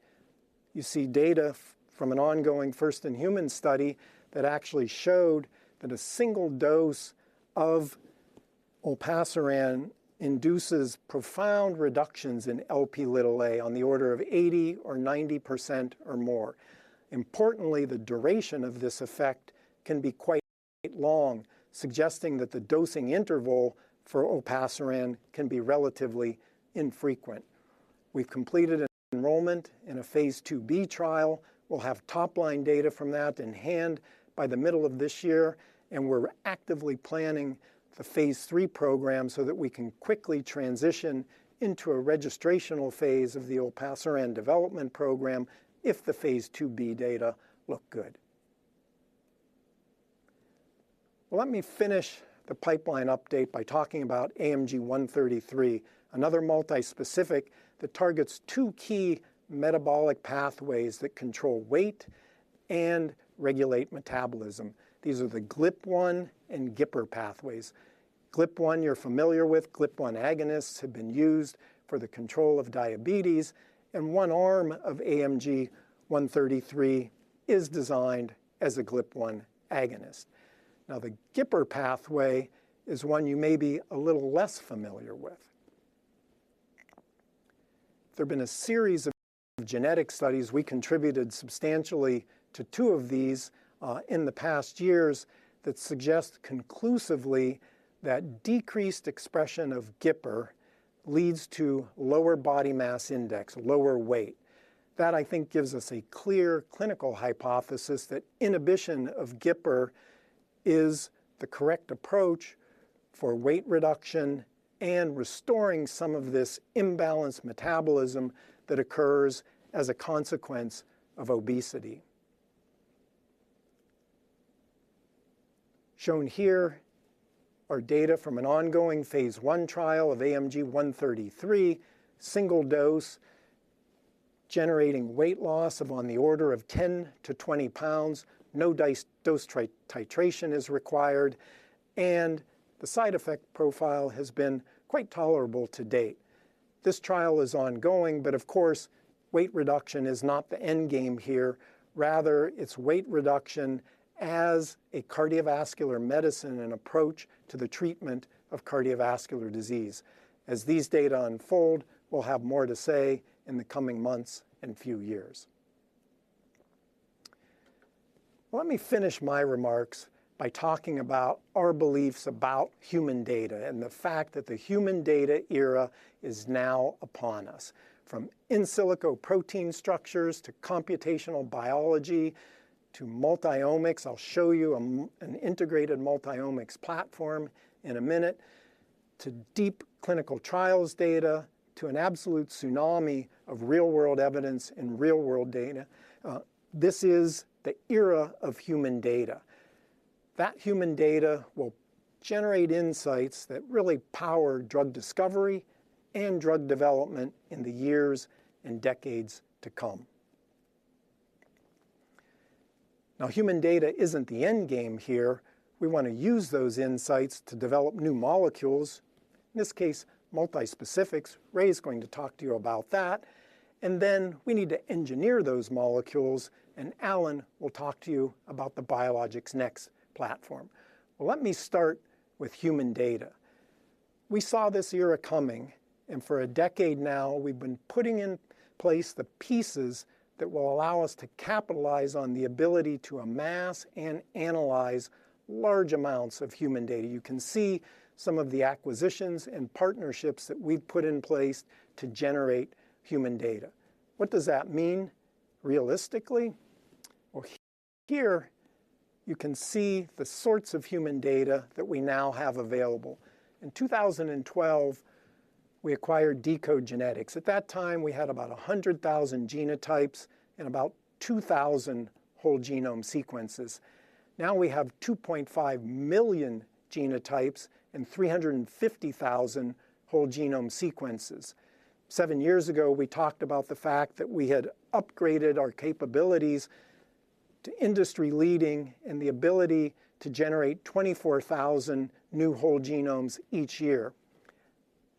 you see data from an ongoing first-in-human study that actually showed that a single dose of Olpasiran induces profound reductions in Lp(a) on the order of 80% or 90% or more. Importantly, the duration of this effect can be quite long, suggesting that the dosing interval for Olpasiran can be relatively infrequent. We've completed enrollment in a phase II-B trial. We'll have top-line data from that in hand by the middle of this year, and we're actively planning the phase III program so that we can quickly transition into a registrational phase of the Olpasiran development program if the phase II-B data look good. Let me finish the pipeline update by talking about AMG 133, another multispecific that targets two key metabolic pathways that control weight and regulate metabolism. These are the GLP-1 and GIPR pathways. GLP-1 you're familiar with. GLP-1 agonists have been used for the control of diabetes, and one arm of AMG 133 is designed as a GLP-1 agonist. Now, the GIPR pathway is one you may be a little less familiar with. There have been a series of genetic studies, we contributed substantially to two of these, in the past years that suggest conclusively that decreased expression of GIPR leads to lower body mass index, lower weight. That, I think, gives us a clear clinical hypothesis that inhibition of GIPR is the correct approach for weight reduction and restoring some of this imbalanced metabolism that occurs as a consequence of obesity. Shown here are data from an ongoing phase I trial of AMG 133, single dose generating weight loss of on the order of 10-20 pounds. No dose titration is required, and the side effect profile has been quite tolerable to date. This trial is ongoing, but of course, weight reduction is not the end game here. Rather, it's weight reduction as a cardiovascular medicine and approach to the treatment of cardiovascular disease. As these data unfold, we'll have more to say in the coming months and few years. Let me finish my remarks by talking about our beliefs about human data and the fact that the human data era is now upon us. From in silico protein structures to computational biology to multi-omics, I'll show you an integrated multi-omics platform in a minute, to deep clinical trials data, to an absolute tsunami of real-world evidence and real-world data, this is the era of human data. That human data will generate insights that really power drug discovery and drug development in the years and decades to come. Now, human data isn't the end game here. We want to use those insights to develop new molecules, in this case, multispecifics. Ray is going to talk to you about that. We need to engineer those molecules, and Alan will talk to you about the Biologics NExT platform. Well, let me start with human data. We saw this era coming, and for a decade now, we've been putting in place the pieces that will allow us to capitalize on the ability to amass and analyze large amounts of human data. You can see some of the acquisitions and partnerships that we've put in place to generate human data. What does that mean realistically? Well, here you can see the sorts of human data that we now have available. In 2012, we acquired deCODE genetics. At that time, we had about 100,000 genotypes and about 2,000 whole genome sequences. Now we have 2.5 million genotypes and 350,000 whole genome sequences. Seven years ago, we talked about the fact that we had upgraded our capabilities to industry-leading and the ability to generate 24,000 new whole genomes each year.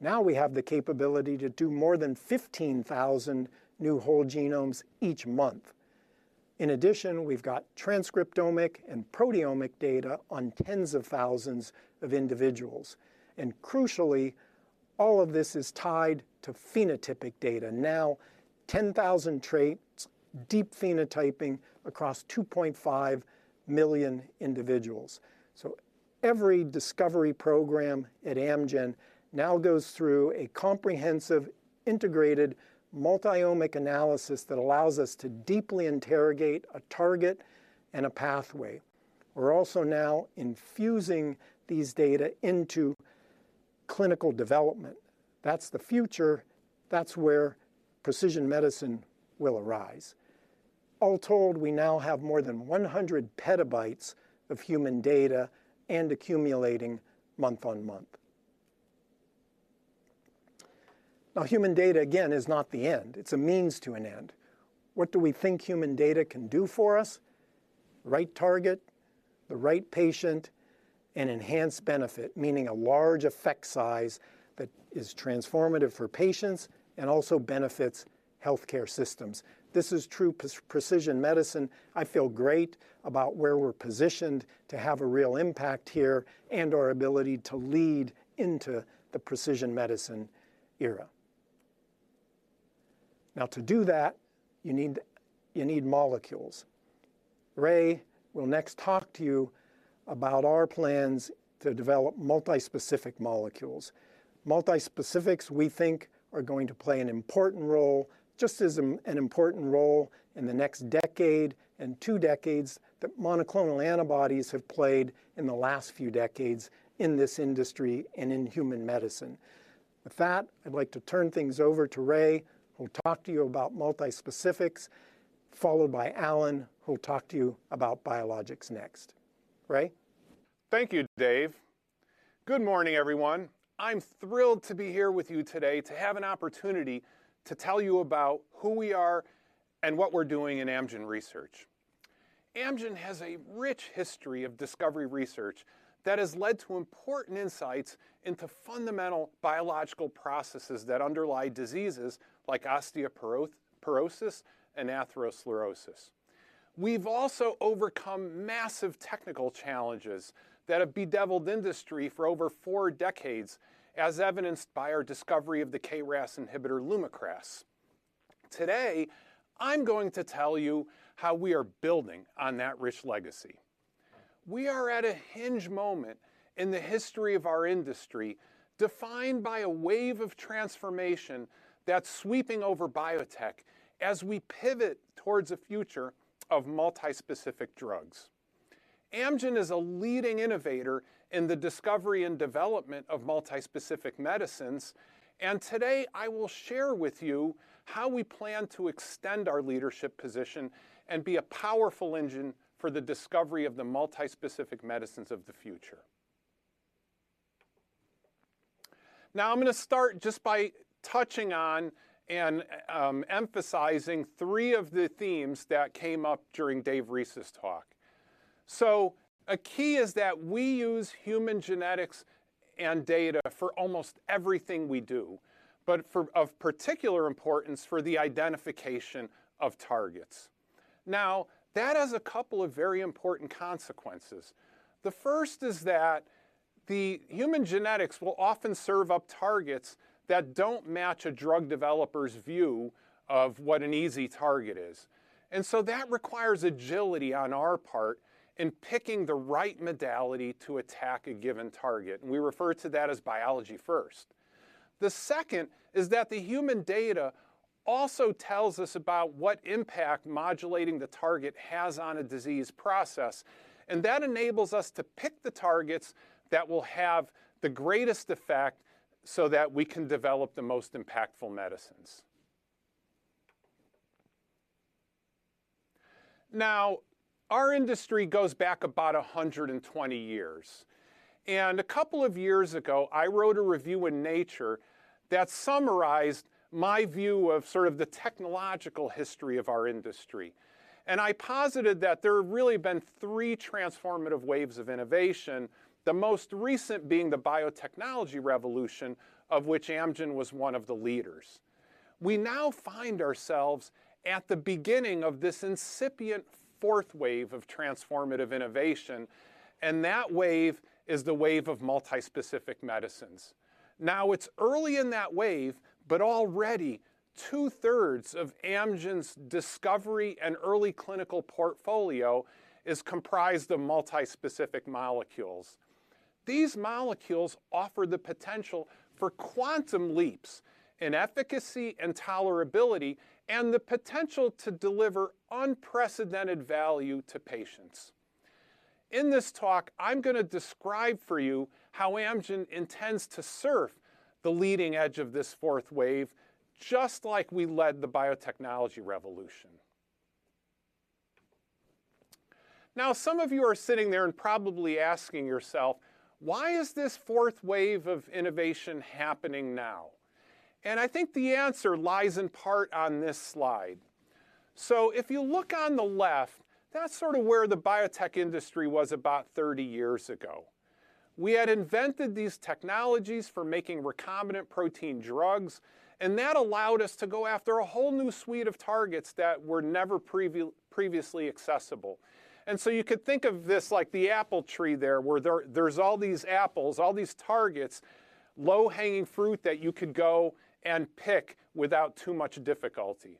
Now we have the capability to do more than 15,000 new whole genomes each month. In addition, we've got transcriptomic and proteomic data on tens of thousands of individuals. And crucially, all of this is tied to phenotypic data. Now, 10,000 traits, deep phenotyping across 2.5 million individuals. Every discovery program at Amgen now goes through a comprehensive, integrated multi-omic analysis that allows us to deeply interrogate a target and a pathway. We're also now infusing these data into clinical development. That's the future. That's where precision medicine will arise. All told, we now have more than 100 PB of human data and accumulating month on month. Now, human data, again, is not the end. It's a means to an end. What do we think human data can do for us? Right target, the right patient, and enhanced benefit, meaning a large effect size that is transformative for patients and also benefits healthcare systems. This is true pre-precision medicine. I feel great about where we're positioned to have a real impact here and our ability to lead into the precision medicine era. Now, to do that, you need, you need molecules. Ray will next talk to you about our plans to develop multispecific molecules. Multispecifics, we think, are going to play an important role, just as an important role in the next decade and two decades that monoclonal antibodies have played in the last few decades in this industry and in human medicine. With that, I'd like to turn things over to Ray, who'll talk to you about multispecifics, followed by Alan, who'll talk to you about Biologics NExT. Ray. Thank you, Dave. Good morning, everyone. I'm thrilled to be here with you today to have an opportunity to tell you about who we are and what we're doing in Amgen research. Amgen has a rich history of discovery research that has led to important insights into fundamental biological processes that underlie diseases like osteoporosis and atherosclerosis. We've also overcome massive technical challenges that have bedeviled the industry for over four decades, as evidenced by our discovery of the KRAS inhibitor Lumakras. Today, I'm going to tell you how we are building on that rich legacy. We are at a hinge moment in the history of our industry, defined by a wave of transformation that's sweeping over biotech as we pivot towards a future of multispecific drugs. Amgen is a leading innovator in the discovery and development of multispecific medicines, and today I will share with you how we plan to extend our leadership position and be a powerful engine for the discovery of the multispecific medicines of the future. Now, I'm going to start just by touching on and emphasizing three of the themes that came up during Dave Reese's talk. A key is that we use human genetics and data for almost everything we do, but of particular importance for the identification of targets. Now, that has a couple of very important consequences. The first is that the human genetics will often serve up targets that don't match a drug developer's view of what an easy target is. That requires agility on our part in picking the right modality to attack a given target. We refer to that as biology first. The second is that the human data also tells us about what impact modulating the target has on a disease process, and that enables us to pick the targets that will have the greatest effect so that we can develop the most impactful medicines. Now, our industry goes back about 120 years. A couple of years ago, I wrote a review in Nature that summarized my view of sort of the technological history of our industry. I posited that there have really been three transformative waves of innovation, the most recent being the biotechnology revolution, of which Amgen was one of the leaders. We now find ourselves at the beginning of this incipient fourth wave of transformative innovation, and that wave is the wave of multispecific medicines. Now, it's early in that wave, but already two-thirds of Amgen's discovery and early clinical portfolio is comprised of multispecific molecules. These molecules offer the potential for quantum leaps in efficacy and tolerability and the potential to deliver unprecedented value to patients. In this talk, I'm going to describe for you how Amgen intends to surf the leading edge of this fourth wave, just like we led the biotechnology revolution. Now, some of you are sitting there and probably asking yourself, why is this fourth wave of innovation happening now? I think the answer lies in part on this slide. If you look on the left, that's sort of where the biotech industry was about 30 years ago. We had invented these technologies for making recombinant protein drugs, and that allowed us to go after a whole new suite of targets that were never previously accessible. You could think of this like the apple tree there, where there's all these apples, all these targets, low-hanging fruit that you could go and pick without too much difficulty.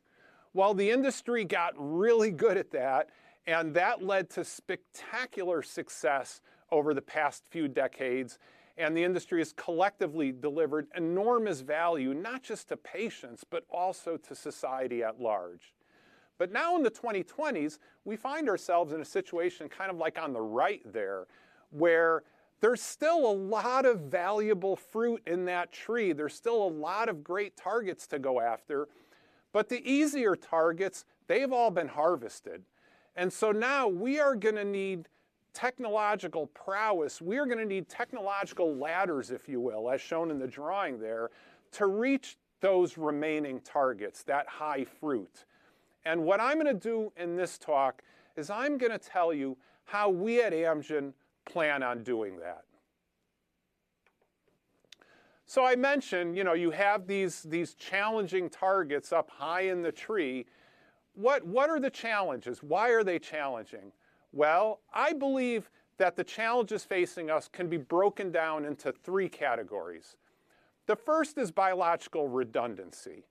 Well, the industry got really good at that, and that led to spectacular success over the past few decades, and the industry has collectively delivered enormous value, not just to patients, but also to society at large. Now in the 2020s, we find ourselves in a situation kind of like on the right there, where there's still a lot of valuable fruit in that tree. There's still a lot of great targets to go after. The easier targets, they've all been harvested. Now we are going to need technological prowess. We're gonna need technological ladders, if you will, as shown in the drawing there, to reach those remaining targets, that high fruit. What I'm gonna do in this talk is I'm gonna tell you how we at Amgen plan on doing that. I mentioned, you know, you have these challenging targets up high in the tree. What are the challenges? Why are they challenging? Well, I believe that the challenges facing us can be broken down into three categories. The first is biological redundancy.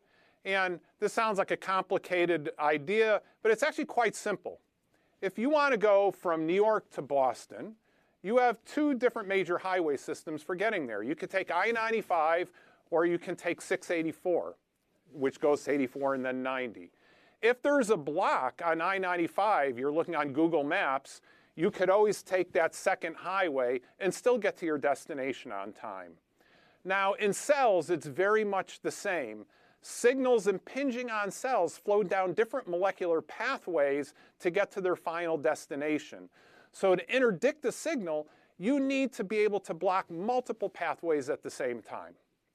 This sounds like a complicated idea, but it's actually quite simple. If you wanna go from New York to Boston, you have two different major highway systems for getting there. You could take I-95, or you can take 684, which goes to 84 and then 90. If there's a block on I-95, you're looking on Google Maps, you could always take that second highway and still get to your destination on time. Now, in cells, it's very much the same. Signals impinging on cells flow down different molecular pathways to get to their final destination. To interdict a signal, you need to be able to block multiple pathways at the same time,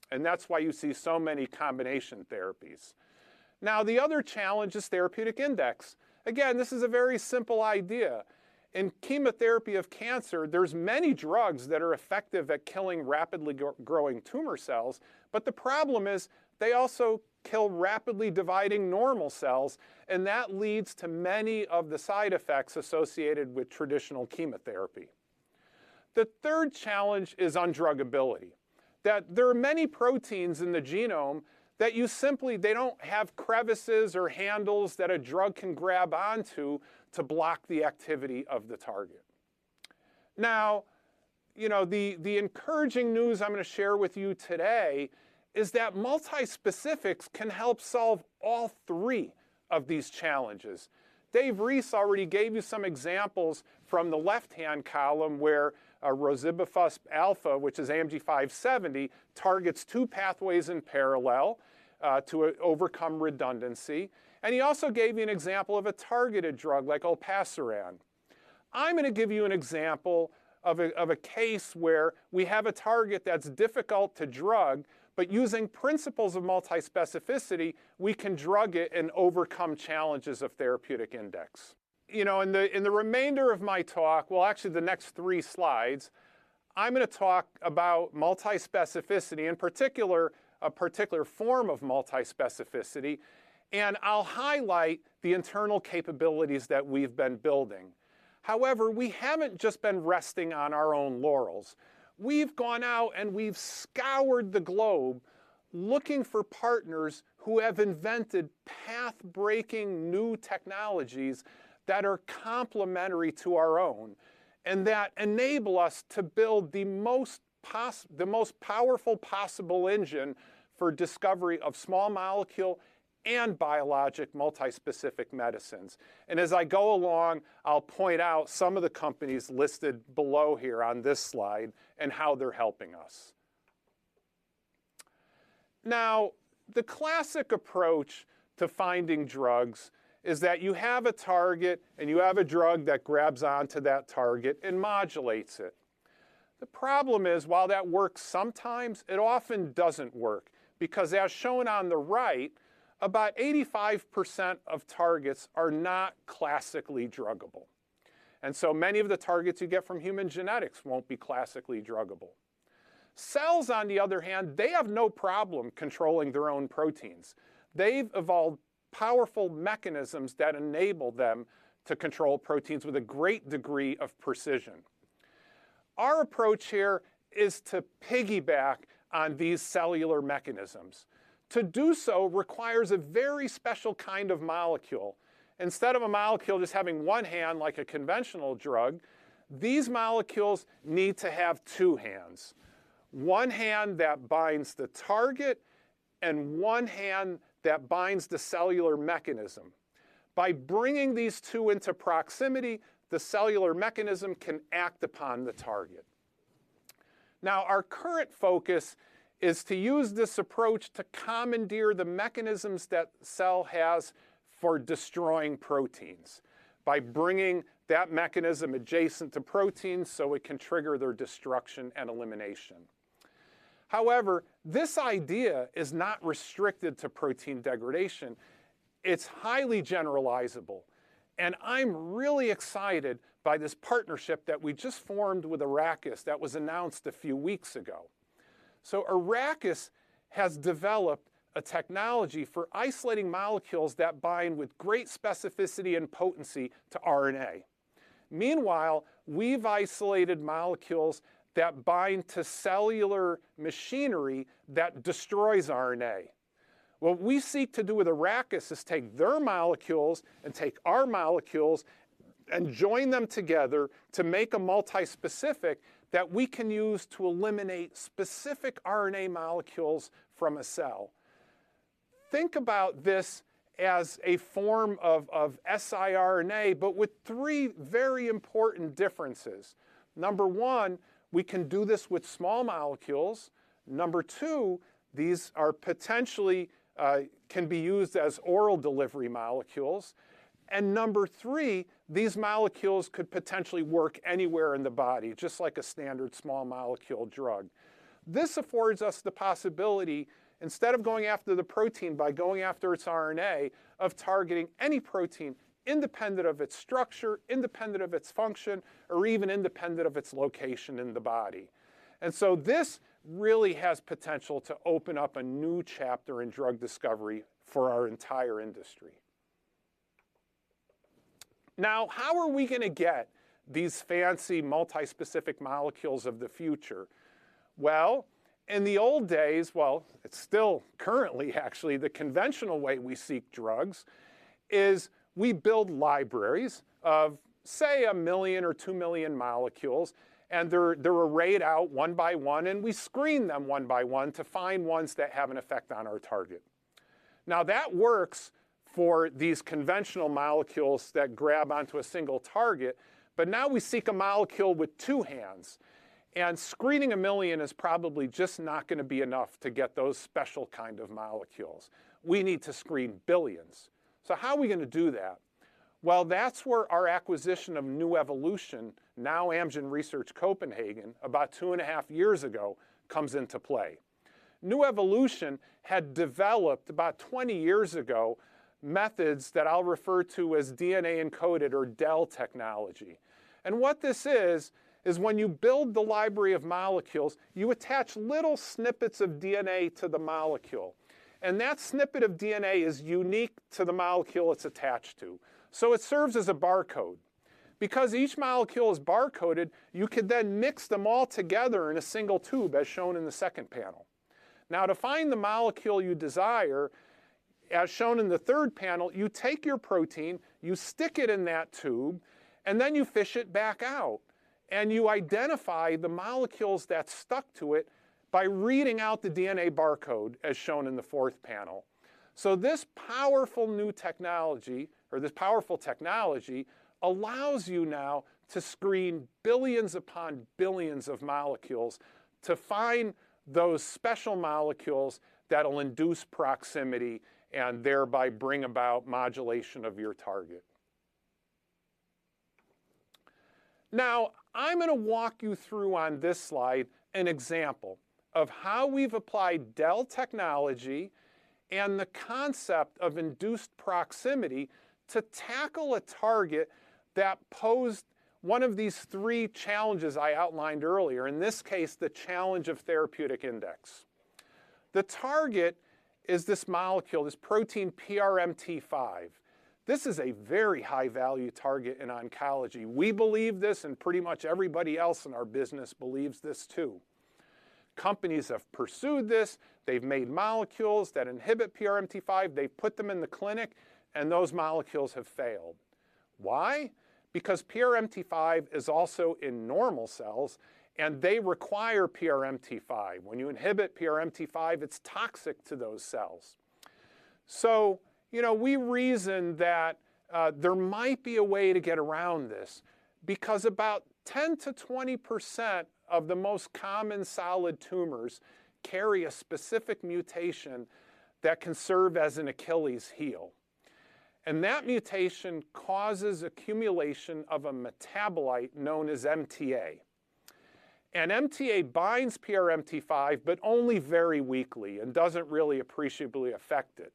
and that's why you see so many combination therapies. Now, the other challenge is therapeutic index. Again, this is a very simple idea. In chemotherapy of cancer, there are many drugs that are effective at killing rapidly growing tumor cells, but the problem is they also kill rapidly dividing normal cells, and that leads to many of the side effects associated with traditional chemotherapy. The third challenge is undruggability, that there are many proteins in the genome that they don't have crevices or handles that a drug can grab onto to block the activity of the target. Now, you know, the encouraging news I'm gonna share with you today is that multispecifics can help solve all three of these challenges. David Reese already gave you some examples from the left-hand column where Rozibafusp alfa, which is AMG 570, targets two pathways in parallel to overcome redundancy. He also gave you an example of a targeted drug like Olpasiran. I'm gonna give you an example of a case where we have a target that's difficult to drug, but using principles of multispecificity, we can drug it and overcome challenges of therapeutic index. You know, in the remainder of my talk, well, actually the next three slides, I'm gonna talk about multispecificity, in particular, a particular form of multispecificity, and I'll highlight the internal capabilities that we've been building. However, we haven't just been resting on our own laurels. We've gone out and we've scoured the globe looking for partners who have invented path-breaking new technologies that are complementary to our own and that enable us to build the most powerful possible engine for discovery of small molecule and biologic multispecific medicines. As I go along, I'll point out some of the companies listed below here on this slide and how they're helping us. Now, the classic approach to finding drugs is that you have a target and you have a drug that grabs onto that target and modulates it. The problem is, while that works sometimes, it often doesn't work, because as shown on the right, about 85% of targets are not classically druggable. Many of the targets you get from human genetics won't be classically druggable. Cells, on the other hand, they have no problem controlling their own proteins. They've evolved powerful mechanisms that enable them to control proteins with a great degree of precision. Our approach here is to piggyback on these cellular mechanisms. To do so requires a very special kind of molecule. Instead of a molecule just having one hand like a conventional drug, these molecules need to have two hands, one hand that binds the target and one hand that binds the cellular mechanism. By bringing these two into proximity, the cellular mechanism can act upon the target. Now, our current focus is to use this approach to commandeer the mechanisms that the cell has for destroying proteins by bringing that mechanism adjacent to proteins so it can trigger their destruction and elimination. However, this idea is not restricted to protein degradation. It's highly generalizable. I'm really excited by this partnership that we just formed with Arrakis that was announced a few weeks ago. Arrakis has developed a technology for isolating molecules that bind with great specificity and potency to RNA. Meanwhile, we've isolated molecules that bind to cellular machinery that destroys RNA. What we seek to do with Arrakis is take their molecules and take our molecules and join them together to make a multispecific that we can use to eliminate specific RNA molecules from a cell. Think about this as a form of siRNA, but with three very important differences. Number one, we can do this with small molecules. Number two, these are potentially can be used as oral delivery molecules. Number three, these molecules could potentially work anywhere in the body, just like a standard small molecule drug. This affords us the possibility, instead of going after the protein by going after its RNA, of targeting any protein independent of its structure, independent of its function, or even independent of its location in the body. This really has potential to open up a new chapter in drug discovery for our entire industry. Now, how are we gonna get these fancy multi-specific molecules of the future? Well, in the old days, well, it's still currently actually the conventional way we seek drugs, is we build libraries of, say, 1 million or 2 million molecules, and they're arrayed out one by one, and we screen them one by one to find ones that have an effect on our target. Now, that works for these conventional molecules that grab onto a single target, but now we seek a molecule with two hands, and screening 1 million is probably just not gonna be enough to get those special kind of molecules. We need to screen billions. How are we gonna do that? Well, that's where our acquisition of Nuevolution, now Amgen Research Copenhagen, about 2.5 years ago, comes into play. Nuevolution had developed, about 20 years ago, methods that I'll refer to as DNA-encoded or DEL technology. What this is when you build the library of molecules, you attach little snippets of DNA to the molecule, and that snippet of DNA is unique to the molecule it's attached to, so it serves as a barcode. Because each molecule is barcoded, you could then mix them all together in a single tube, as shown in the second panel. Now to find the molecule you desire, as shown in the third panel, you take your protein, you stick it in that tube, and then you fish it back out, and you identify the molecules that stuck to it by reading out the DNA barcode, as shown in the fourth panel. This powerful new technology, or this powerful technology, allows you now to screen billions upon billions of molecules to find those special molecules that'll induce proximity and thereby bring about modulation of your target. Now, I'm gonna walk you through on this slide an example of how we've applied DEL technology and the concept of induced proximity to tackle a target that posed one of these three challenges I outlined earlier, in this case, the challenge of therapeutic index. The target is this molecule, this protein PRMT5. This is a very high-value target in oncology. We believe this, and pretty much everybody else in our business believes this too. Companies have pursued this, they've made molecules that inhibit PRMT5, they've put them in the clinic, and those molecules have failed. Why? Because PRMT5 is also in normal cells, and they require PRMT5. When you inhibit PRMT5, it's toxic to those cells. You know, we reasoned that there might be a way to get around this because about 10%-20% of the most common solid tumors carry a specific mutation that can serve as an Achilles' heel. That mutation causes accumulation of a metabolite known as MTA. MTA binds PRMT5, but only very weakly and doesn't really appreciably affect it.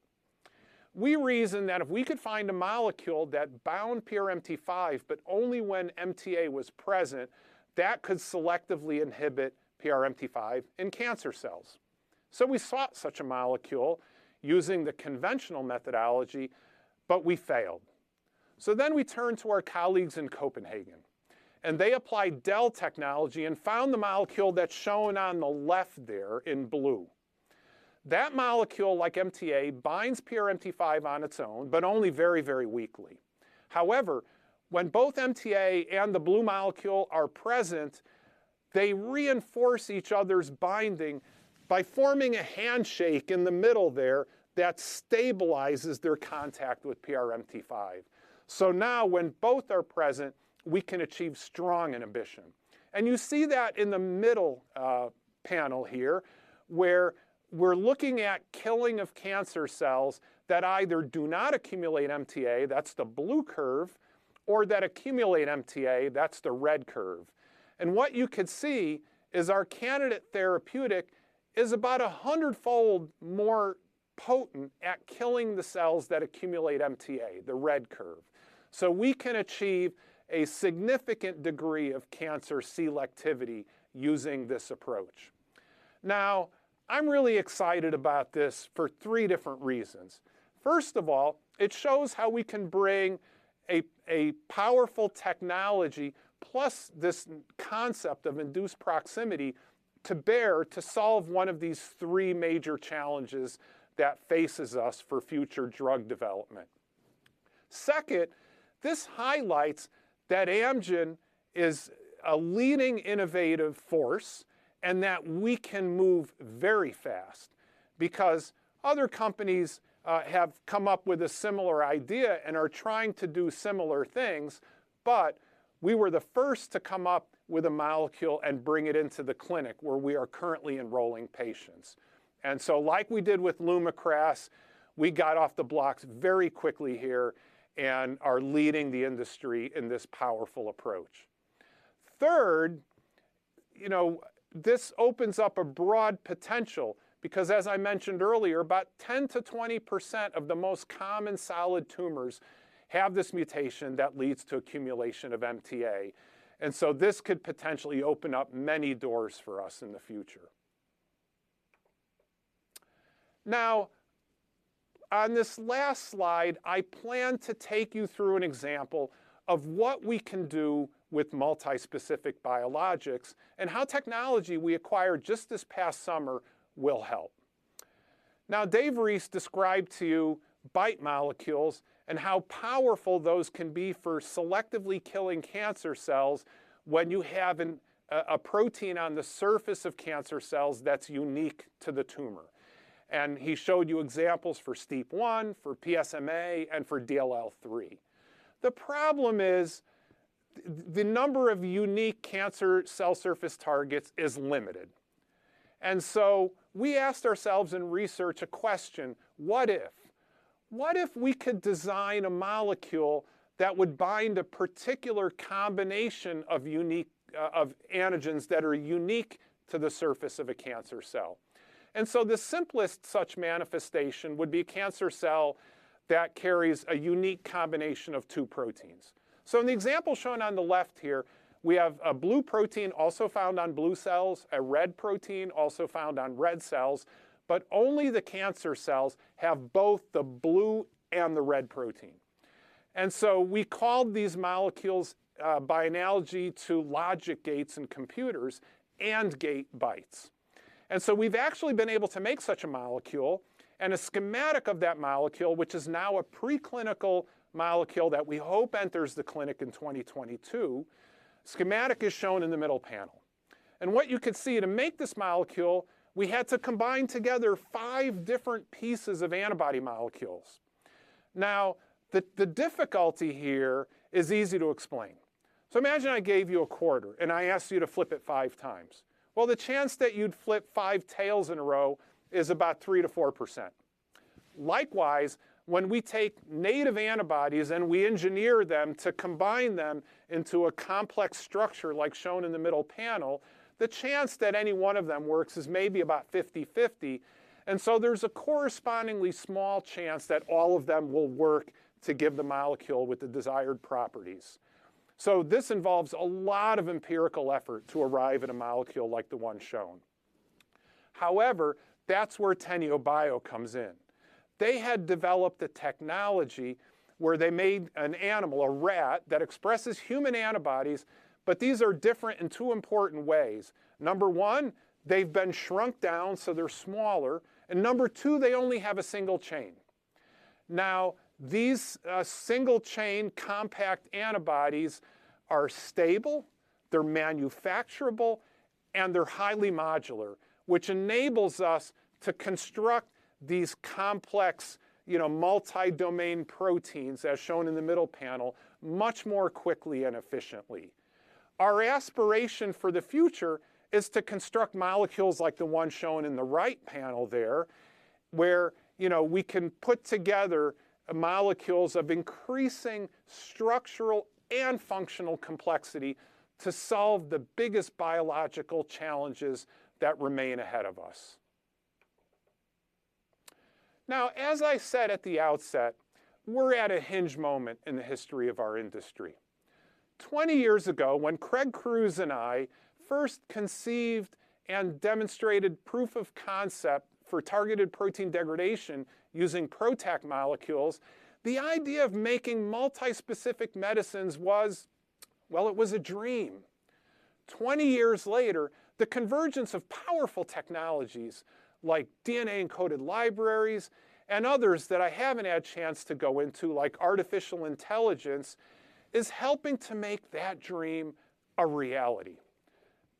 We reasoned that if we could find a molecule that bound PRMT5 but only when MTA was present, that could selectively inhibit PRMT5 in cancer cells. We sought such a molecule using the conventional methodology, but we failed. We turned to our colleagues in Copenhagen, and they applied DEL technology and found the molecule that's shown on the left there in blue. That molecule, like MTA, binds PRMT5 on its own, but only very, very weakly. However, when both MTA and the blue molecule are present, they reinforce each other's binding by forming a handshake in the middle there that stabilizes their contact with PRMT5. Now when both are present, we can achieve strong inhibition. You see that in the middle panel here, where we're looking at killing of cancer cells that either do not accumulate MTA, that's the blue curve, or that accumulate MTA, that's the red curve. What you can see is our candidate therapeutic is about a hundredfold more potent at killing the cells that accumulate MTA, the red curve. We can achieve a significant degree of cancer selectivity using this approach. Now, I'm really excited about this for three different reasons. First of all, it shows how we can bring a powerful technology plus this concept of induced proximity to bear to solve one of these three major challenges that faces us for future drug development. Second, this highlights that Amgen is a leading innovative force and that we can move very fast because other companies have come up with a similar idea and are trying to do similar things, but we were the first to come up with a molecule and bring it into the clinic where we are currently enrolling patients. Like we did with Lumakras, we got off the blocks very quickly here and are leading the industry in this powerful approach. Third, you know, this opens up a broad potential because as I mentioned earlier, about 10%-20% of the most common solid tumors have this mutation that leads to accumulation of MTA. This could potentially open up many doors for us in the future. Now, on this last slide, I plan to take you through an example of what we can do with multi-specific biologics and how technology we acquired just this past summer will help. Now, Dave Rees described to you BiTE molecules and how powerful those can be for selectively killing cancer cells when you have a protein on the surface of cancer cells that's unique to the tumor. He showed you examples for STEAP1, for PSMA, and for DLL3. The problem is the number of unique cancer cell surface targets is limited. We asked ourselves in research a question, what if? What if we could design a molecule that would bind a particular combination of unique of antigens that are unique to the surface of a cancer cell? The simplest such manifestation would be a cancer cell that carries a unique combination of two proteins. In the example shown on the left here, we have a blue protein also found on blue cells, a red protein also found on red cells, but only the cancer cells have both the blue and the red protein. We called these molecules, by analogy to logic gates in computers, AND-gate BiTEs. We've actually been able to make such a molecule, and a schematic of that molecule, which is now a preclinical molecule that we hope enters the clinic in 2022. Schematic is shown in the middle panel. What you could see to make this molecule, we had to combine together five different pieces of antibody molecules. Now, the difficulty here is easy to explain. Imagine I gave you a quarter, and I asked you to flip it five times. Well, the chance that you'd flip five tails in a row is about 3%-4%. Likewise, when we take native antibodies, and we engineer them to combine them into a complex structure like shown in the middle panel, the chance that any one of them works is maybe about 50/50. There's a correspondingly small chance that all of them will work to give the molecule with the desired properties. This involves a lot of empirical effort to arrive at a molecule like the one shown. However, that's where Teneobio comes in. They had developed a technology where they made an animal, a rat, that expresses human antibodies, but these are different in two important ways. Number one, they've been shrunk down, so they're smaller. Number two, they only have a single chain. Now, these single chain compact antibodies are stable, they're manufacturable, and they're highly modular, which enables us to construct these complex, you know, multi-domain proteins as shown in the middle panel much more quickly and efficiently. Our aspiration for the future is to construct molecules like the one shown in the right panel there, where, you know, we can put together molecules of increasing structural and functional complexity to solve the biggest biological challenges that remain ahead of us. Now, as I said at the outset, we're at a hinge moment in the history of our industry. 20 years ago, when Craig Crews and I first conceived and demonstrated proof of concept for targeted protein degradation using PROTAC molecules, the idea of making multi-specific medicines was, well, it was a dream. 20 years later, the convergence of powerful technologies like DNA-encoded libraries and others that I haven't had a chance to go into, like artificial intelligence, is helping to make that dream a reality.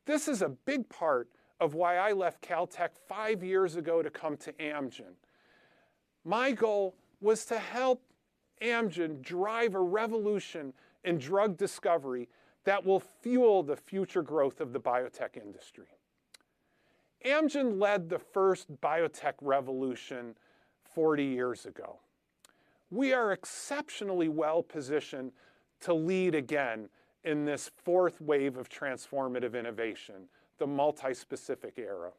This is a big part of why I left Caltech five years ago to come to Amgen. My goal was to help Amgen drive a revolution in drug discovery that will fuel the future growth of the biotech industry. Amgen led the first biotech revolution 40 years ago. We are exceptionally well-positioned to lead again in this fourth wave of transformative innovation, the multi-specific era.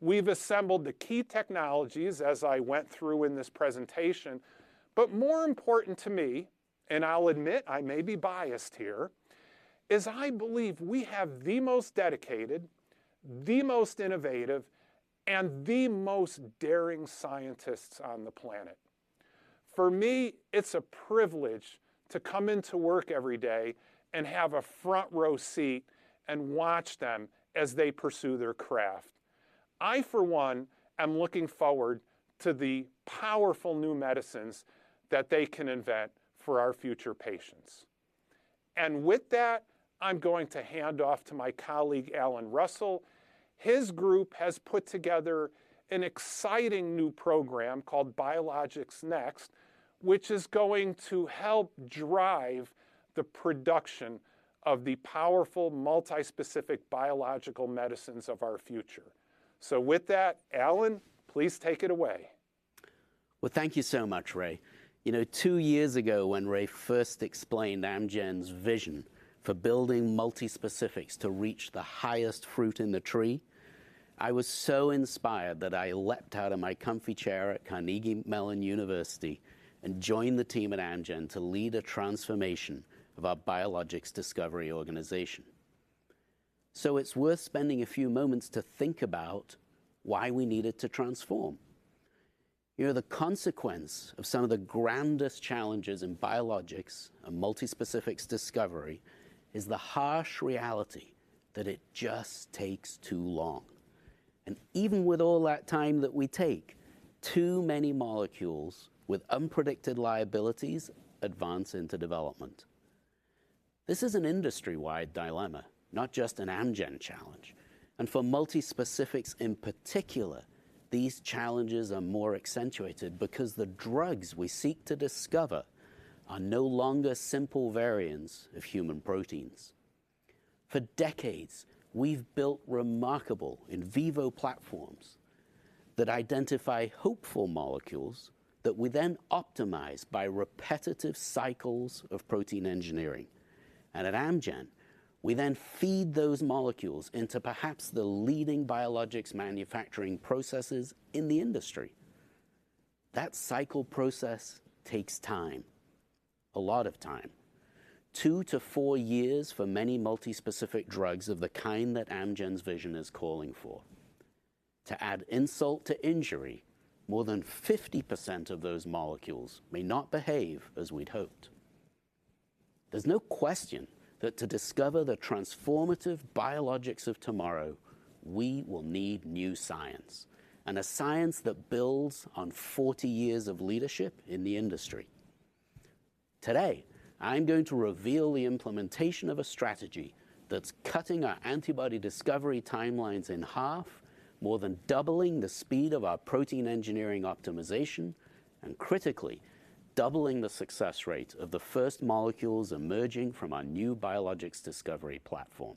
We've assembled the key technologies as I went through in this presentation, but more important to me, and I'll admit I may be biased here, is I believe we have the most dedicated, the most innovative, and the most daring scientists on the planet. For me, it's a privilege to come into work every day and have a front-row seat and watch them as they pursue their craft. I, for one, am looking forward to the powerful new medicines that they can invent for our future patients. With that, I'm going to hand off to my colleague, Alan Russell. His group has put together an exciting new program called Biologics NExT, which is going to help drive the production of the powerful multi-specific biological medicines of our future. With that, Alan, please take it away. Well, thank you so much, Ray. You know, two years ago, when Ray first explained Amgen's vision for building multi-specifics to reach the highest fruit in the tree, I was so inspired that I leapt out of my comfy chair at Carnegie Mellon University and joined the team at Amgen to lead a transformation of our biologics discovery organization. It's worth spending a few moments to think about why we needed to transform. You know, the consequence of some of the grandest challenges in biologics and multi-specifics discovery is the harsh reality that it just takes too long. Even with all that time that we take, too many molecules with unpredicted liabilities advance into development. This is an industry-wide dilemma, not just an Amgen challenge. For multi-specifics in particular, these challenges are more accentuated because the drugs we seek to discover are no longer simple variants of human proteins. For decades, we've built remarkable in vivo platforms that identify hopeful molecules that we then optimize by repetitive cycles of protein engineering. At Amgen, we then feed those molecules into perhaps the leading biologics manufacturing processes in the industry. That cycle process takes time, a lot of time, 2-4 years for many multi-specific drugs of the kind that Amgen's vision is calling for. To add insult to injury, more than 50% of those molecules may not behave as we'd hoped. There's no question that to discover the transformative biologics of tomorrow, we will need new science, and a science that builds on 40 years of leadership in the industry. Today, I'm going to reveal the implementation of a strategy that's cutting our antibody discovery timelines in half, more than doubling the speed of our protein engineering optimization, and critically, doubling the success rate of the first molecules emerging from our new biologics discovery platform.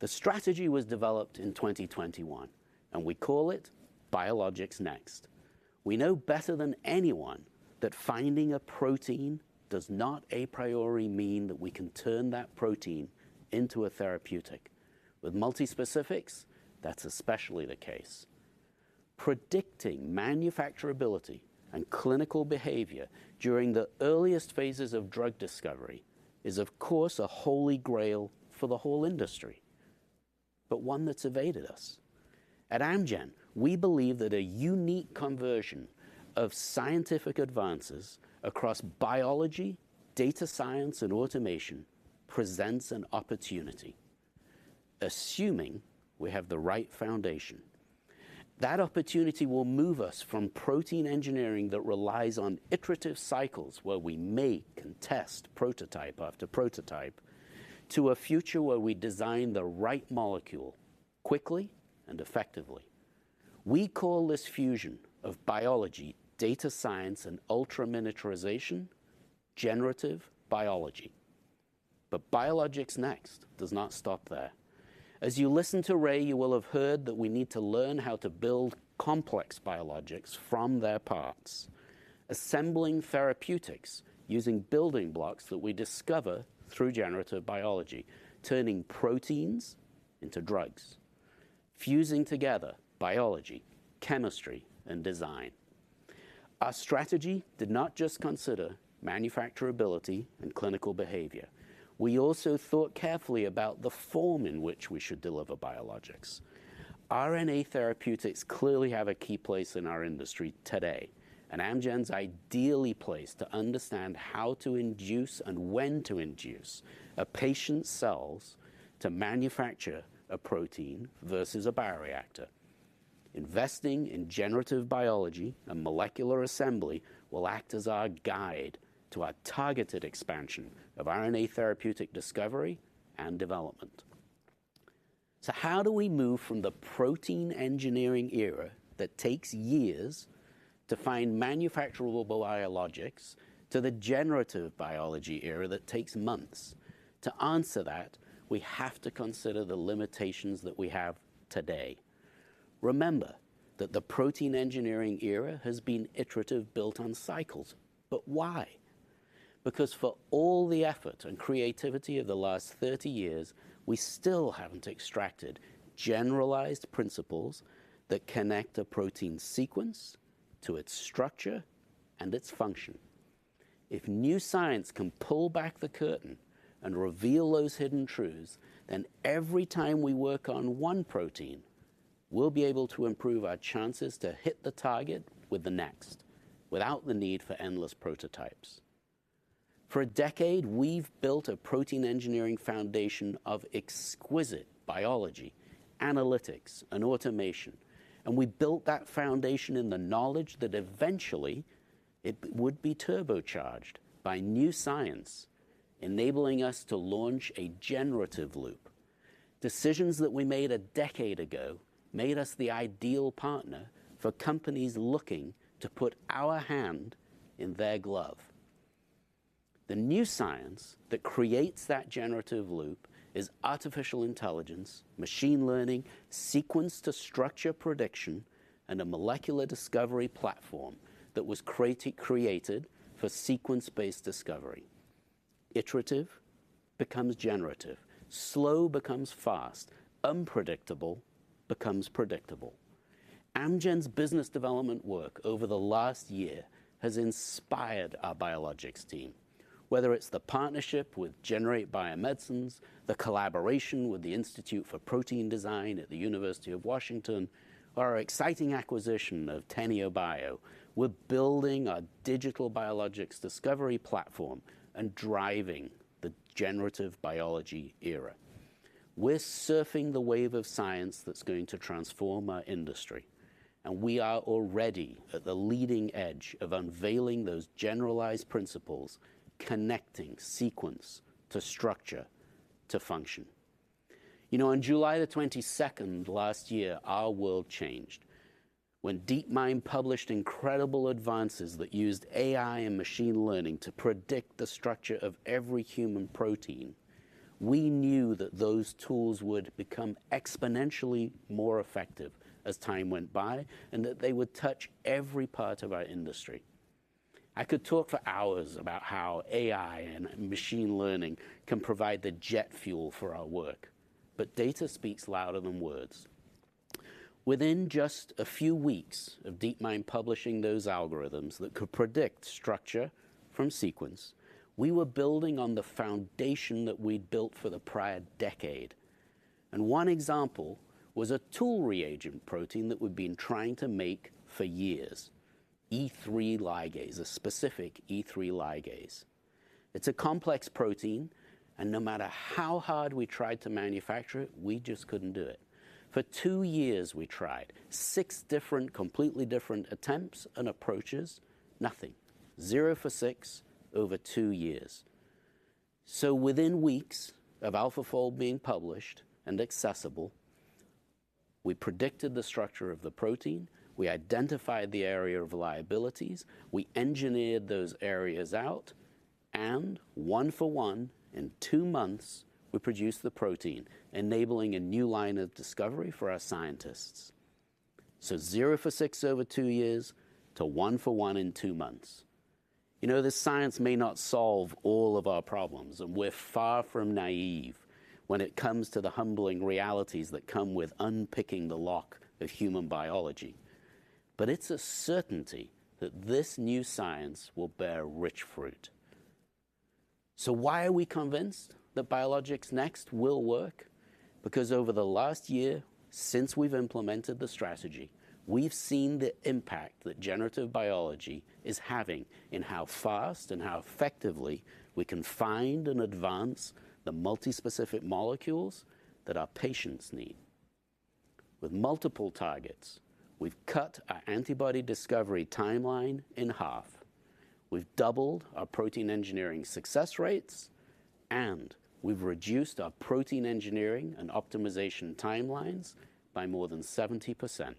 The strategy was developed in 2021, and we call it Biologics NExT. We know better than anyone that finding a protein does not a priori mean that we can turn that protein into a therapeutic. With multi-specifics, that's especially the case. Predicting manufacturability and clinical behavior during the earliest phases of drug discovery is, of course, a holy grail for the whole industry, but one that's evaded us. At Amgen, we believe that a unique conversion of scientific advances across biology, data science, and automation presents an opportunity, assuming we have the right foundation. That opportunity will move us from protein engineering that relies on iterative cycles where we make and test prototype after prototype to a future where we design the right molecule quickly and effectively. We call this fusion of biology, data science, and ultra-miniaturization generative biology. Biologics NExT does not stop there. As you listened to Ray, you will have heard that we need to learn how to build complex biologics from their parts, assembling therapeutics using building blocks that we discover through generative biology, turning proteins into drugs, fusing together biology, chemistry, and design. Our strategy did not just consider manufacturability and clinical behavior. We also thought carefully about the form in which we should deliver biologics. RNA therapeutics clearly have a key place in our industry today, and Amgen's ideally placed to understand how to induce and when to induce a patient's cells to manufacture a protein versus a bioreactor. Investing in generative biology and molecular assembly will act as our guide to our targeted expansion of RNA therapeutic discovery and development. How do we move from the protein engineering era that takes years to find manufacturable biologics to the generative biology era that takes months? To answer that, we have to consider the limitations that we have today. Remember that the protein engineering era has been iterative, built on cycles. Why? Because for all the effort and creativity of the last 30 years, we still haven't extracted generalized principles that connect a protein sequence to its structure and its function. If new science can pull back the curtain and reveal those hidden truths, then every time we work on one protein, we'll be able to improve our chances to hit the target with the next without the need for endless prototypes. For a decade, we've built a protein engineering foundation of exquisite biology, analytics, and automation, and we built that foundation in the knowledge that eventually it would be turbocharged by new science, enabling us to launch a generative loop. Decisions that we made a decade ago made us the ideal partner for companies looking to put our hand in their glove. The new science that creates that generative loop is artificial intelligence, machine learning, sequence to structure prediction, and a molecular discovery platform that was created for sequence-based discovery. Iterative becomes generative, slow becomes fast, unpredictable becomes predictable. Amgen's business development work over the last year has inspired our biologics team, whether it's the partnership with Generate Biomedicines, the collaboration with the Institute for Protein Design at the University of Washington, or our exciting acquisition of Teneobio. We're building a digital biologics discovery platform and driving the generative biology era. We're surfing the wave of science that's going to transform our industry, and we are already at the leading edge of unveiling those generalized principles, connecting sequence to structure to function. You know, on July 22nd last year, our world changed. When DeepMind published incredible advances that used AI and machine learning to predict the structure of every human protein, we knew that those tools would become exponentially more effective as time went by, and that they would touch every part of our industry. I could talk for hours about how AI and machine learning can provide the jet fuel for our work, but data speaks louder than words. Within just a few weeks of DeepMind publishing those algorithms that could predict structure from sequence, we were building on the foundation that we'd built for the prior decade. One example was a tool reagent protein that we'd been trying to make for years, E3 ligase, a specific E3 ligase. It's a complex protein, and no matter how hard we tried to manufacture it, we just couldn't do it. For two years we tried. 6 different, completely different attempts and approaches, nothing. Zero for six over two years. Within weeks of AlphaFold being published and accessible, we predicted the structure of the protein, we identified the area of liabilities, we engineered those areas out, and one for one, in two months, we produced the protein, enabling a new line of discovery for our scientists. Zero for six over two years to one for one in two months. You know, this science may not solve all of our problems, and we're far from naive when it comes to the humbling realities that come with unpicking the lock of human biology, but it's a certainty that this new science will bear rich fruit. Why are we convinced that Biologics NExT will work? Because over the last year, since we've implemented the strategy, we've seen the impact that generative biology is having in how fast and how effectively we can find and advance the multi-specific molecules that our patients need. With multiple targets, we've cut our antibody discovery timeline in half, we've doubled our protein engineering success rates, and we've reduced our protein engineering and optimization timelines by more than 70%.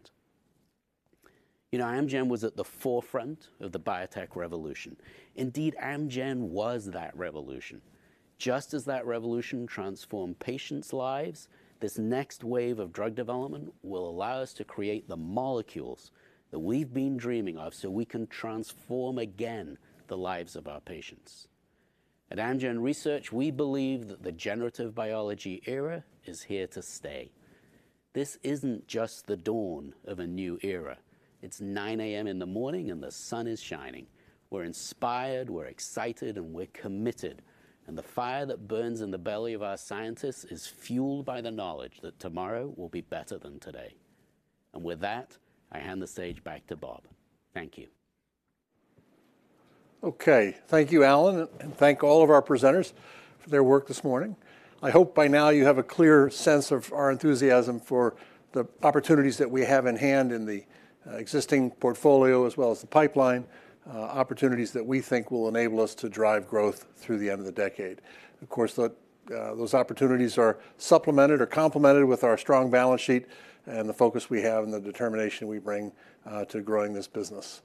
You know, Amgen was at the forefront of the biotech revolution. Indeed, Amgen was that revolution. Just as that revolution transformed patients' lives, this next wave of drug development will allow us to create the molecules that we've been dreaming of, so we can transform again the lives of our patients. At Amgen Research, we believe that the generative biology era is here to stay. This isn't just the dawn of a new era. It's 9:00 A.M. in the morning, and the sun is shining. We're inspired, we're excited, and we're committed, and the fire that burns in the belly of our scientists is fueled by the knowledge that tomorrow will be better than today. With that, I hand the stage back to Bob. Thank you. Okay. Thank you, Alan, and thank all of our presenters for their work this morning. I hope by now you have a clear sense of our enthusiasm for the opportunities that we have in hand in the existing portfolio, as well as the pipeline opportunities that we think will enable us to drive growth through the end of the decade. Of course, those opportunities are supplemented or complemented with our strong balance sheet and the focus we have and the determination we bring to growing this business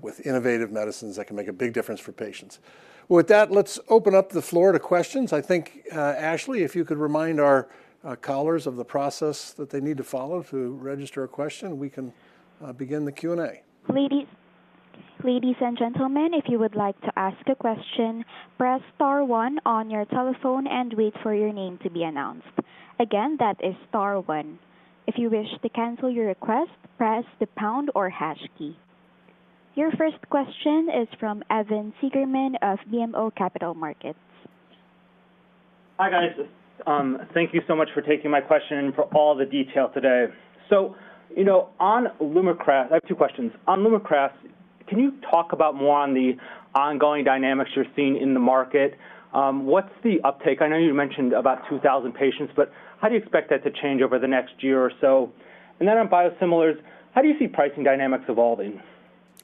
with innovative medicines that can make a big difference for patients. With that, let's open up the floor to questions. I think, Ashley, if you could remind our callers of the process that they need to follow to register a question, we can begin the Q&A. Ladies and gentlemen, if you would like to ask a question, press star one on your telephone and wait for your name to be announced. Again, that is star one. If you wish to cancel your request, press the pound or hash key. Your first question is from Evan Seigerman of BMO Capital Markets. Hi, guys. Thank you so much for taking my question and for all the detail today. You know, on Lumakras, I have two questions. On Lumakras, can you talk about more on the ongoing dynamics you're seeing in the market? What's the uptake? I know you mentioned about 2,000 patients, but how do you expect that to change over the next year or so? On biosimilars, how do you see pricing dynamics evolving?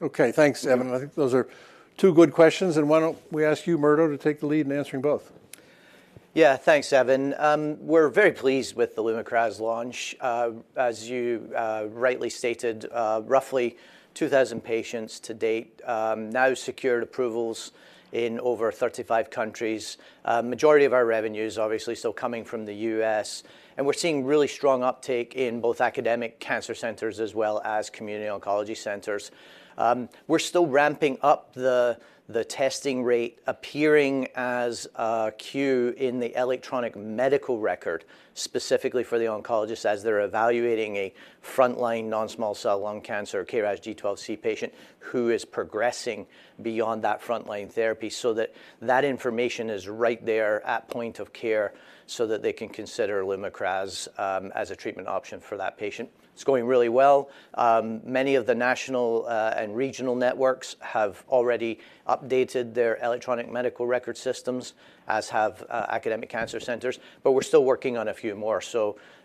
Okay, thanks, Evan. I think those are two good questions. Why don't we ask you, Murdo, to take the lead in answering both? Yeah. Thanks, Evan. We're very pleased with the Lumakras launch. As you rightly stated, roughly 2,000 patients to date now secured approvals in over 35 countries. Majority of our revenue is obviously still coming from the U.S., and we're seeing really strong uptake in both academic cancer centers as well as community oncology centers. We're still ramping up the testing rate appearing as a queue in the electronic medical record, specifically for the oncologist as they're evaluating a frontline non-small cell lung cancer or KRAS G12C patient who is progressing beyond that frontline therapy, so that information is right there at point of care so that they can consider Lumakras as a treatment option for that patient. It's going really well. Many of the national and regional networks have already updated their electronic medical record systems, as have academic cancer centers, but we're still working on a few more.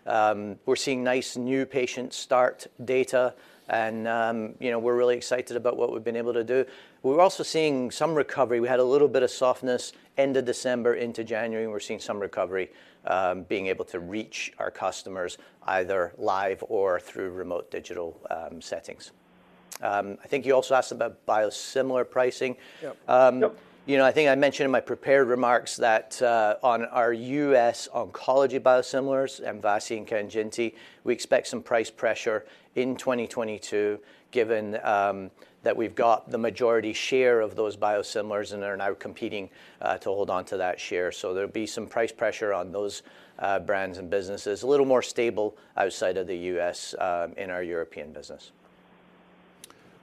We're seeing nice new patient start data and, you know, we're really excited about what we've been able to do. We're also seeing some recovery. We had a little bit of softness end of December into January, and we're seeing some recovery being able to reach our customers either live or through remote digital settings. I think you also asked about biosimilar pricing. Yep. Yep. You know, I think I mentioned in my prepared remarks that on our U.S. oncology biosimilars, MVASI and KANJINTI, we expect some price pressure in 2022, given that we've got the majority share of those biosimilars and are now competing to hold on to that share. There'll be some price pressure on those brands and businesses. A little more stable outside of the U.S., in our European business.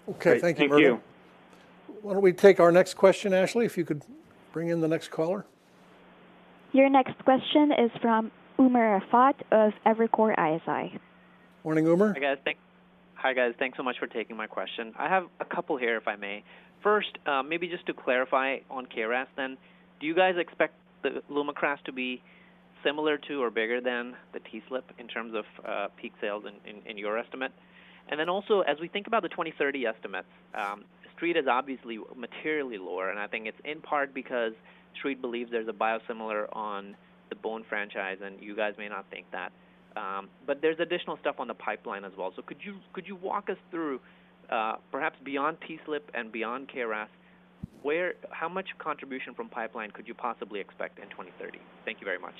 Okay. Thank you, Murdo. Thank you. Why don't we take our next question. Ashley, if you could bring in the next caller. Your next question is from Umer Raffat of Evercore ISI. Morning, Umer. Hi, guys. Thanks so much for taking my question. I have a couple here, if I may. First, maybe just to clarify on KRAS then, do you guys expect the Lumakras to be similar to or bigger than the Tezspire in terms of peak sales in your estimate? Then also, as we think about the 2030 estimates, Street is obviously materially lower, and I think it's in part because Street believes there's a biosimilar on the bone franchise, and you guys may not think that. But there's additional stuff on the pipeline as well. So could you walk us through perhaps beyond Tezspire and beyond KRAS, how much contribution from pipeline could you possibly expect in 2030? Thank you very much.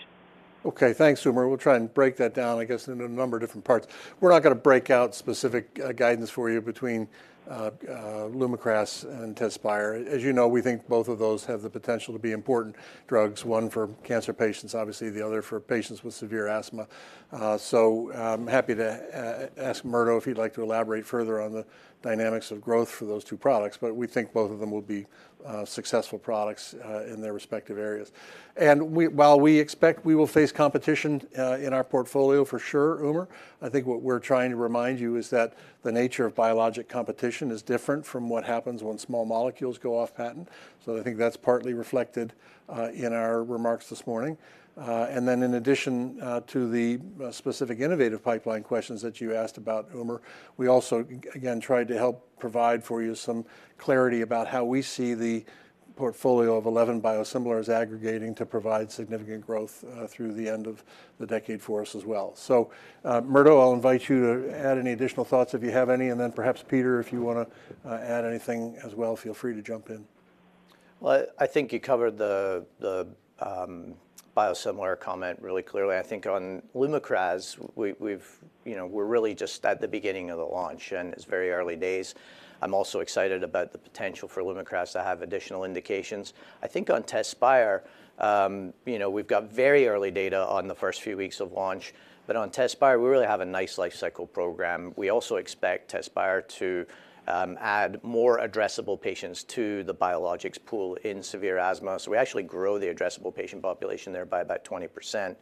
Okay, thanks, Umer. We'll try and break that down, I guess, into a number of different parts. We're not gonna break out specific guidance for you between Lumakras and Tezspire. As you know, we think both of those have the potential to be important drugs, one for cancer patients, obviously the other for patients with severe asthma. Happy to ask Murdo if he'd like to elaborate further on the dynamics of growth for those two products. We think both of them will be successful products in their respective areas. While we expect we will face competition in our portfolio for sure, Umer, I think what we're trying to remind you is that the nature of biologic competition is different from what happens when small molecules go off patent. I think that's partly reflected in our remarks this morning. In addition to the specific innovative pipeline questions that you asked about, Umer, we also again tried to help provide for you some clarity about how we see the portfolio of 11 biosimilars aggregating to provide significant growth through the end of the decade for us as well. Murdo, I'll invite you to add any additional thoughts if you have any, and then perhaps, Peter, if you wanna add anything as well, feel free to jump in. Well, I think you covered the biosimilar comment really clearly. I think on Lumakras, we've you know, we're really just at the beginning of the launch, and it's very early days. I'm also excited about the potential for Lumakras to have additional indications. I think on Tezspire, you know, we've got very early data on the first few weeks of launch, but on Tezspire we really have a nice lifecycle program. We also expect Tezspire to add more addressable patients to the biologics pool in severe asthma, so we actually grow the addressable patient population there by about 20%.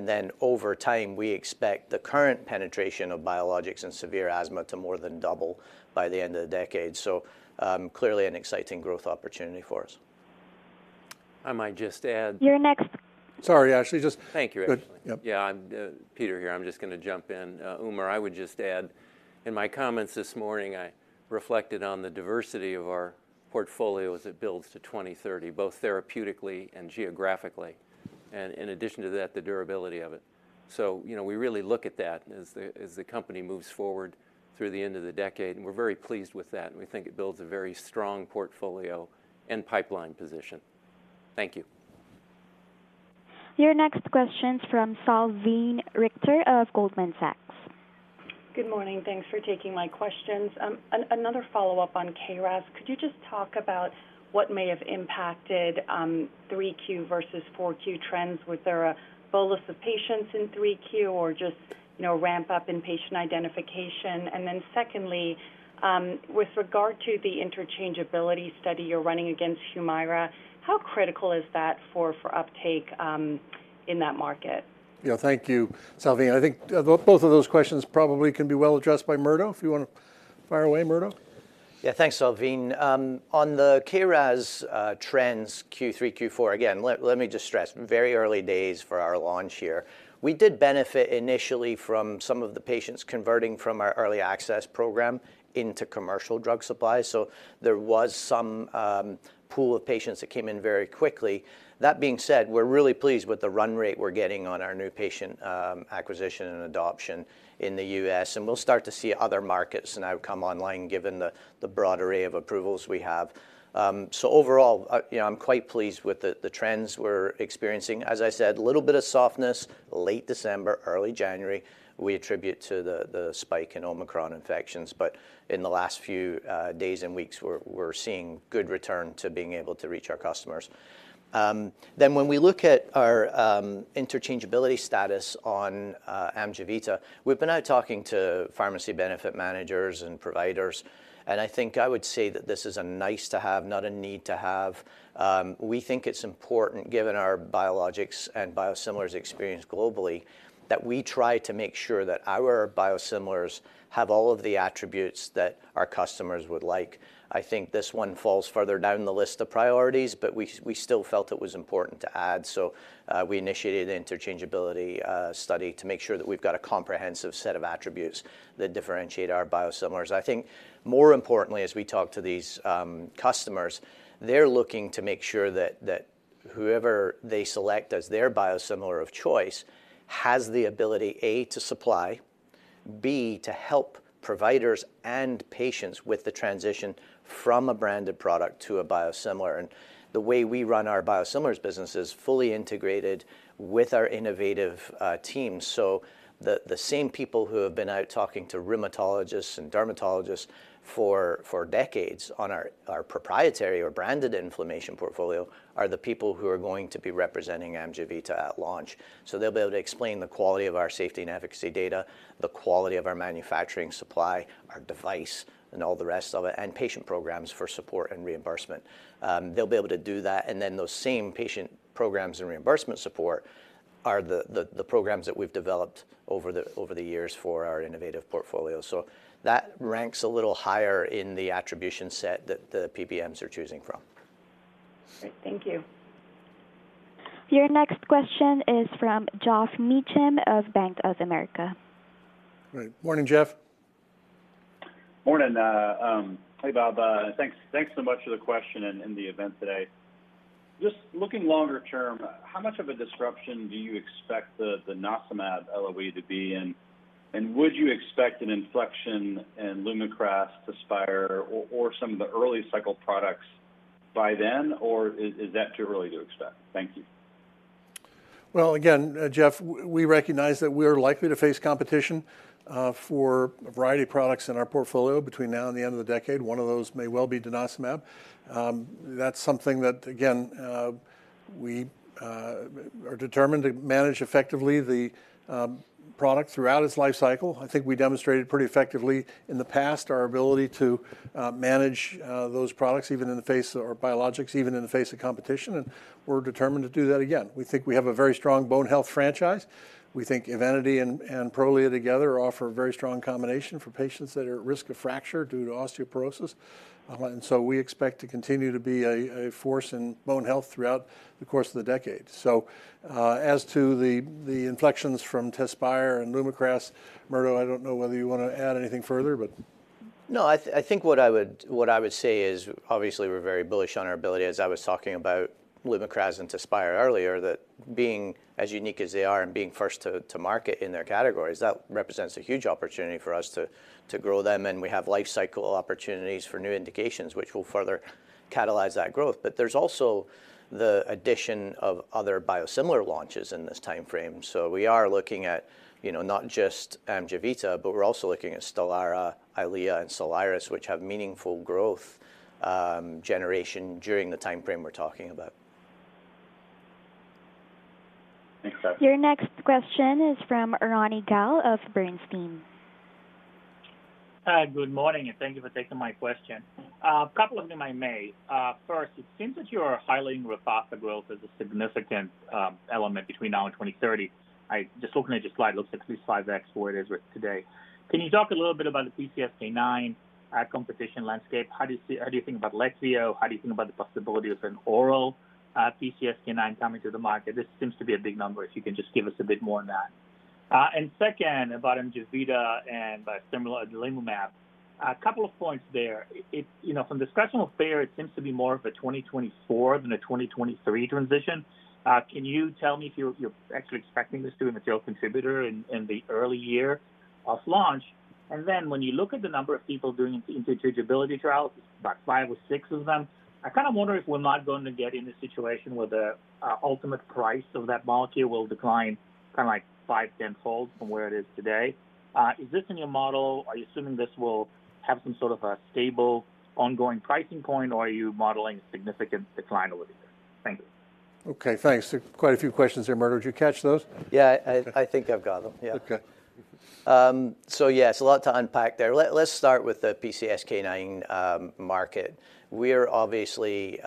Then over time, we expect the current penetration of biologics in severe asthma to more than double by the end of the decade. Clearly an exciting growth opportunity for us. I might just add. Your next- Sorry, Ashley, just. Thank you, Ashley. Go ahead. Yep. Yeah, I'm Peter here, I'm just gonna jump in. Umer, I would just add, in my comments this morning, I reflected on the diversity of our portfolio as it builds to 2030, both therapeutically and geographically, and in addition to that, the durability of it. You know, we really look at that as the company moves forward through the end of the decade, and we're very pleased with that, and we think it builds a very strong portfolio and pipeline position. Thank you. Your next question's from Salveen Richter of Goldman Sachs. Good morning. Thanks for taking my questions. Another follow-up on KRAS. Could you just talk about what may have impacted 3Q versus 4Q trends? Was there a bolus of patients in 3Q, or you know, ramp up in patient identification. Then secondly, with regard to the interchangeability study you're running against Humira, how critical is that for uptake in that market? Yeah, thank you, Salveen. I think both of those questions probably can be well addressed by Murdo. If you wanna fire away, Murdo. Yeah, thanks, Salveen. On the KRAS trends Q3, Q4, again, let me just stress, very early days for our launch here. We did benefit initially from some of the patients converting from our early access program into commercial drug supply. So there was some pool of patients that came in very quickly. That being said, we're really pleased with the run rate we're getting on our new patient acquisition and adoption in the U.S., and we'll start to see other markets now come online given the broad array of approvals we have. So overall, you know, I'm quite pleased with the trends we're experiencing. As I said, little bit of softness late December, early January, we attribute to the spike in Omicron infections. In the last few days and weeks, we're seeing good return to being able to reach our customers. When we look at our interchangeability status on Amjevita, we've been out talking to pharmacy benefit managers and providers, and I think I would say that this is a nice to have, not a need to have. We think it's important given our biologics and biosimilars experience globally, that we try to make sure that our biosimilars have all of the attributes that our customers would like. I think this one falls further down the list of priorities, but we still felt it was important to add. We initiated an interchangeability study to make sure that we've got a comprehensive set of attributes that differentiate our biosimilars. I think more importantly, as we talk to these customers, they're looking to make sure that whoever they select as their biosimilar of choice has the ability, A, to supply, B, to help providers and patients with the transition from a branded product to a biosimilar. The way we run our biosimilars business is fully integrated with our innovative teams. The same people who have been out talking to rheumatologists and dermatologists for decades on our proprietary or branded inflammation portfolio are the people who are going to be representing Amjevita at launch. They'll be able to explain the quality of our safety and efficacy data, the quality of our manufacturing supply, our device, and all the rest of it, and patient programs for support and reimbursement. They'll be able to do that, and then those same patient programs and reimbursement support are the programs that we've developed over the years for our innovative portfolio. That ranks a little higher in the attribution set that the PBMs are choosing from. Great. Thank you. Your next question is from Geoff Meacham of Bank of America. Good morning, Geoff. Morning. Hey, Bob. Thanks so much for the question and the event today. Just looking longer term, how much of a disruption do you expect the Denosumab LOE to be, and would you expect an inflection in Lumakras, Tezspire, or some of the early cycle products by then, or is that too early to expect? Thank you. Well, again, Geoff, we recognize that we're likely to face competition for a variety of products in our portfolio between now and the end of the decade. One of those may well be Denosumab. That's something that, again, we are determined to manage effectively the product throughout its life cycle. I think we demonstrated pretty effectively in the past our ability to manage those products even in the face of biologics, even in the face of competition, and we're determined to do that again. We think we have a very strong bone health franchise. We think Evenity and Prolia together offer a very strong combination for patients that are at risk of fracture due to osteoporosis. and so we expect to continue to be a force in bone health throughout the course of the decade. As to the inflections from Tezspire and Lumakras, Murdo, I don't know whether you wanna add anything further, but. No, I think what I would say is obviously we're very bullish on our ability, as I was talking about Lumakras and Tezspire earlier, that being as unique as they are and being first to market in their categories, that represents a huge opportunity for us to grow them, and we have life cycle opportunities for new indications, which will further catalyze that growth. There's also the addition of other biosimilar launches in this timeframe. We are looking at, you know, not just Amjevita, but we're also looking at Stelara, Eylea, and Soliris, which have meaningful growth, generation during the timeframe we're talking about. Thanks, guys. Your next question is from Ronny Gal of Bernstein. Hi. Good morning, and thank you for taking my question. A couple of them, I may. First, it seems that you are highlighting Repatha as a significant element between now and 2030. I'm just looking at your slide, looks at least 5x where it is today. Can you talk a little bit about the PCSK9 competition landscape? How do you see—how do you think about Leqvio? How do you think about the possibility of an oral PCSK9 coming to the market? This seems to be a big number, if you can just give us a bit more on that. And second, about Amjevita and biosimilar adalimumab. A couple of points there. It you know, from the discussion so far, it seems to be more of a 2024 than a 2023 transition. Can you tell me if you're actually expecting this to be a material contributor in the early year of launch? When you look at the number of people doing interchangeability trials, about five or six of them, I kind of wonder if we're not going to get in a situation where the ultimate price of that molecule will decline kinda like five- to tenfold from where it is today. Is this in your model? Are you assuming this will have some sort of a stable ongoing pricing point, or are you modeling significant decline over the year? Thank you. Okay, thanks. There are quite a few questions there, Murdo. Did you catch those? Yeah, I think I've got them. Yeah. Okay. Yeah, it's a lot to unpack there. Let's start with the PCSK9 market. We're obviously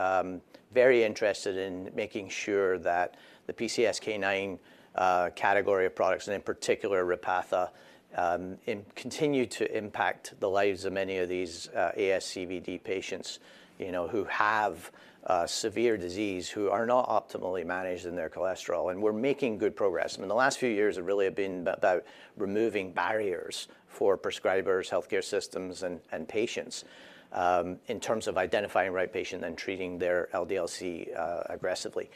very interested in making sure that the PCSK9 category of products, and in particular Repatha, and continue to impact the lives of many of these ASCVD patients, you know, who have severe disease, who are not optimally managed in their cholesterol, and we're making good progress. I mean, the last few years have really been about removing barriers for prescribers, healthcare systems, and patients in terms of identifying the right patient and treating their LDL-C aggressively.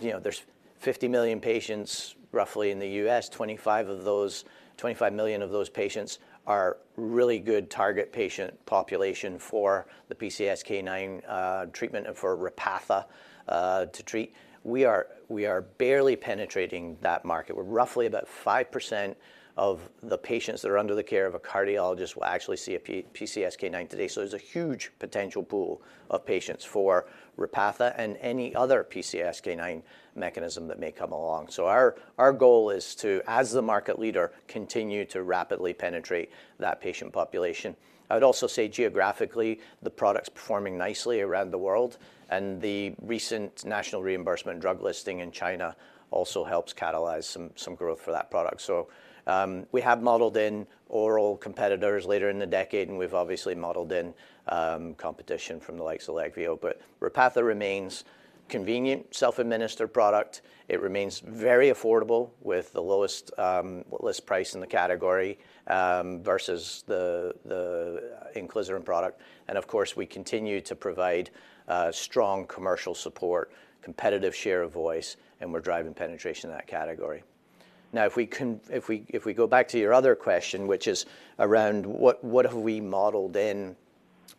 You know, there's roughly 50 million patients in the U.S., 25 million of those patients are really good target patient population for the PCSK9 treatment for Repatha to treat. We are barely penetrating that market. We're roughly about 5% of the patients that are under the care of a cardiologist will actually see a PCSK9 today. There's a huge potential pool of patients for Repatha and any other PCSK9 mechanism that may come along. Our goal is to, as the market leader, continue to rapidly penetrate that patient population. I would also say geographically, the product's performing nicely around the world, and the recent National Reimbursement Drug List in China also helps catalyze some growth for that product. We have modeled in oral competitors later in the decade, and we've obviously modeled in competition from the likes of Leqvio, but Repatha remains convenient, self-administered product. It remains very affordable with the lowest list price in the category versus the inclisiran product. Of course, we continue to provide strong commercial support, competitive share of voice, and we're driving penetration in that category. Now, if we go back to your other question, which is around what have we modeled in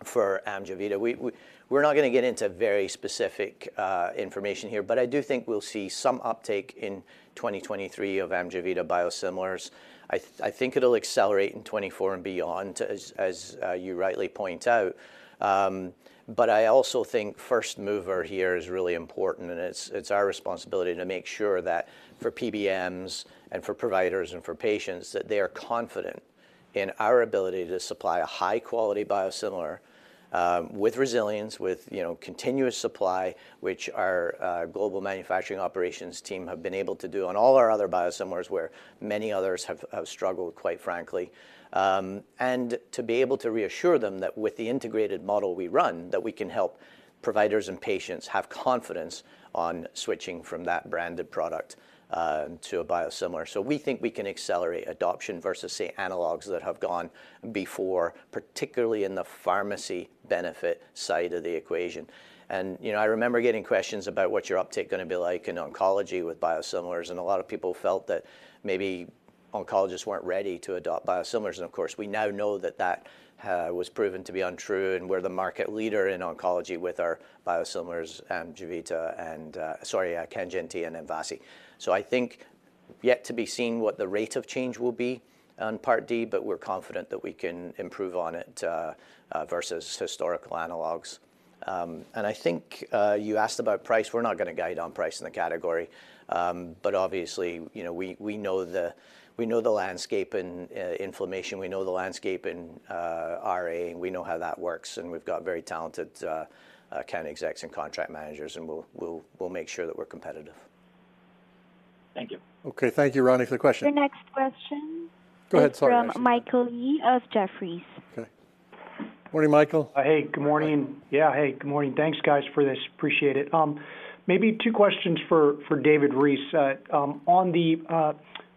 for Amjevita? We're not gonna get into very specific information here, but I do think we'll see some uptake in 2023 of Amjevita biosimilars. I think it'll accelerate in 2024 and beyond, as you rightly point out. I also think first mover here is really important, and it's our responsibility to make sure that for PBMs and for providers and for patients, that they are confident in our ability to supply a high-quality biosimilar with resilience, with, you know, continuous supply, which our global manufacturing operations team have been able to do on all our other biosimilars where many others have struggled, quite frankly. And to be able to reassure them that with the integrated model we run, that we can help providers and patients have confidence on switching from that branded product to a biosimilar. We think we can accelerate adoption versus, say, analogs that have gone before, particularly in the pharmacy benefit side of the equation. You know, I remember getting questions about what's your uptake gonna be like in oncology with biosimilars, and a lot of people felt that maybe oncologists weren't ready to adopt biosimilars. Of course, we now know that that was proven to be untrue, and we're the market leader in oncology with our biosimilars, Amjevita, KANJINTI and MVASI. I think yet to be seen what the rate of change will be on Part D, but we're confident that we can improve on it versus historical analogs. I think you asked about price. We're not gonna guide on price in the category. Obviously, you know, we know the landscape in inflammation, we know the landscape in RA, and we know how that works, and we've got very talented country execs and contract managers, and we'll make sure that we're competitive. Thank you. Okay. Thank you, Ronny, for the question. Your next question. Go ahead. Sorry... is from Michael Yee of Jefferies. Okay. Morning, Michael. Hey, good morning. Yeah. Hey, good morning. Thanks, guys, for this. Appreciate it. Maybe two questions for David Reese. On the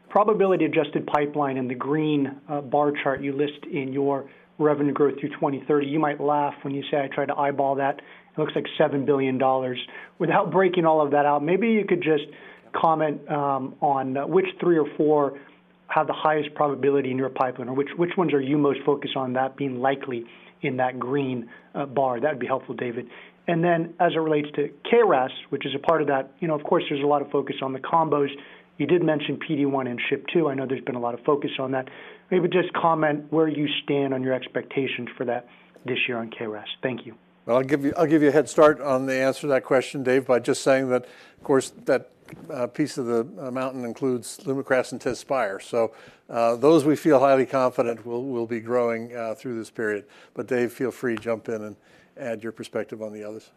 probability-adjusted pipeline in the green bar chart you list in your revenue growth through 2030, you might laugh when you say I tried to eyeball that. It looks like $7 billion. Without breaking all of that out, maybe you could just comment on which three or four have the highest probability in your pipeline, or which ones are you most focused on that being likely in that green bar? That'd be helpful, David. Then as it relates to KRAS, which is a part of that, you know, of course, there's a lot of focus on the combos. You did mention PD-1 and SHP2. I know there's been a lot of focus on that. Maybe just comment where you stand on your expectations for that this year on KRAS? Thank you. Well, I'll give you a head start on the answer to that question, Dave, by just saying that, of course, that piece of the mountain includes Lumakras and Tezspire. Those we feel highly confident will be growing through this period. Dave, feel free to jump in and add your perspective on the others.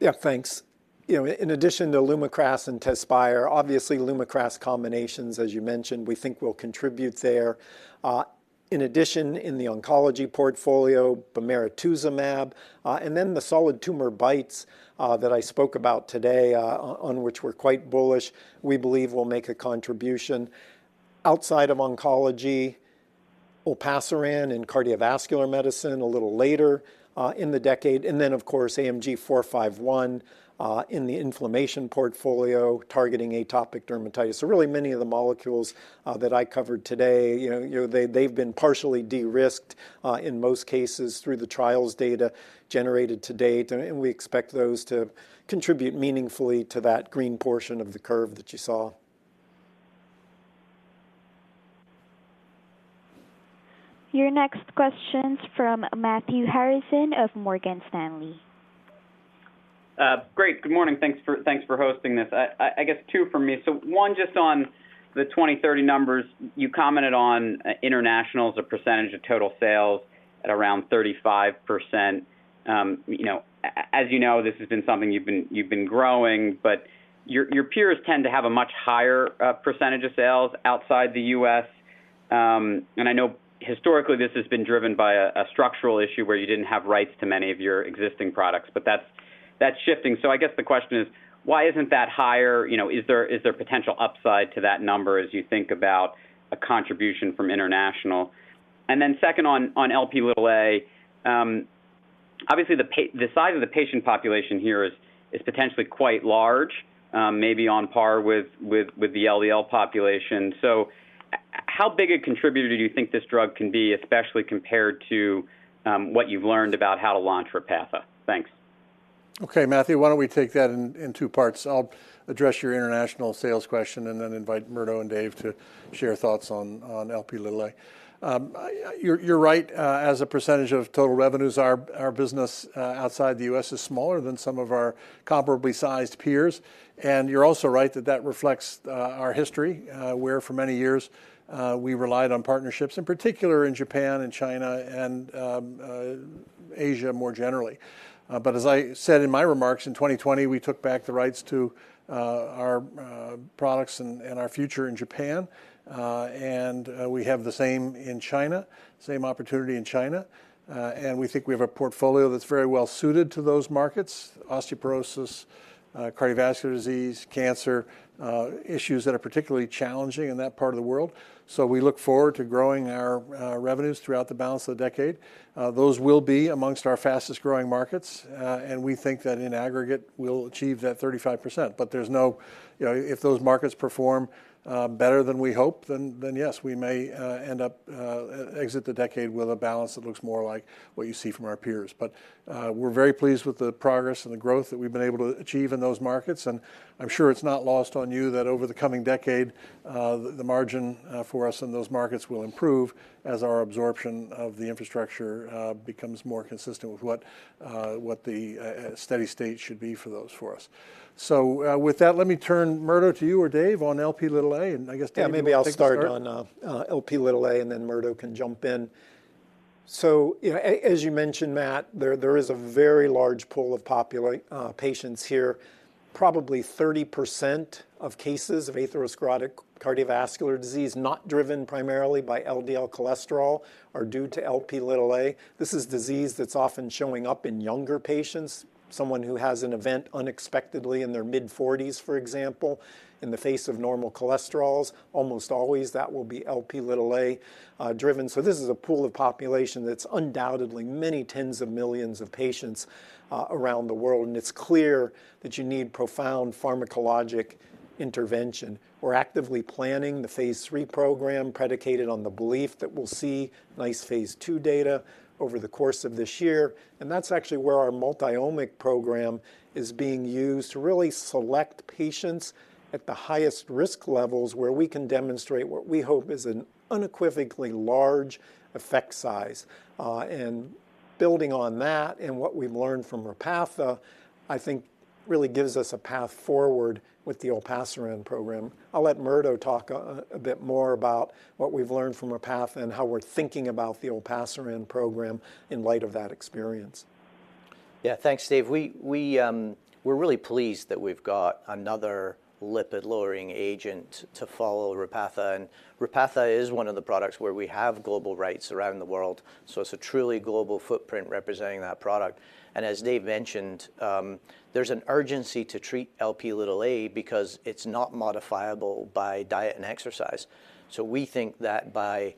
Yeah, thanks. You know, in addition to Lumakras and Tezspire, obviously, Lumakras combinations, as you mentioned, we think will contribute there. In addition, in the oncology portfolio, Bemarituzumab, and then the solid tumor BiTEs, that I spoke about today, on which we're quite bullish, we believe will make a contribution. Outside of oncology, Olpasiran in cardiovascular medicine a little later, in the decade, and then of course AMG 451, in the inflammation portfolio targeting atopic dermatitis. So really many of the molecules, that I covered today, you know, they've been partially de-risked, in most cases through the trials data generated to date, and we expect those to contribute meaningfully to that green portion of the curve that you saw. Your next question's from Matthew Harrison of Morgan Stanley. Great. Good morning. Thanks for hosting this. I guess two from me. One just on the 2030 numbers. You commented on internationals, a percentage of total sales at around 35%. You know, as you know, this has been something you've been growing, but your peers tend to have a much higher percentage of sales outside the U.S. I know historically this has been driven by a structural issue where you didn't have rights to many of your existing products, but that's shifting. I guess the question is, why isn't that higher? You know, is there potential upside to that number as you think about a contribution from international? Then second on Lp(a), obviously the size of the patient population here is potentially quite large, maybe on par with the LDL population. How big a contributor do you think this drug can be, especially compared to what you've learned about how to launch Repatha? Thanks. Okay, Matthew, why don't we take that in two parts? I'll address your international sales question and then invite Murdo and Dave to share thoughts on Lp(a). You're right. As a percentage of total revenues, our business outside the U.S. is smaller than some of our comparably sized peers. You're also right that that reflects our history, where for many years we relied on partnerships, in particular in Japan and China and Asia more generally. As I said in my remarks, in 2020, we took back the rights to our products and our future in Japan. We have the same in China, same opportunity in China. We think we have a portfolio that's very well suited to those markets, osteoporosis, cardiovascular disease, cancer, issues that are particularly challenging in that part of the world. We look forward to growing our revenues throughout the balance of the decade. Those will be amongst our fastest-growing markets. We think that in aggregate we'll achieve that 35%. You know, if those markets perform better than we hope, then yes, we may end up exiting the decade with a balance that looks more like what you see from our peers. We're very pleased with the progress and the growth that we've been able to achieve in those markets, and I'm sure it's not lost on you that over the coming decade, the margin for us in those markets will improve as our absorption of the infrastructure becomes more consistent with what the steady state should be for those of us. With that, let me turn Murdo to you or David on Lp(a), and I guess David, you wanna take the start? Yeah, maybe I'll start on Lp(a), and then Murdo can jump in. You know, as you mentioned, Matt, there is a very large pool of patients here. Probably 30% of cases of atherosclerotic cardiovascular disease, not driven primarily by LDL cholesterol, are due to Lp(a). This is disease that's often showing up in younger patients, someone who has an event unexpectedly in their mid-forties, for example, in the face of normal cholesterols, almost always that will be Lp(a) driven. This is a pool of population that's undoubtedly many tens of millions of patients around the world, and it's clear that you need profound pharmacologic intervention. We're actively planning the phase III program predicated on the belief that we'll see nice phase II data over the course of this year. That's actually where our Multiomic program is being used to really select patients at the highest risk levels where we can demonstrate what we hope is an unequivocally large effect size. Building on that and what we've learned from Repatha, I think really gives us a path forward with the Olpasiran program. I'll let Murdo talk a bit more about what we've learned from Repatha and how we're thinking about the Olpasiran program in light of that experience. Yeah. Thanks, Dave. We're really pleased that we've got another lipid-lowering agent to follow Repatha, and Repatha is one of the products where we have global rights around the world, so it's a truly global footprint representing that product. As Dave mentioned, there's an urgency to treat Lp because it's not modifiable by diet and exercise. We think that by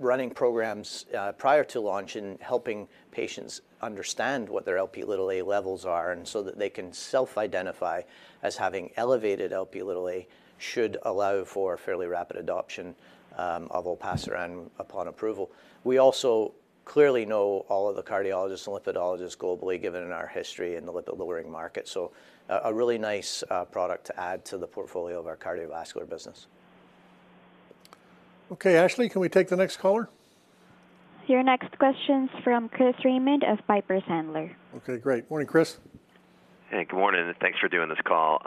running programs prior to launch and helping patients understand what their Lp levels are and so that they can self-identify as having elevated Lp should allow for fairly rapid adoption of Olpasiran upon approval. We also clearly know all of the cardiologists and lipidologists globally, given our history in the lipid-lowering market, so a really nice product to add to the portfolio of our cardiovascular business. Okay. Ashley, can we take the next caller? Your next question's from Chris Raymond of Piper Sandler. Okay, great. Morning, Chris. Hey, good morning, and thanks for doing this call.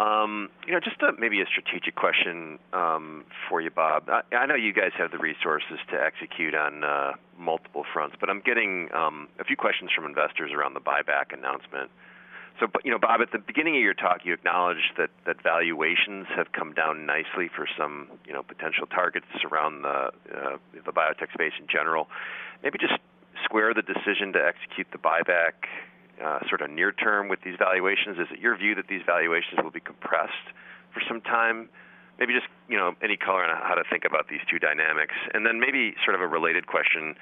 You know, just a strategic question for you, Bob. I know you guys have the resources to execute on multiple fronts, but I'm getting a few questions from investors around the buyback announcement. You know, Bob, at the beginning of your talk, you acknowledged that valuations have come down nicely for some potential targets around the biotech space in general. Maybe just square the decision to execute the buyback sort of near term with these valuations. Is it your view that these valuations will be compressed for some time? Maybe just any color on how to think about these two dynamics. And then maybe sort of a related question.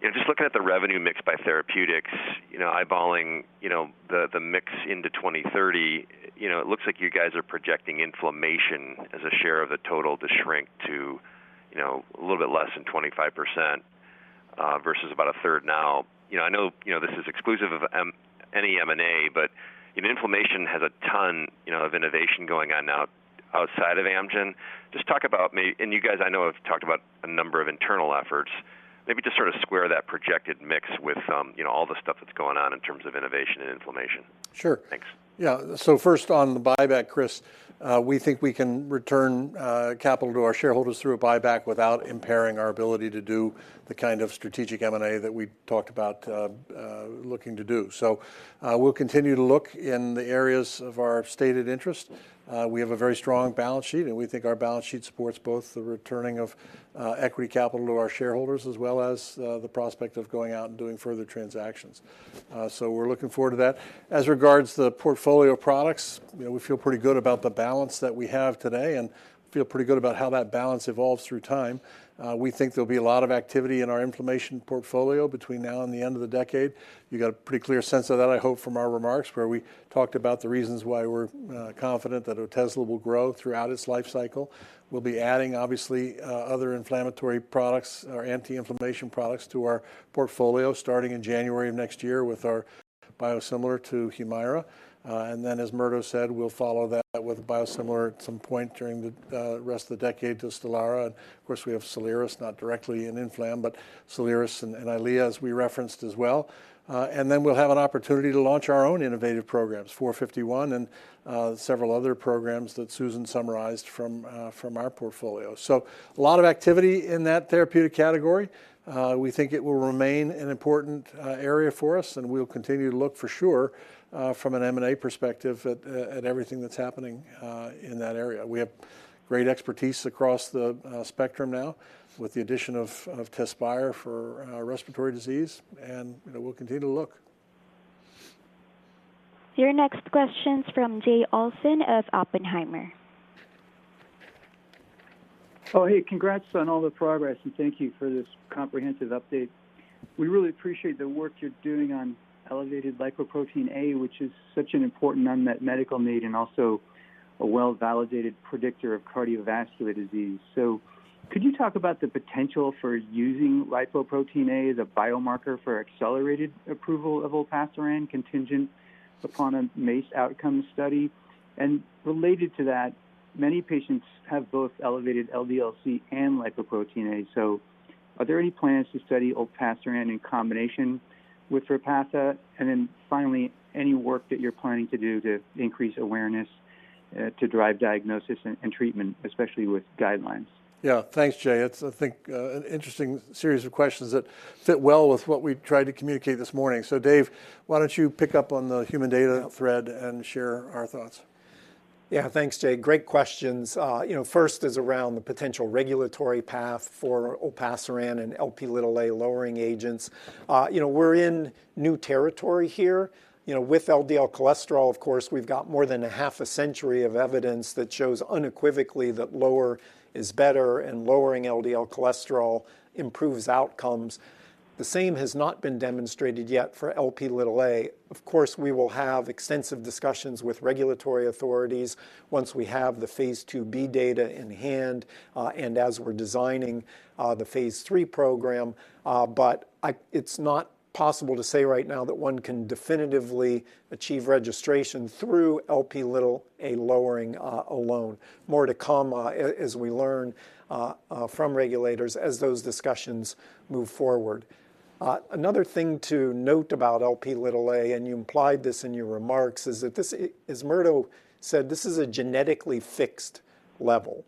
You know, just looking at the revenue mix by therapeutics, you know, eyeballing, you know, the mix into 2030, you know, it looks like you guys are projecting inflammation as a share of the total to shrink to, you know, a little bit less than 25%, versus about a third now. You know, I know, you know, this is exclusive of any M&A, but- Inflammation has a ton, you know, of innovation going on now outside of Amgen. Just talk about. You guys, I know, have talked about a number of internal efforts. Maybe just sort of square that projected mix with, you know, all the stuff that's going on in terms of innovation and inflammation. Sure. Thanks. Yeah. First on the buyback, Chris, we think we can return capital to our shareholders through a buyback without impairing our ability to do the kind of strategic M&A that we talked about, looking to do. We'll continue to look in the areas of our stated interest. We have a very strong balance sheet, and we think our balance sheet supports both the returning of equity capital to our shareholders, as well as the prospect of going out and doing further transactions. We're looking forward to that. As regards the portfolio of products, you know, we feel pretty good about the balance that we have today, and feel pretty good about how that balance evolves through time. We think there'll be a lot of activity in our inflammation portfolio between now and the end of the decade. You got a pretty clear sense of that, I hope, from our remarks, where we talked about the reasons why we're confident that Otezla will grow throughout its life cycle. We'll be adding, obviously, other inflammatory products or anti-inflammation products to our portfolio starting in January of next year with our biosimilar to Humira. Then, as Murdo said, we'll follow that with a biosimilar at some point during the rest of the decade to Stelara. Of course, we have Soliris, not directly in inflammation, but Soliris and EYLEA, as we referenced as well. Then we'll have an opportunity to launch our own innovative programs, 451 and several other programs that Susan summarized from our portfolio. A lot of activity in that therapeutic category. We think it will remain an important area for us, and we'll continue to look for sure from an M&A perspective at everything that's happening in that area. We have great expertise across the spectrum now with the addition of Tezspire for respiratory disease, and you know, we'll continue to look. Your next question is from Jay Olson of Oppenheimer. Oh, hey, congrats on all the progress, and thank you for this comprehensive update. We really appreciate the work you're doing on elevated lipoprotein(a), which is such an important unmet medical need and also a well-validated predictor of cardiovascular disease. Could you talk about the potential for using lipoprotein(a) as a biomarker for accelerated approval of Olpasiran contingent upon a MACE outcome study? Related to that, many patients have both elevated LDL-C and lipoprotein(a). Are there any plans to study Olpasiran in combination with Repatha? Finally, any work that you're planning to do to increase awareness to drive diagnosis and treatment, especially with guidelines? Yeah. Thanks, Jay. It's, I think, an interesting series of questions that fit well with what we've tried to communicate this morning. Dave, why don't you pick up on the human data thread and share our thoughts? Yeah. Thanks, Jay. Great questions. You know, first is around the potential regulatory path for Olpasiran and Lp(a) lowering agents. You know, we're in new territory here. You know, with LDL cholesterol, of course, we've got more than a half a century of evidence that shows unequivocally that lower is better and lowering LDL cholesterol improves outcomes. The same has not been demonstrated yet for Lp(a). Of course, we will have extensive discussions with regulatory authorities once we have the phase IIb data in hand, and as we're designing the phase III program. It's not possible to say right now that one can definitively achieve registration through Lp(a) lowering alone. More to come, as we learn from regulators as those discussions move forward. Another thing to note about Lp(a), and you implied this in your remarks, is that as Murdo said, this is a genetically fixed level.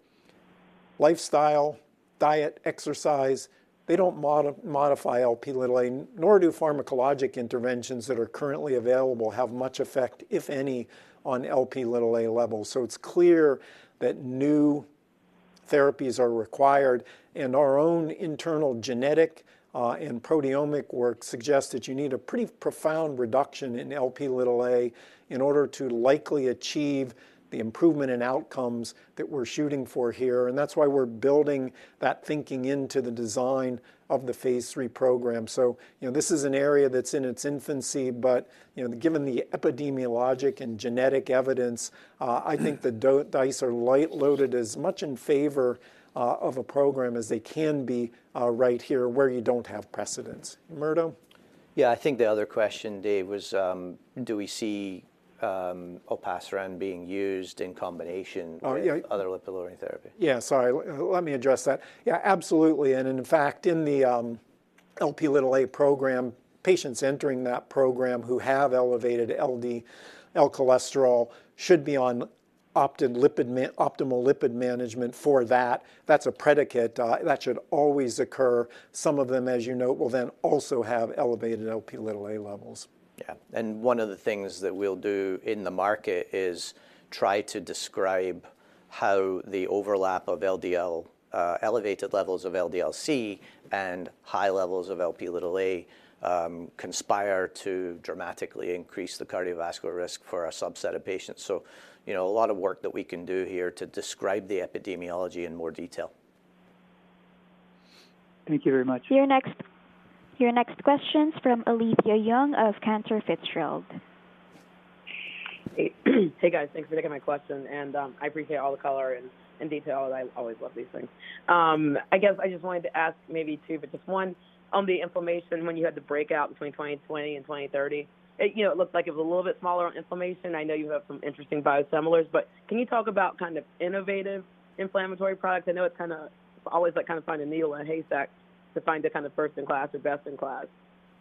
Lifestyle, diet, exercise, they don't modify Lp(a), nor do pharmacologic interventions that are currently available have much effect, if any, on Lp(a) levels. It's clear that new therapies are required, and our own internal genetic and proteomic work suggests that you need a pretty profound reduction in Lp(a) in order to likely achieve the improvement in outcomes that we're shooting for here, and that's why we're building that thinking into the design of the phase III program. You know, this is an area that's in its infancy, but, you know, given the epidemiologic and genetic evidence, I think the dice are loaded as much in favor of a program as they can be, right here where you don't have precedent. Murdo? Yeah. I think the other question, Dave, was, do we see Olpasiran being used in combination? Oh, yeah. with other lipid-lowering therapy? Yeah, sorry. Let me address that. Yeah, absolutely. In fact, in the Lp(a) program, patients entering that program who have elevated LDL cholesterol should be on optimal lipid management for that. That's a prerequisite that should always occur. Some of them, as you note, will then also have elevated Lp(a) levels. Yeah. One of the things that we'll do in the market is try to describe how the overlap of LDL, elevated levels of LDL-C and high levels of Lp(a) conspire to dramatically increase the cardiovascular risk for a subset of patients. You know, a lot of work that we can do here to describe the epidemiology in more detail. Thank you very much. Your next question's from Alethia Young of Cantor Fitzgerald. Hey, guys. Thanks for taking my question, and I appreciate all the color and detail. I always love these things. I guess I just wanted to ask maybe two, but just one on the inflammation, when you had the breakout between 2020 and 2030. It you know looked like it was a little bit smaller on inflammation. I know you have some interesting biosimilars, but can you talk about kind of innovative inflammatory products? I know it's kinda always like kind of find a needle in a haystack to find a kind of first in class or best in class.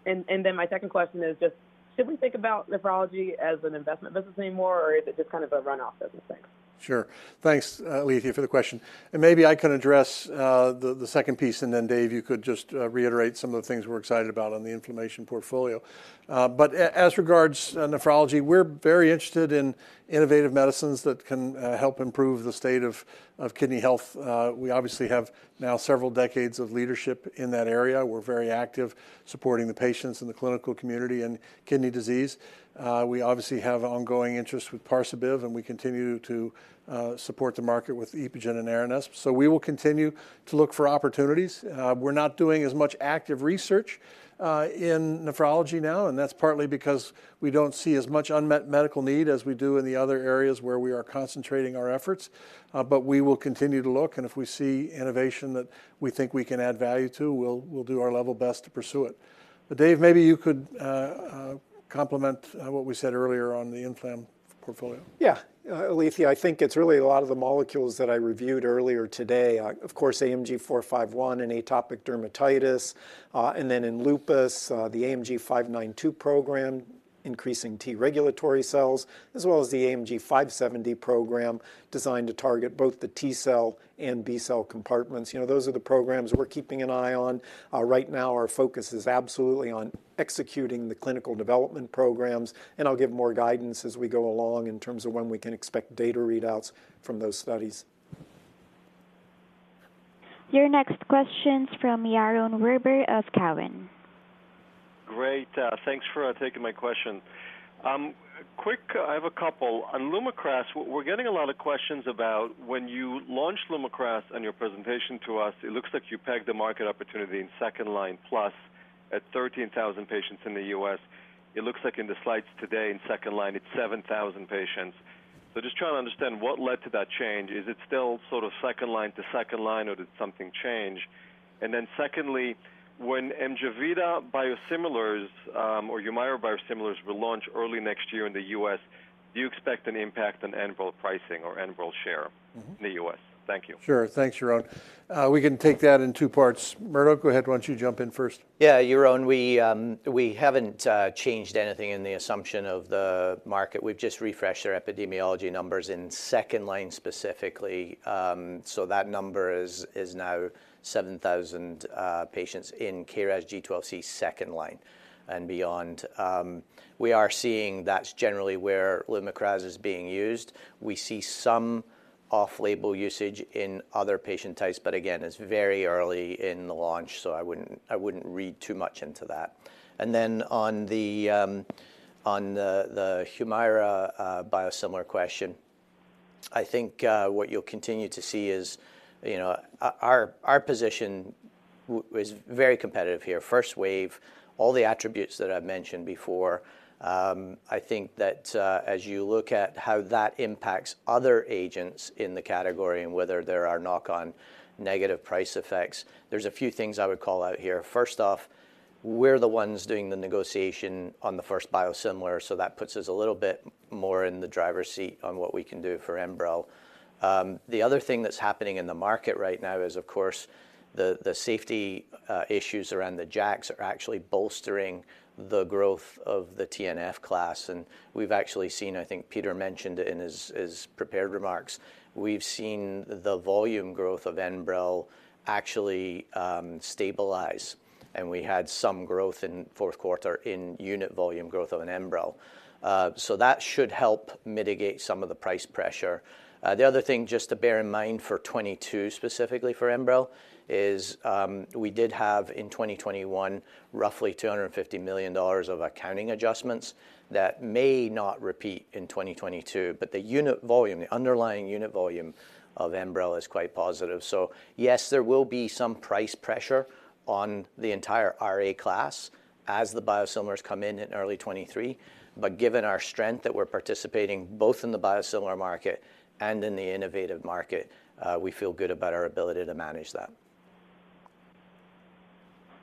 Then my second question is just should we think about nephrology as an investment business anymore, or is it just kind of a runoff business? Thanks. Sure. Thanks, Alethia, for the question. Maybe I can address the second piece, and then Dave, you could just reiterate some of the things we're excited about on the inflammation portfolio. But as regards nephrology, we're very interested in innovative medicines that can help improve the state of kidney health. We obviously have now several decades of leadership in that area. We're very active supporting the patients in the clinical community in kidney disease. We obviously have ongoing interest with Parsabiv, and we continue to support the market with Epogen and Aranesp. We will continue to look for opportunities. We're not doing as much active research in nephrology now, and that's partly because we don't see as much unmet medical need as we do in the other areas where we are concentrating our efforts. We will continue to look, and if we see innovation that we think we can add value to, we'll do our level best to pursue it. Dave, maybe you could complement what we said earlier on the inflam portfolio. Yeah. Alethia, I think it's really a lot of the molecules that I reviewed earlier today. Of course, AMG 451 in atopic dermatitis, and then in lupus, the AMG 592 program, increasing T-regulatory cells, as well as the AMG 570 program designed to target both the T-cell and B-cell compartments. You know, those are the programs we're keeping an eye on. Right now our focus is absolutely on executing the clinical development programs, and I'll give more guidance as we go along in terms of when we can expect data readouts from those studies. Your next question's from Yaron Werber of Cowen. Great. Thanks for taking my question. Quick, I have a couple. On Lumakras, we're getting a lot of questions about when you launched Lumakras on your presentation to us, it looks like you pegged the market opportunity in second-line plus at 13,000 patients in the U.S. It looks like in the slides today in second line it's 7,000 patients. Just trying to understand what led to that change. Is it still sort of second line to second line, or did something change? Secondly, when Amjevita biosimilars or Humira biosimilars will launch early next year in the U.S., do you expect any impact on Enbrel pricing or Enbrel share- Mm-hmm. In the U.S.? Thank you. Sure. Thanks, Yaron. We can take that in two parts. Murdo, go ahead. Why don't you jump in first? Yeah. Yaron, we haven't changed anything in the assumption of the market. We've just refreshed our epidemiology numbers in second line specifically, so that number is now 7,000 patients in KRAS G12C second line and beyond. We are seeing that's generally where Lumakras is being used. We see some off-label usage in other patient types, but again, it's very early in the launch, so I wouldn't read too much into that. On the Humira biosimilar question, I think what you'll continue to see is, you know, our position is very competitive here. First wave, all the attributes that I've mentioned before, I think that, as you look at how that impacts other agents in the category and whether there are knock-on negative price effects, there's a few things I would call out here. First off, we're the ones doing the negotiation on the first biosimilar, so that puts us a little bit more in the driver's seat on what we can do for Enbrel. The other thing that's happening in the market right now is, of course, the safety issues around the JAKs are actually bolstering the growth of the TNF class, and we've actually seen, I think Peter mentioned in his prepared remarks, we've seen the volume growth of Enbrel actually stabilize, and we had some growth in fourth quarter in unit volume growth of Enbrel. That should help mitigate some of the price pressure. The other thing just to bear in mind for 2022 specifically for Enbrel is, we did have in 2021 roughly $250 million of accounting adjustments that may not repeat in 2022. The unit volume, the underlying unit volume of Enbrel is quite positive. Yes, there will be some price pressure on the entire RA class as the biosimilars come in in early 2023, but given our strength that we're participating both in the biosimilar market and in the innovative market, we feel good about our ability to manage that.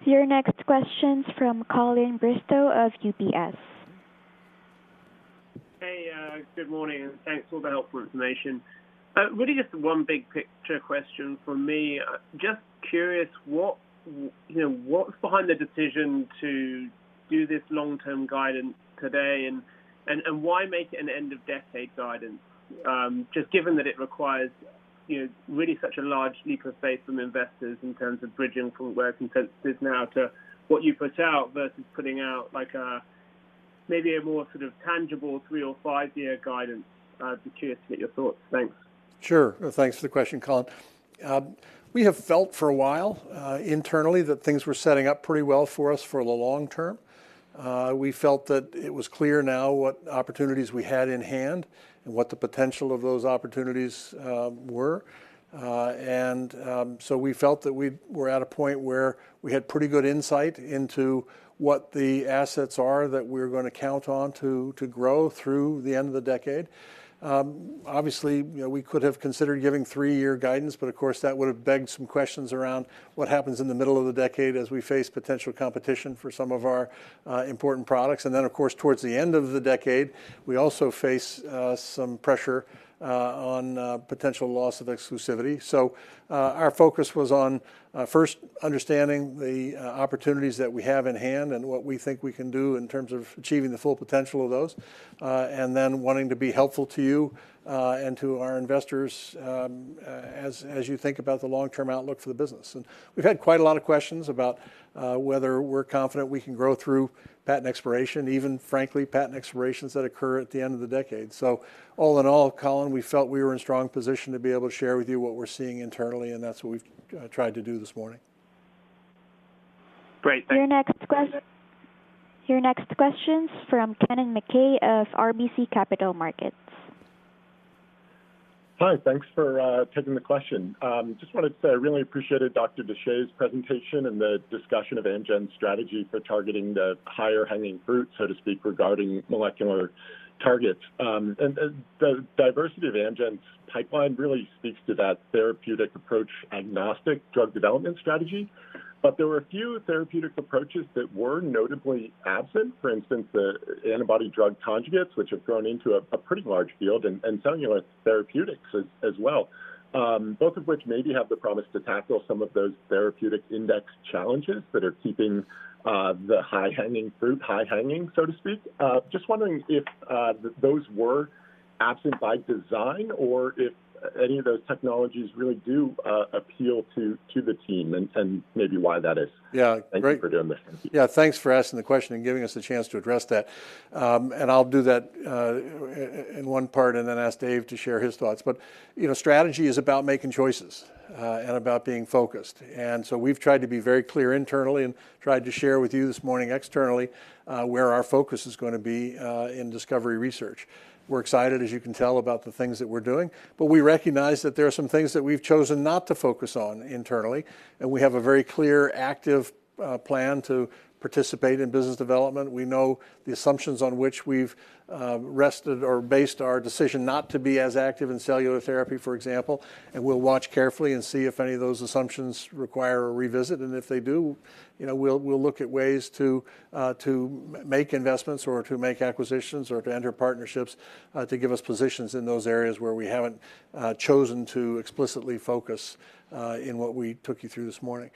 Your next question's from Colin Bristow of UBS. Hey, good morning, and thanks for all the helpful information. Really just one big picture question from me. Just curious, what, you know, what's behind the decision to do this long-term guidance today, and why make it an end-of-decade guidance, just given that it requires, you know, really such a large leap of faith from investors in terms of bridging from where consensus is now to what you put out versus putting out like a maybe a more sort of tangible three or five-year guidance. I'd be curious to get your thoughts. Thanks. Sure. Thanks for the question, Colin. We have felt for a while internally that things were setting up pretty well for us for the long term. We felt that it was clear now what opportunities we had in hand and what the potential of those opportunities were. We felt that we were at a point where we had pretty good insight into what the assets are that we're gonna count on to grow through the end of the decade. Obviously, you know, we could have considered giving three-year guidance, but of course, that would've begged some questions around what happens in the middle of the decade as we face potential competition for some of our important products. Of course, towards the end of the decade, we also face some pressure on potential loss of exclusivity. Our focus was on first understanding the opportunities that we have in hand and what we think we can do in terms of achieving the full potential of those, and then wanting to be helpful to you and to our investors, as you think about the long-term outlook for the business. We've had quite a lot of questions about whether we're confident we can grow through patent expiration, even frankly, patent expirations that occur at the end of the decade. All in all, Colin, we felt we were in a strong position to be able to share with you what we're seeing internally, and that's what we've tried to do this morning. Great. Thank you. Your next question's from Kennen MacKay of RBC Capital Markets. Hi. Thanks for taking the question. Just wanted to say I really appreciated Dr. Deshaies' presentation and the discussion of Amgen's strategy for targeting the higher hanging fruit, so to speak, regarding molecular targets. The diversity of Amgen's pipeline really speaks to that therapeutic approach, agnostic drug development strategy. There were a few therapeutic approaches that were notably absent. For instance, the antibody-drug conjugates, which have grown into a pretty large field, and cellular therapeutics as well, both of which maybe have the promise to tackle some of those therapeutic index challenges that are keeping the high hanging fruit high hanging, so to speak. Just wondering if those were absent by design or if any of those technologies really do appeal to the team and maybe why that is. Yeah. Great. Thank you for doing this. Yeah, thanks for asking the question and giving us the chance to address that. I'll do that in one part and then ask Dave to share his thoughts. You know, strategy is about making choices and about being focused. We've tried to be very clear internally and tried to share with you this morning externally where our focus is gonna be in discovery research. We're excited, as you can tell, about the things that we're doing, but we recognize that there are some things that we've chosen not to focus on internally, and we have a very clear, active plan to participate in business development. We know the assumptions on which we've rested or based our decision not to be as active in cellular therapy, for example, and we'll watch carefully and see if any of those assumptions require a revisit. If they do, you know, we'll look at ways to make investments or to make acquisitions or to enter partnerships to give us positions in those areas where we haven't chosen to explicitly focus in what we took you through this morning.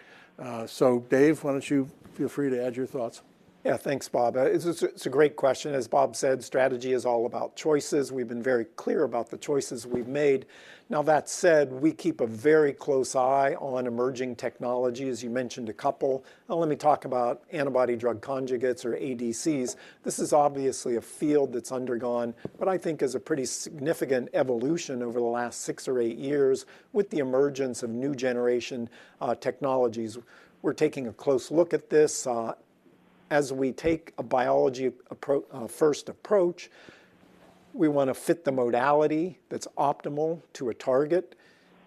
Dave, why don't you feel free to add your thoughts? Yeah. Thanks, Bob. It's a great question. As Bob said, strategy is all about choices. We've been very clear about the choices we've made. Now, that said, we keep a very close eye on emerging technology, as you mentioned a couple. Now let me talk about antibody-drug conjugates or ADCs. This is obviously a field that's undergone what I think is a pretty significant evolution over the last six or eight years with the emergence of new generation technologies. We're taking a close look at this. As we take a biology-first approach, we wanna fit the modality that's optimal to a target.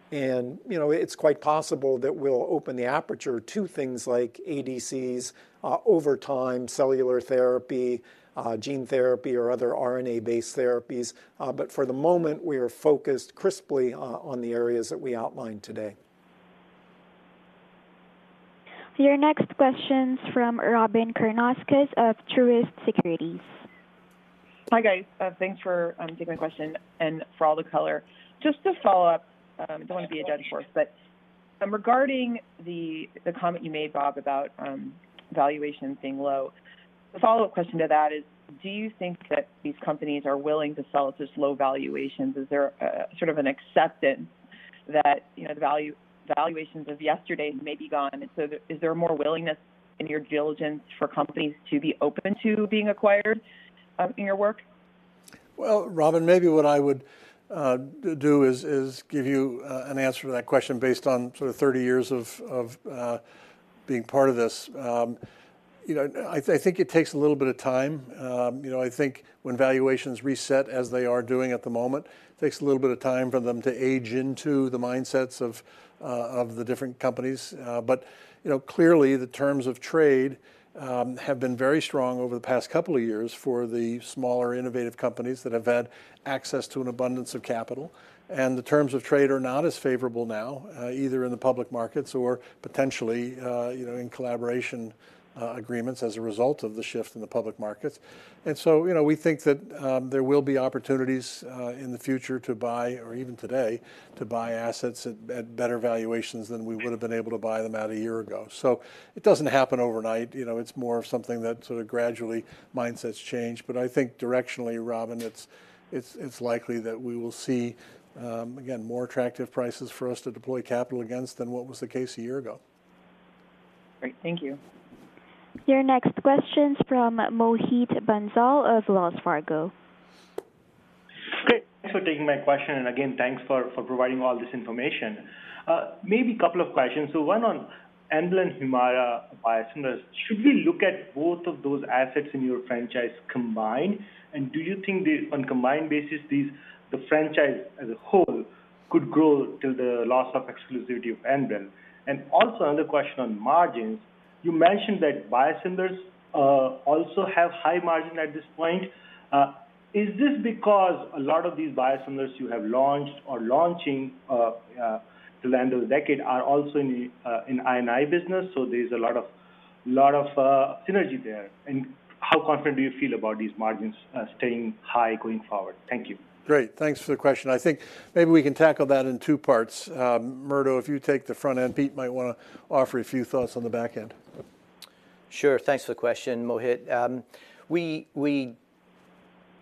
You know, it's quite possible that we'll open the aperture to things like ADCs over time, cellular therapy, gene therapy, or other RNA-based therapies. For the moment, we are focused crisply on the areas that we outlined today. Your next question's from Robyn Karnauskas of Truist Securities. Hi, guys. Thanks for taking my question and for all the color. Just to follow up, don't wanna be a dead horse, but regarding the comment you made, Bob, about valuation being low, the follow-up question to that is, do you think that these companies are willing to sell at this low valuations? Is there a sort of an acceptance that, you know, the valuations of yesterday may be gone? Is there more willingness in your diligence for companies to be open to being acquired in your work? Well, Robyn, maybe what I would do is give you an answer to that question based on sort of 30 years of being part of this. You know, I think it takes a little bit of time. You know, I think when valuations reset as they are doing at the moment, it takes a little bit of time for them to age into the mindsets of the different companies. You know, clearly the terms of trade have been very strong over the past couple of years for the smaller, innovative companies that have had access to an abundance of capital, and the terms of trade are not as favorable now, either in the public markets or potentially, you know, in collaboration agreements as a result of the shift in the public markets. you know, we think that there will be opportunities in the future to buy or even today to buy assets at better valuations than we would've been able to buy them at a year ago. It doesn't happen overnight, you know, it's more of something that sort of gradually mindsets change. I think directionally, Robyn, it's likely that we will see again more attractive prices for us to deploy capital against than what was the case a year ago. Great. Thank you. Your next question's from Mohit Bansal of Wells Fargo. Great. Thanks for taking my question, and again, thanks for providing all this information. Maybe a couple of questions. One on Enbrel and Humira biosimilars. Should we look at both of those assets in your franchise combined? Do you think on a combined basis the franchise as a whole could grow till the loss of exclusivity of Enbrel? Also another question on margins. You mentioned that biosimilars also have high margin at this point. Is this because a lot of these biosimilars you have launched or launching till end of the decade are also in the I and I business, so there's a lot of synergy there? How confident do you feel about these margins staying high going forward? Thank you. Great. Thanks for the question. I think maybe we can tackle that in two parts. Murdo, if you take the front end, Pete might wanna offer a few thoughts on the back end. Sure. Thanks for the question, Mohit. We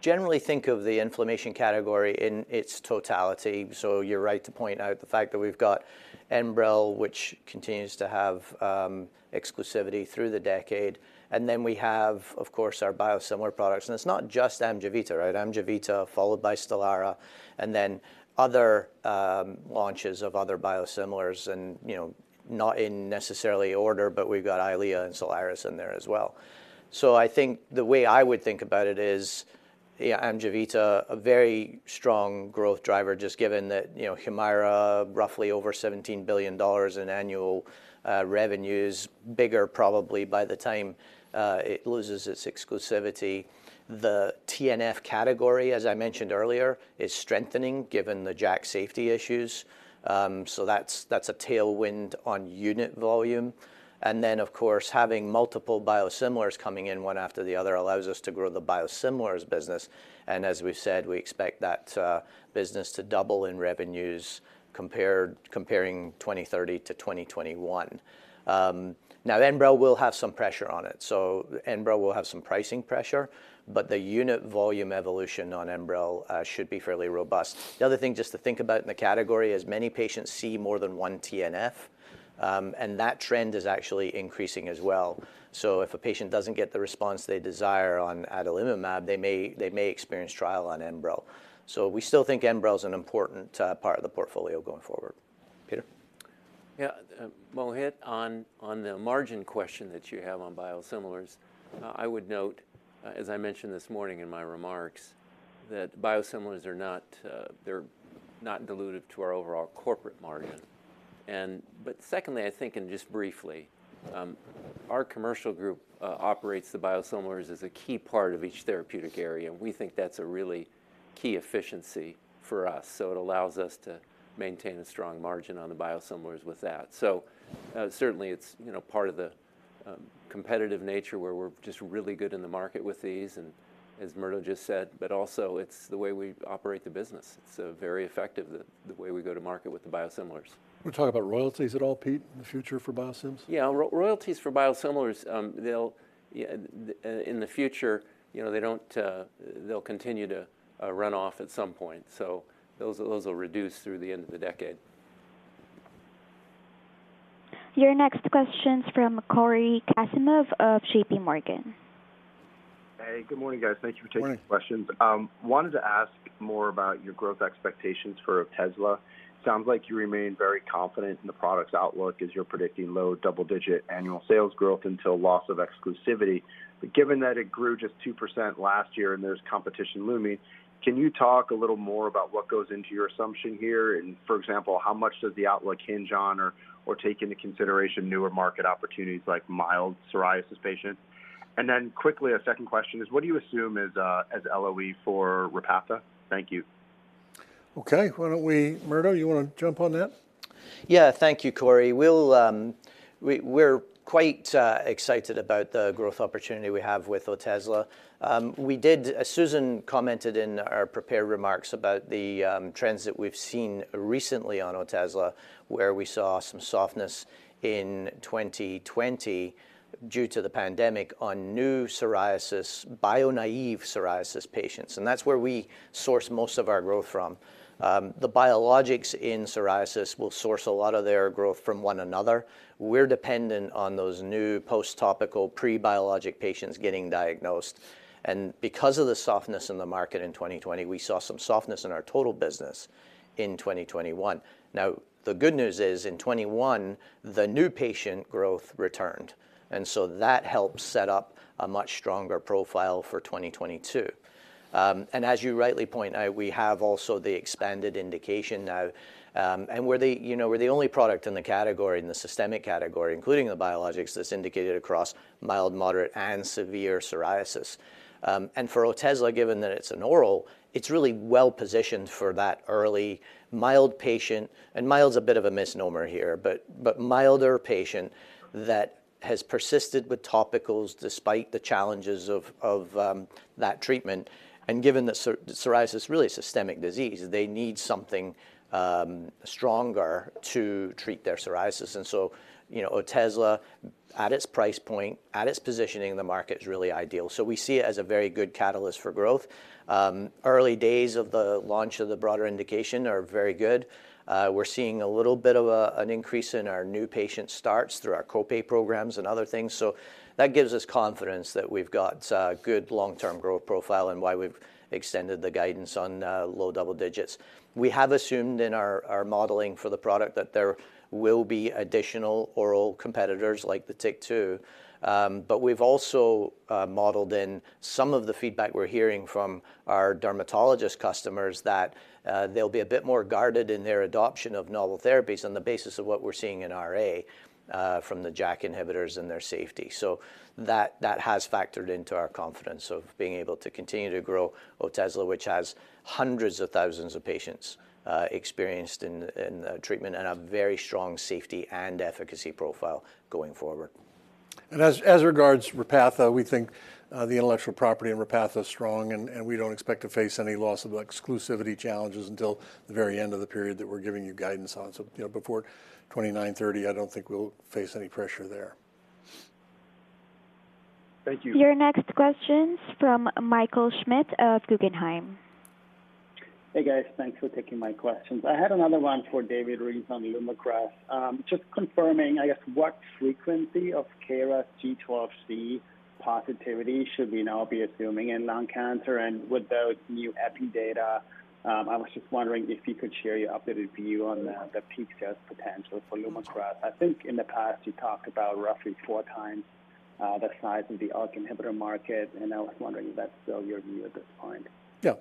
generally think of the inflammation category in its totality, so you're right to point out the fact that we've got Enbrel, which continues to have exclusivity through the decade, and then we have, of course, our biosimilar products. It's not just Amjevita, right? Amjevita followed by Stelara, and then other launches of other biosimilars and, you know, not necessarily in order, but we've got EYLEA and Soliris in there as well. I think the way I would think about it is, yeah, Amjevita, a very strong growth driver just given that, you know, Humira, roughly over $17 billion in annual revenues, bigger probably by the time it loses its exclusivity. The TNF category, as I mentioned earlier, is strengthening given the JAK safety issues, so that's a tailwind on unit volume. Of course, having multiple biosimilars coming in one after the other allows us to grow the biosimilars business. As we've said, we expect that business to double in revenues comparing 2030-2021. Now Enbrel will have some pressure on it. Enbrel will have some pricing pressure, but the unit volume evolution on Enbrel should be fairly robust. The other thing just to think about in the category is many patients see more than one TNF, and that trend is actually increasing as well. If a patient doesn't get the response they desire on adalimumab, they may experience trial on Enbrel. We still think Enbrel's an important part of the portfolio going forward. Peter? Yeah. Mohit, on the margin question that you have on biosimilars, I would note, as I mentioned this morning in my remarks, that biosimilars are not, they're not dilutive to our overall corporate margin. Secondly, I think, and just briefly, our commercial group operates the biosimilars as a key part of each therapeutic area, and we think that's a really key efficiency for us. It allows us to maintain a strong margin on the biosimilars with that. Certainly it's, you know, part of the competitive nature where we're just really good in the market with these and as Murdo just said, but also it's the way we operate the business. It's very effective the way we go to market with the biosimilars. Wanna talk about royalties at all, Pete, in the future for biosims? Yeah. Royalties for biosimilars, they'll then in the future, you know, they'll continue to run off at some point. Those will reduce through the end of the decade. Your next question's from Cory Kasimov of JPMorgan. Hey, good morning, guys. Thank you for taking the questions. Morning. I wanted to ask more about your growth expectations for Otezla. Sounds like you remain very confident in the product's outlook as you're predicting low double-digit annual sales growth until loss of exclusivity. Given that it grew just 2% last year and there's competition looming, can you talk a little more about what goes into your assumption here? For example, how much does the outlook hinge on or take into consideration newer market opportunities like mild psoriasis patients? Quickly, a second question is, what do you assume is the LOE for Repatha? Thank you. Okay. Why don't we, Murdo, you wanna jump on that? Yeah. Thank you, Corey. We're quite excited about the growth opportunity we have with Otezla. Susan commented in our prepared remarks about the trends that we've seen recently on Otezla, where we saw some softness in 2020 due to the pandemic on new psoriasis, bio-naive psoriasis patients, and that's where we source most of our growth from. The biologics in psoriasis will source a lot of their growth from one another. We're dependent on those new post-topical, pre-biologic patients getting diagnosed. Because of the softness in the market in 2020, we saw some softness in our total business in 2021. Now, the good news is in 2021, the new patient growth returned, and so that helped set up a much stronger profile for 2022. As you rightly point out, we have also the expanded indication now, and we're the only product in the category, in the systemic category, including the biologics, that's indicated across mild, moderate, and severe psoriasis. For Otezla, given that it's an oral, it's really well-positioned for that early mild patient, and mild's a bit of a misnomer here, but milder patient that has persisted with topicals despite the challenges of that treatment. Given that psoriasis is really a systemic disease, they need something stronger to treat their psoriasis. You know, Otezla, at its price point, at its positioning in the market is really ideal. We see it as a very good catalyst for growth. Early days of the launch of the broader indication are very good. We're seeing a little bit of an increase in our new patient starts through our co-pay programs and other things. That gives us confidence that we've got a good long-term growth profile and why we've extended the guidance on low double digits. We have assumed in our modeling for the product that there will be additional oral competitors like the TYK2. But we've also modeled in some of the feedback we're hearing from our dermatologist customers that they'll be a bit more guarded in their adoption of novel therapies on the basis of what we're seeing in RA from the JAK inhibitors and their safety. That has factored into our confidence of being able to continue to grow Otezla, which has hundreds of thousands of patients experienced in treatment and a very strong safety and efficacy profile going forward. As regards Repatha, we think the intellectual property in Repatha is strong, and we don't expect to face any loss of exclusivity challenges until the very end of the period that we're giving you guidance on. You know, before 2029-2030, I don't think we'll face any pressure there. Thank you. Your next question's from Michael Schmidt of Guggenheim. Hey, guys. Thanks for taking my questions. I had another one for David Reese on Lumakras. Just confirming, I guess, what frequency of KRAS G12C positivity should we now be assuming in lung cancer? And with those new epi data, I was just wondering if you could share your updated view on the peak sales potential for Lumakras. I think in the past, you talked about roughly 4x the size of the ALK inhibitor market, and I was wondering if that's still your view at this point. Yeah.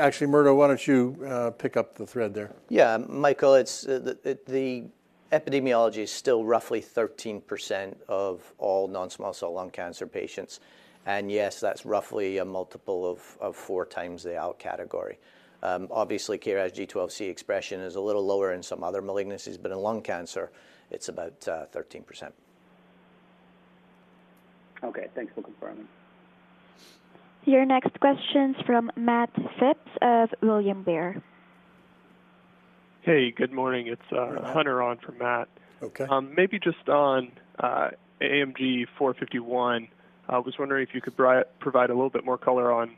Actually, Murdo, why don't you pick up the thread there? Yeah. Michael, it's the epidemiology is still roughly 13% of all non-small cell lung cancer patients. Yes, that's roughly a multiple of 4x the ALK category. Obviously, KRAS G12C expression is a little lower in some other malignancies, but in lung cancer, it's about 13%. Okay. Thanks for confirming. Your next question's from Matt Phipps of William Blair. Hey, good morning. It's Hunter on for Matt. Okay. Maybe just on AMG 451, I was wondering if you could provide a little bit more color on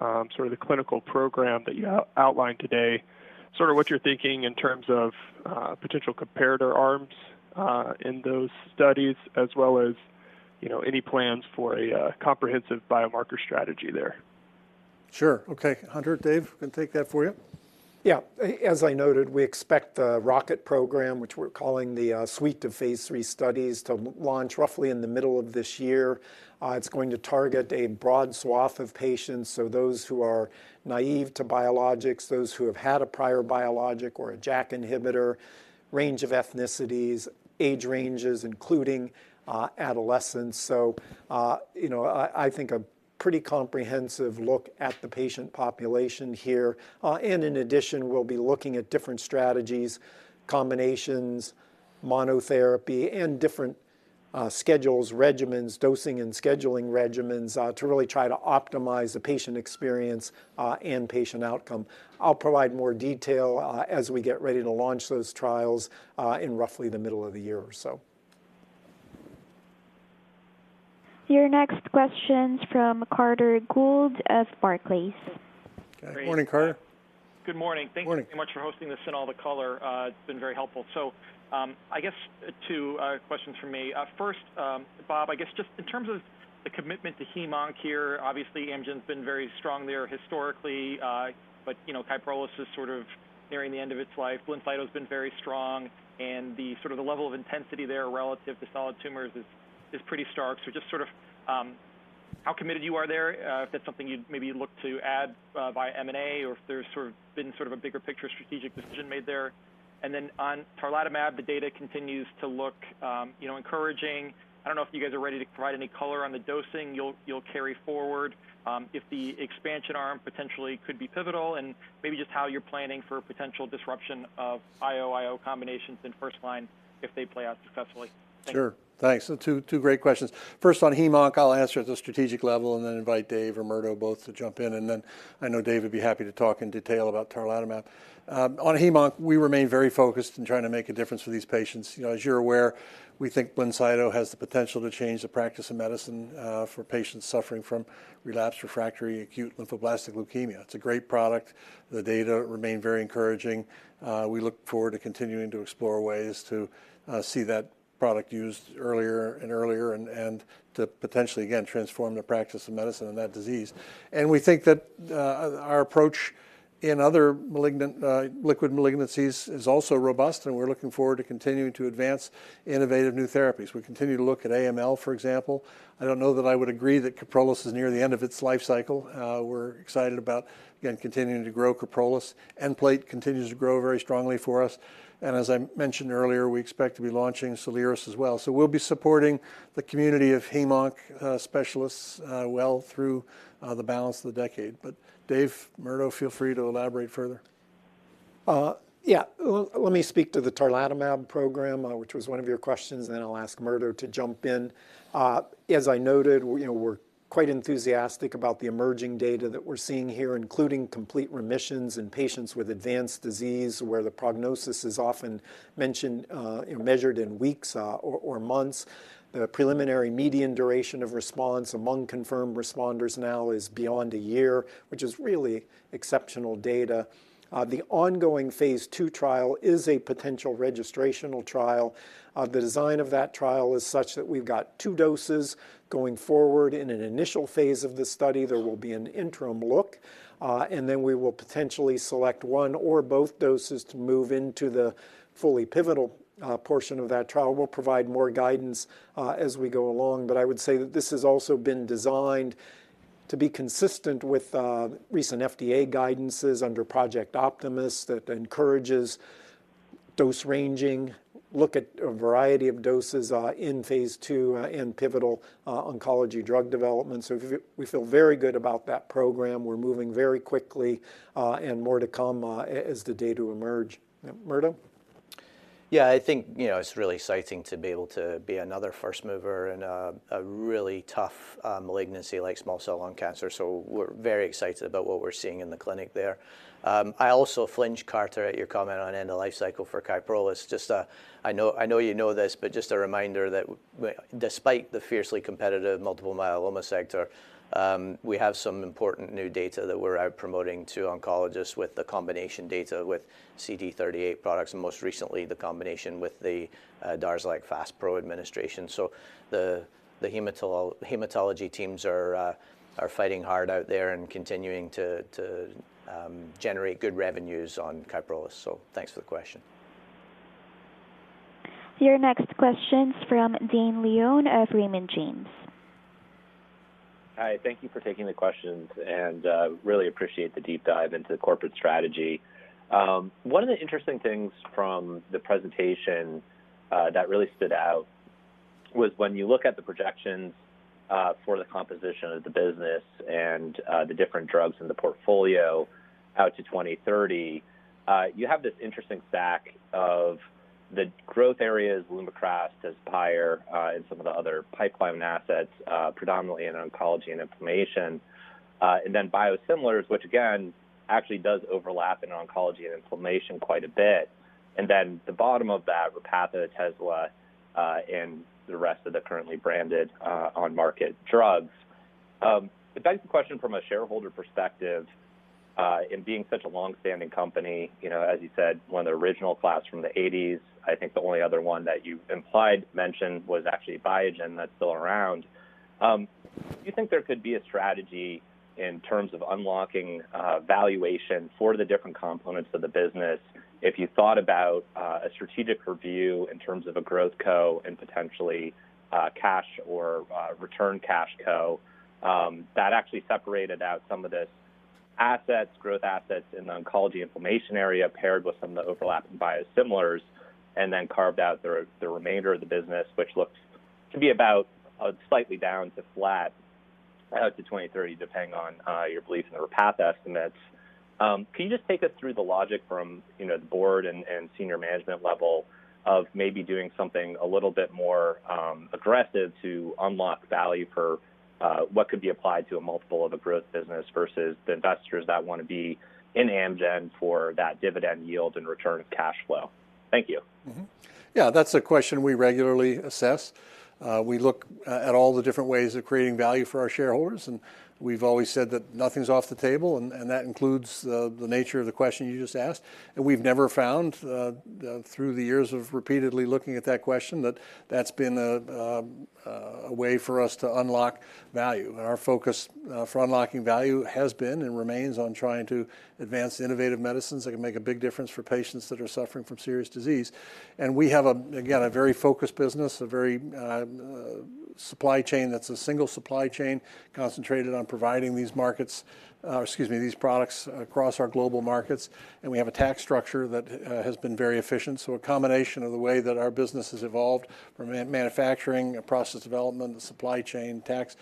sort of the clinical program that you outlined today, sort of what you're thinking in terms of potential comparator arms in those studies, as well as, you know, any plans for a comprehensive biomarker strategy there. Sure. Okay. Hunter, Dave can take that for you. As I noted, we expect the ROCKET program, which we're calling the suite of phase III studies, to launch roughly in the middle of this year. It's going to target a broad swath of patients, so those who are naive to biologics, those who have had a prior biologic or a JAK inhibitor, range of ethnicities, age ranges, including adolescents. You know, I think a pretty comprehensive look at the patient population here. In addition, we'll be looking at different strategies, combinations, monotherapy, and different schedules, regimens, dosing and scheduling regimens to really try to optimize the patient experience and patient outcome. I'll provide more detail as we get ready to launch those trials in roughly the middle of the year or so. Your next question's from Carter Gould of Barclays. Okay. Morning, Carter. Great. Good morning. Morning. Thank you so much for hosting this and all the color. It's been very helpful. I guess two questions from me. First, Bob, I guess just in terms of the commitment to heme/onc here, obviously Amgen's been very strong there historically. You know, Kyprolis is sort of nearing the end of its life. BLINCYTO's been very strong, and the sort of level of intensity there relative to solid tumors is pretty stark. Just sort of how committed you are there, if that's something you'd maybe look to add via M&A or if there's sort of been sort of a bigger picture strategic decision made there. Then on tarlatamab, the data continues to look you know, encouraging. I don't know if you guys are ready to provide any color on the dosing you'll carry forward, if the expansion arm potentially could be pivotal and maybe just how you're planning for potential disruption of IO/IO combinations in first line if they play out successfully. Thank you. Two great questions. First on heme/onc, I'll answer at the strategic level and then invite Dave or Murdo both to jump in, and then I know Dave would be happy to talk in detail about tarlatamab. On heme/onc, we remain very focused in trying to make a difference for these patients. You know, as you're aware, we think BLINCYTO has the potential to change the practice of medicine for patients suffering from relapsed refractory acute lymphoblastic leukemia. It's a great product. The data remain very encouraging. We look forward to continuing to explore ways to see that product used earlier and earlier and to potentially, again, transform the practice of medicine in that disease. We think that our approach in other malignant liquid malignancies is also robust, and we're looking forward to continuing to advance innovative new therapies. We continue to look at AML, for example. I don't know that I would agree that Kyprolis is near the end of its life cycle. We're excited about, again, continuing to grow Kyprolis. Nplate continues to grow very strongly for us, and as I mentioned earlier, we expect to be launching Soliris as well. We'll be supporting the community of heme/onc specialists well through the balance of the decade. Dave, Murdo, feel free to elaborate further. Let me speak to the tarlatamab program, which was one of your questions, and then I'll ask Murdo to jump in. As I noted, we, you know, we're quite enthusiastic about the emerging data that we're seeing here, including complete remissions in patients with advanced disease where the prognosis is often mentioned, you know, measured in weeks or months. The preliminary median duration of response among confirmed responders now is beyond a year, which is really exceptional data. The ongoing phase II trial is a potential registrational trial. The design of that trial is such that we've got two doses going forward. In an initial phase of this study, there will be an interim look, and then we will potentially select one or both doses to move into the fully pivotal portion of that trial. We'll provide more guidance as we go along. I would say that this has also been designed to be consistent with recent FDA guidances under Project Optimus that encourages dose ranging, look at a variety of doses in phase II in pivotal oncology drug development. We feel very good about that program. We're moving very quickly, and more to come as the data emerge. Murdo? Yeah. I think, you know, it's really exciting to be able to be another first mover in a really tough malignancy like small cell lung cancer, so we're very excited about what we're seeing in the clinic there. I also flinch, Carter, at your comment on end of life cycle for Kyprolis. Just, I know you know this, but just a reminder that despite the fiercely competitive multiple myeloma sector, we have some important new data that we're out promoting to oncologists with the combination data with CD38 products, and most recently the combination with the DARZALEX FASPRO administration. The hematology teams are fighting hard out there and continuing to generate good revenues on Kyprolis. Thanks for the question. Your next question's from Dane Leone of Raymond James. Hi, thank you for taking the questions, and really appreciate the deep dive into the corporate strategy. One of the interesting things from the presentation that really stood out was when you look at the projections for the composition of the business and the different drugs in the portfolio out to 2030, you have this interesting stack of the growth areas, Lumakras, Tezspire, and some of the other pipeline assets, predominantly in oncology and inflammation. Biosimilars, which again actually does overlap in oncology and inflammation quite a bit. At the bottom of that, Repatha, Otezla, and the rest of the currently branded, on-market drugs. It begs the question from a shareholder perspective, in being such a long-standing company, you know, as you said, one of the original class from the eighties. I think the only other one that you implied mentioned was actually Biogen that's still around. Do you think there could be a strategy in terms of unlocking valuation for the different components of the business if you thought about a strategic review in terms of a growth co and potentially cash or return cash co that actually separated out some of the assets, growth assets in the oncology inflammation area paired with some of the overlapping biosimilars, and then carved out the remainder of the business, which looks to be about slightly down to flat to 2030, depending on your belief in the Repatha estimates. Can you just take us through the logic from, you know, the board and senior management level of maybe doing something a little bit more aggressive to unlock value for what could be applied to a multiple of a growth business versus the investors that wanna be in Amgen for that dividend yield and return of cash flow? Thank you. Yeah, that's a question we regularly assess. We look at all the different ways of creating value for our shareholders, and we've always said that nothing's off the table and that includes the nature of the question you just asked. We've never found through the years of repeatedly looking at that question that that's been a way for us to unlock value. Our focus for unlocking value has been and remains on trying to advance innovative medicines that can make a big difference for patients that are suffering from serious disease. We have, again, a very focused business, a very supply chain that's a single supply chain concentrated on providing these markets, excuse me, these products across our global markets. We have a tax structure that has been very efficient. A combination of the way that our business has evolved from manufacturing, process development, the supply chain, tax,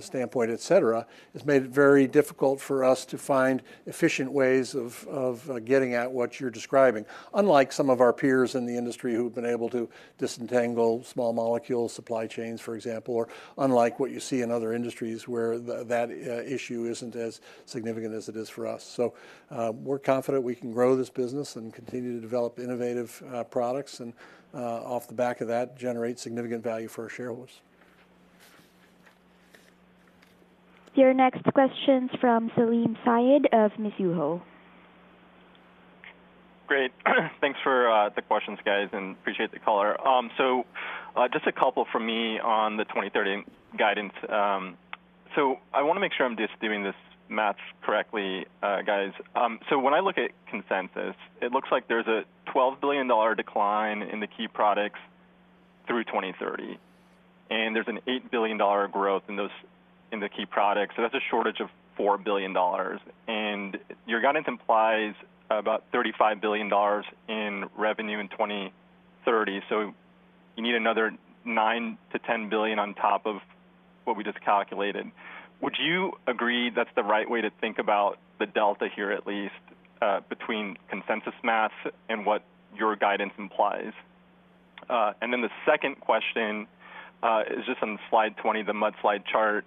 standpoint, et cetera, has made it very difficult for us to find efficient ways of getting at what you're describing. Unlike some of our peers in the industry who've been able to disentangle small molecule supply chains, for example, or unlike what you see in other industries where that issue isn't as significant as it is for us. We're confident we can grow this business and continue to develop innovative products, and off the back of that, generate significant value for our shareholders. Your next question's from Salim Syed of Mizuho. Great. Thanks for the questions, guys, and appreciate the caller. So just a couple from me on the 2030 guidance. So I wanna make sure I'm just doing this math correctly, guys. So when I look at consensus, it looks like there's a $12 billion decline in the key products through 2030, and there's an $8 billion growth in those, in the key products. So that's a shortage of $4 billion. Your guidance implies about $35 billion in revenue in 2030. So you need another $9 billion-$10 billion on top of what we just calculated. Would you agree that's the right way to think about the delta here, at least, between consensus math and what your guidance implies? And then the second question is just on slide 20, the multi-slide chart.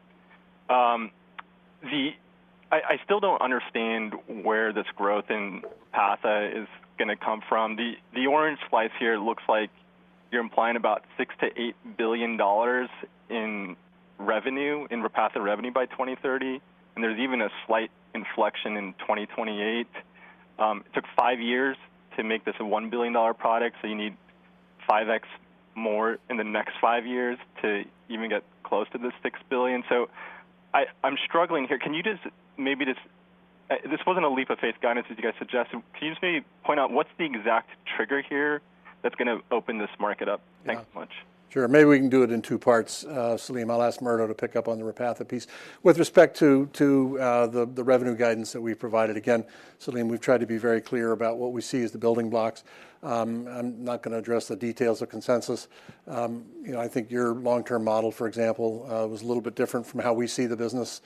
I still don't understand where this growth in Repatha is gonna come from. The orange slice here looks like you're implying about $6 billion-$8 billion in Repatha revenue by 2030, and there's even a slight inflection in 2028. Took five years to make this a $1 billion product, so you need 5x more in the next five years to even get close to this $6 billion. I'm struggling here. This wasn't a leap of faith guidance, as you guys suggested. Can you just maybe point out what's the exact trigger here that's gonna open this market up? Thanks so much. Sure. Maybe we can do it in two parts, Salim. I'll ask Murdo to pick up on the Repatha piece. With respect to the revenue guidance that we provided, again, Salim, we've tried to be very clear about what we see as the building blocks. I'm not gonna address the details of consensus. You know, I think your long-term model, for example, was a little bit different from how we see the business,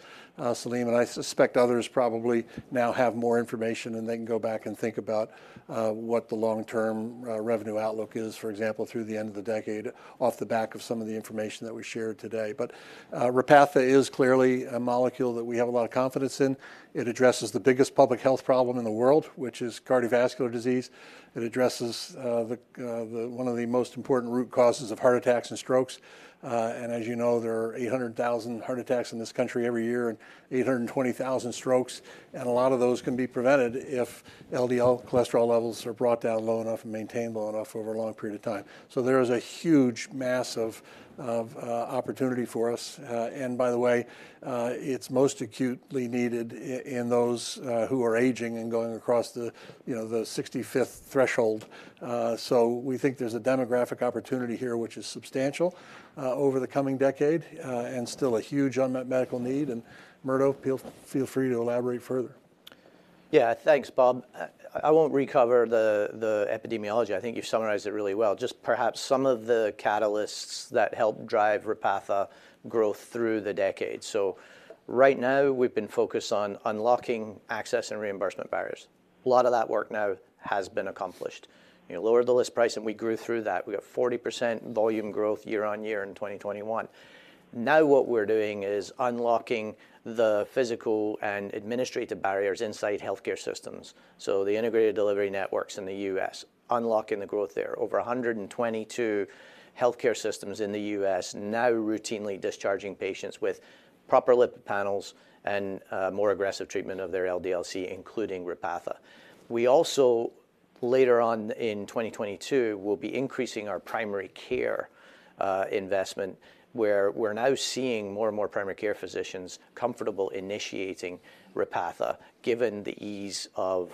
Salim, and I suspect others probably now have more information, and they can go back and think about what the long-term revenue outlook is, for example, through the end of the decade off the back of some of the information that we shared today. Repatha is clearly a molecule that we have a lot of confidence in. It addresses the biggest public health problem in the world, which is cardiovascular disease. It addresses one of the most important root causes of heart attacks and strokes. As you know, there are 800,000 heart attacks in this country every year and 820,000 strokes, and a lot of those can be prevented if LDL cholesterol levels are brought down low enough and maintained low enough over a long period of time. There is a huge mass of opportunity for us. By the way, it's most acutely needed in those who are aging and going across the 65th threshold. We think there's a demographic opportunity here which is substantial over the coming decade and still a huge unmet medical need. Murdo, feel free to elaborate further. Yeah. Thanks, Bob. I won't recap the epidemiology. I think you've summarized it really well, just perhaps some of the catalysts that help drive Repatha growth through the decade. Right now we've been focused on unlocking access and reimbursement barriers. A lot of that work now has been accomplished. You know, lowered the list price, and we grew through that. We got 40% volume growth year-over-year in 2021. Now what we're doing is unlocking the physical and administrative barriers inside healthcare systems, so the integrated delivery networks in the U.S., unlocking the growth there. Over 122 healthcare systems in the U.S. now routinely discharging patients with proper lipid panels and more aggressive treatment of their LDL-C, including Repatha. We also, later on in 2022, will be increasing our primary care investment, where we're now seeing more and more primary care physicians comfortable initiating Repatha, given the ease of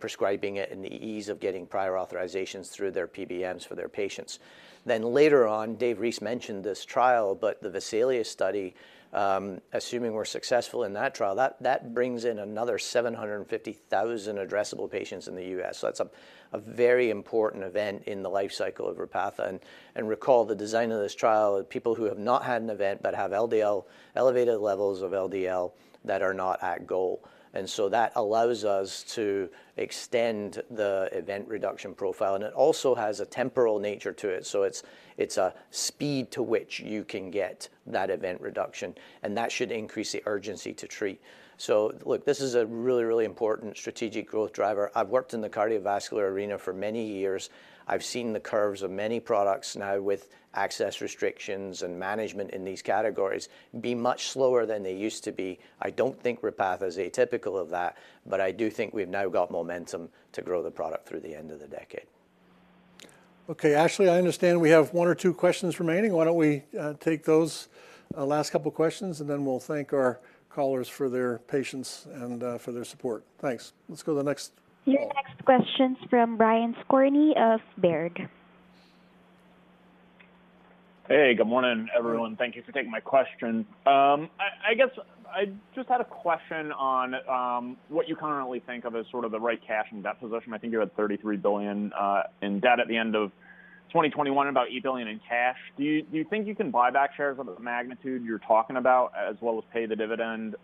prescribing it and the ease of getting prior authorizations through their PBMs for their patients. Later on, Dave Rees mentioned this trial, but the Vesalius study, assuming we're successful in that trial, that brings in another 750,000 addressable patients in the U.S. So that's a very important event in the lifecycle of Repatha. Recall the design of this trial, people who have not had an event but have LDL elevated levels of LDL that are not at goal. That allows us to extend the event reduction profile, and it also has a temporal nature to it. It's a speed to which you can get that event reduction, and that should increase the urgency to treat. Look, this is a really, really important strategic growth driver. I've worked in the cardiovascular arena for many years. I've seen the curves of many products now with access restrictions and management in these categories be much slower than they used to be. I don't think Repatha is atypical of that, but I do think we've now got momentum to grow the product through the end of the decade. Okay. Ashley, I understand we have one or two questions remaining. Why don't we take those last couple questions, and then we'll thank our callers for their patience and for their support. Thanks. Let's go to the next call. Your next question's from Brian Skorney of Baird. Hey, good morning, everyone. Thank you for taking my question. I guess I just had a question on what you currently think of as sort of the right cash and debt position. I think you had $33 billion in debt at the end of 2021 and about $8 billion in cash. Do you think you can buy back shares of the magnitude you're talking about as well as pay the dividend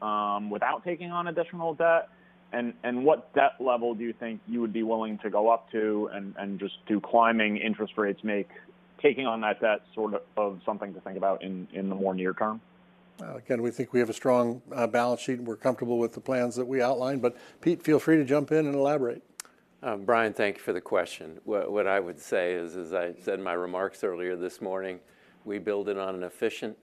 without taking on additional debt? And what debt level do you think you would be willing to go up to and just how climbing interest rates make taking on that debt sort of something to think about in the more near term? Again, we think we have a strong balance sheet, and we're comfortable with the plans that we outlined. Pete, feel free to jump in and elaborate. Brian, thank you for the question. What I would say is, as I said in my remarks earlier this morning, we build it on an efficient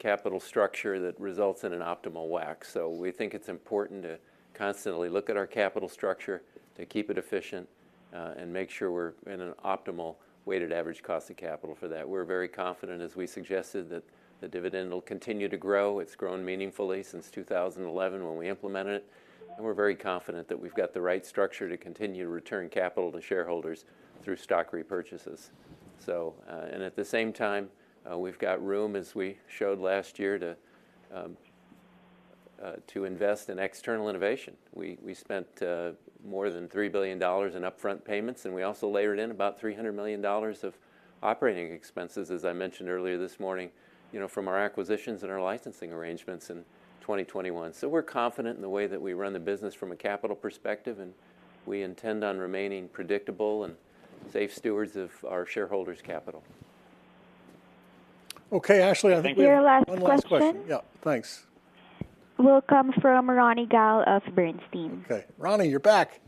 capital structure that results in an optimal WACC. We think it's important to constantly look at our capital structure to keep it efficient, and make sure we're in an optimal weighted average cost of capital for that. We're very confident, as we suggested, that the dividend will continue to grow. It's grown meaningfully since 2011 when we implemented it, and we're very confident that we've got the right structure to continue to return capital to shareholders through stock repurchases. And at the same time, we've got room, as we showed last year, though. To invest in external innovation. We spent more than $3 billion in upfront payments, and we also layered in about $300 million of operating expenses, as I mentioned earlier this morning, you know, from our acquisitions and our licensing arrangements in 2021. We're confident in the way that we run the business from a capital perspective, and we intend on remaining predictable and safe stewards of our shareholders' capital. Okay, Ashley, I think we have. Your last question one last question. Yeah, thanks. Will come from Ronny Gal of Bernstein. Okay. Ronny, you're back.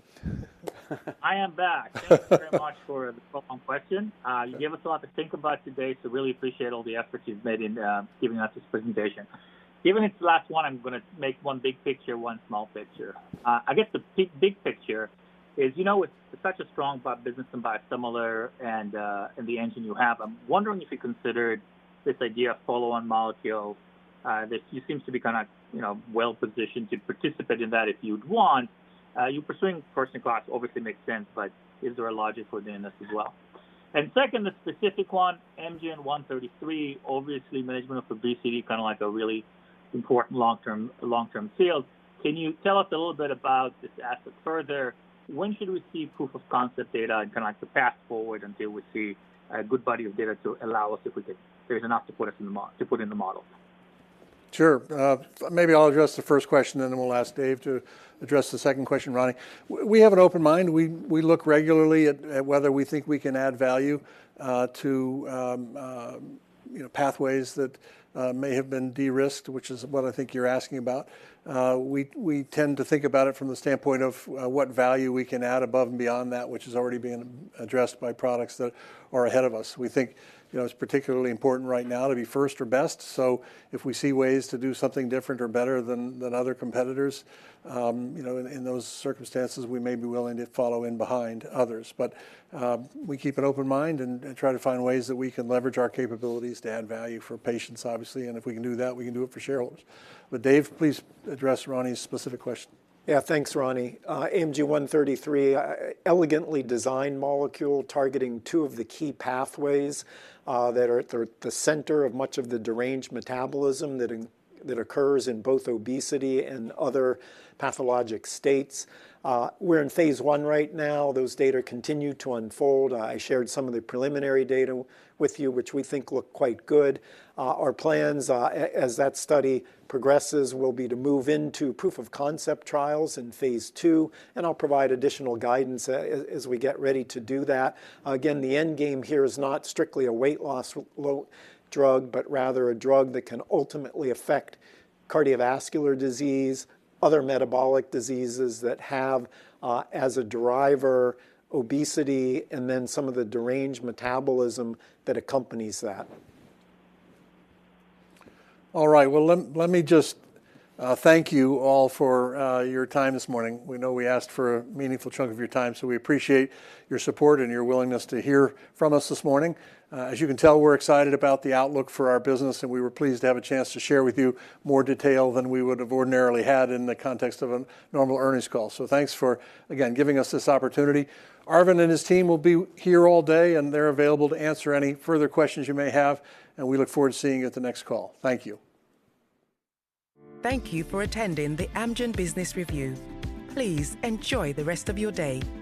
I am back. Thank you very much for the follow-on question. You gave us a lot to think about today, so really appreciate all the effort you've made in giving us this presentation. Given it's the last one, I'm gonna make one big picture, one small picture. I guess the big picture is, you know, it's such a strong bio business and biosimilar and the engine you have. I'm wondering if you considered this idea of follow-on molecule that you seem to be kinda, you know, well-positioned to participate in that if you'd want. You pursuing first in class obviously makes sense, but is there a logic within this as well? Second, the specific one, AMG 133, obviously management of obesity, kinda like a really important long-term field. Can you tell us a little bit about this asset further? When should we see proof of concept data and kinda like the path forward until we see a good body of data to allow us if we can. There's enough to put us in the model. Sure. Maybe I'll address the first question, and then we'll ask Dave to address the second question, Ronny. We have an open mind. We look regularly at whether we think we can add value to you know, pathways that may have been de-risked, which is what I think you're asking about. We tend to think about it from the standpoint of what value we can add above and beyond that which is already being addressed by products that are ahead of us. We think, you know, it's particularly important right now to be first or best, so if we see ways to do something different or better than other competitors, you know, in those circumstances, we may be willing to follow in behind others. we keep an open mind and try to find ways that we can leverage our capabilities to add value for patients, obviously. If we can do that, we can do it for shareholders. Dave, please address Ronny's specific question. Yeah. Thanks, Ronny. AMG 133, elegantly designed molecule targeting two of the key pathways that are at the center of much of the deranged metabolism that occurs in both obesity and other pathologic states. We're in phase I right now. Those data continue to unfold. I shared some of the preliminary data with you, which we think look quite good. Our plans, as that study progresses, will be to move into proof of concept trials in phase II, and I'll provide additional guidance as we get ready to do that. Again, the end game here is not strictly a weight loss drug, but rather a drug that can ultimately affect cardiovascular disease, other metabolic diseases that have as a driver, obesity and then some of the deranged metabolism that accompanies that. All right. Well, let me just thank you all for your time this morning. We know we asked for a meaningful chunk of your time, so we appreciate your support and your willingness to hear from us this morning. As you can tell, we're excited about the outlook for our business, and we were pleased to have a chance to share with you more detail than we would have ordinarily had in the context of a normal earnings call. Thanks for, again, giving us this opportunity. Arvind and his team will be here all day, and they're available to answer any further questions you may have, and we look forward to seeing you at the next call. Thank you. Thank you for attending the Amgen Business Review. Please enjoy the rest of your day.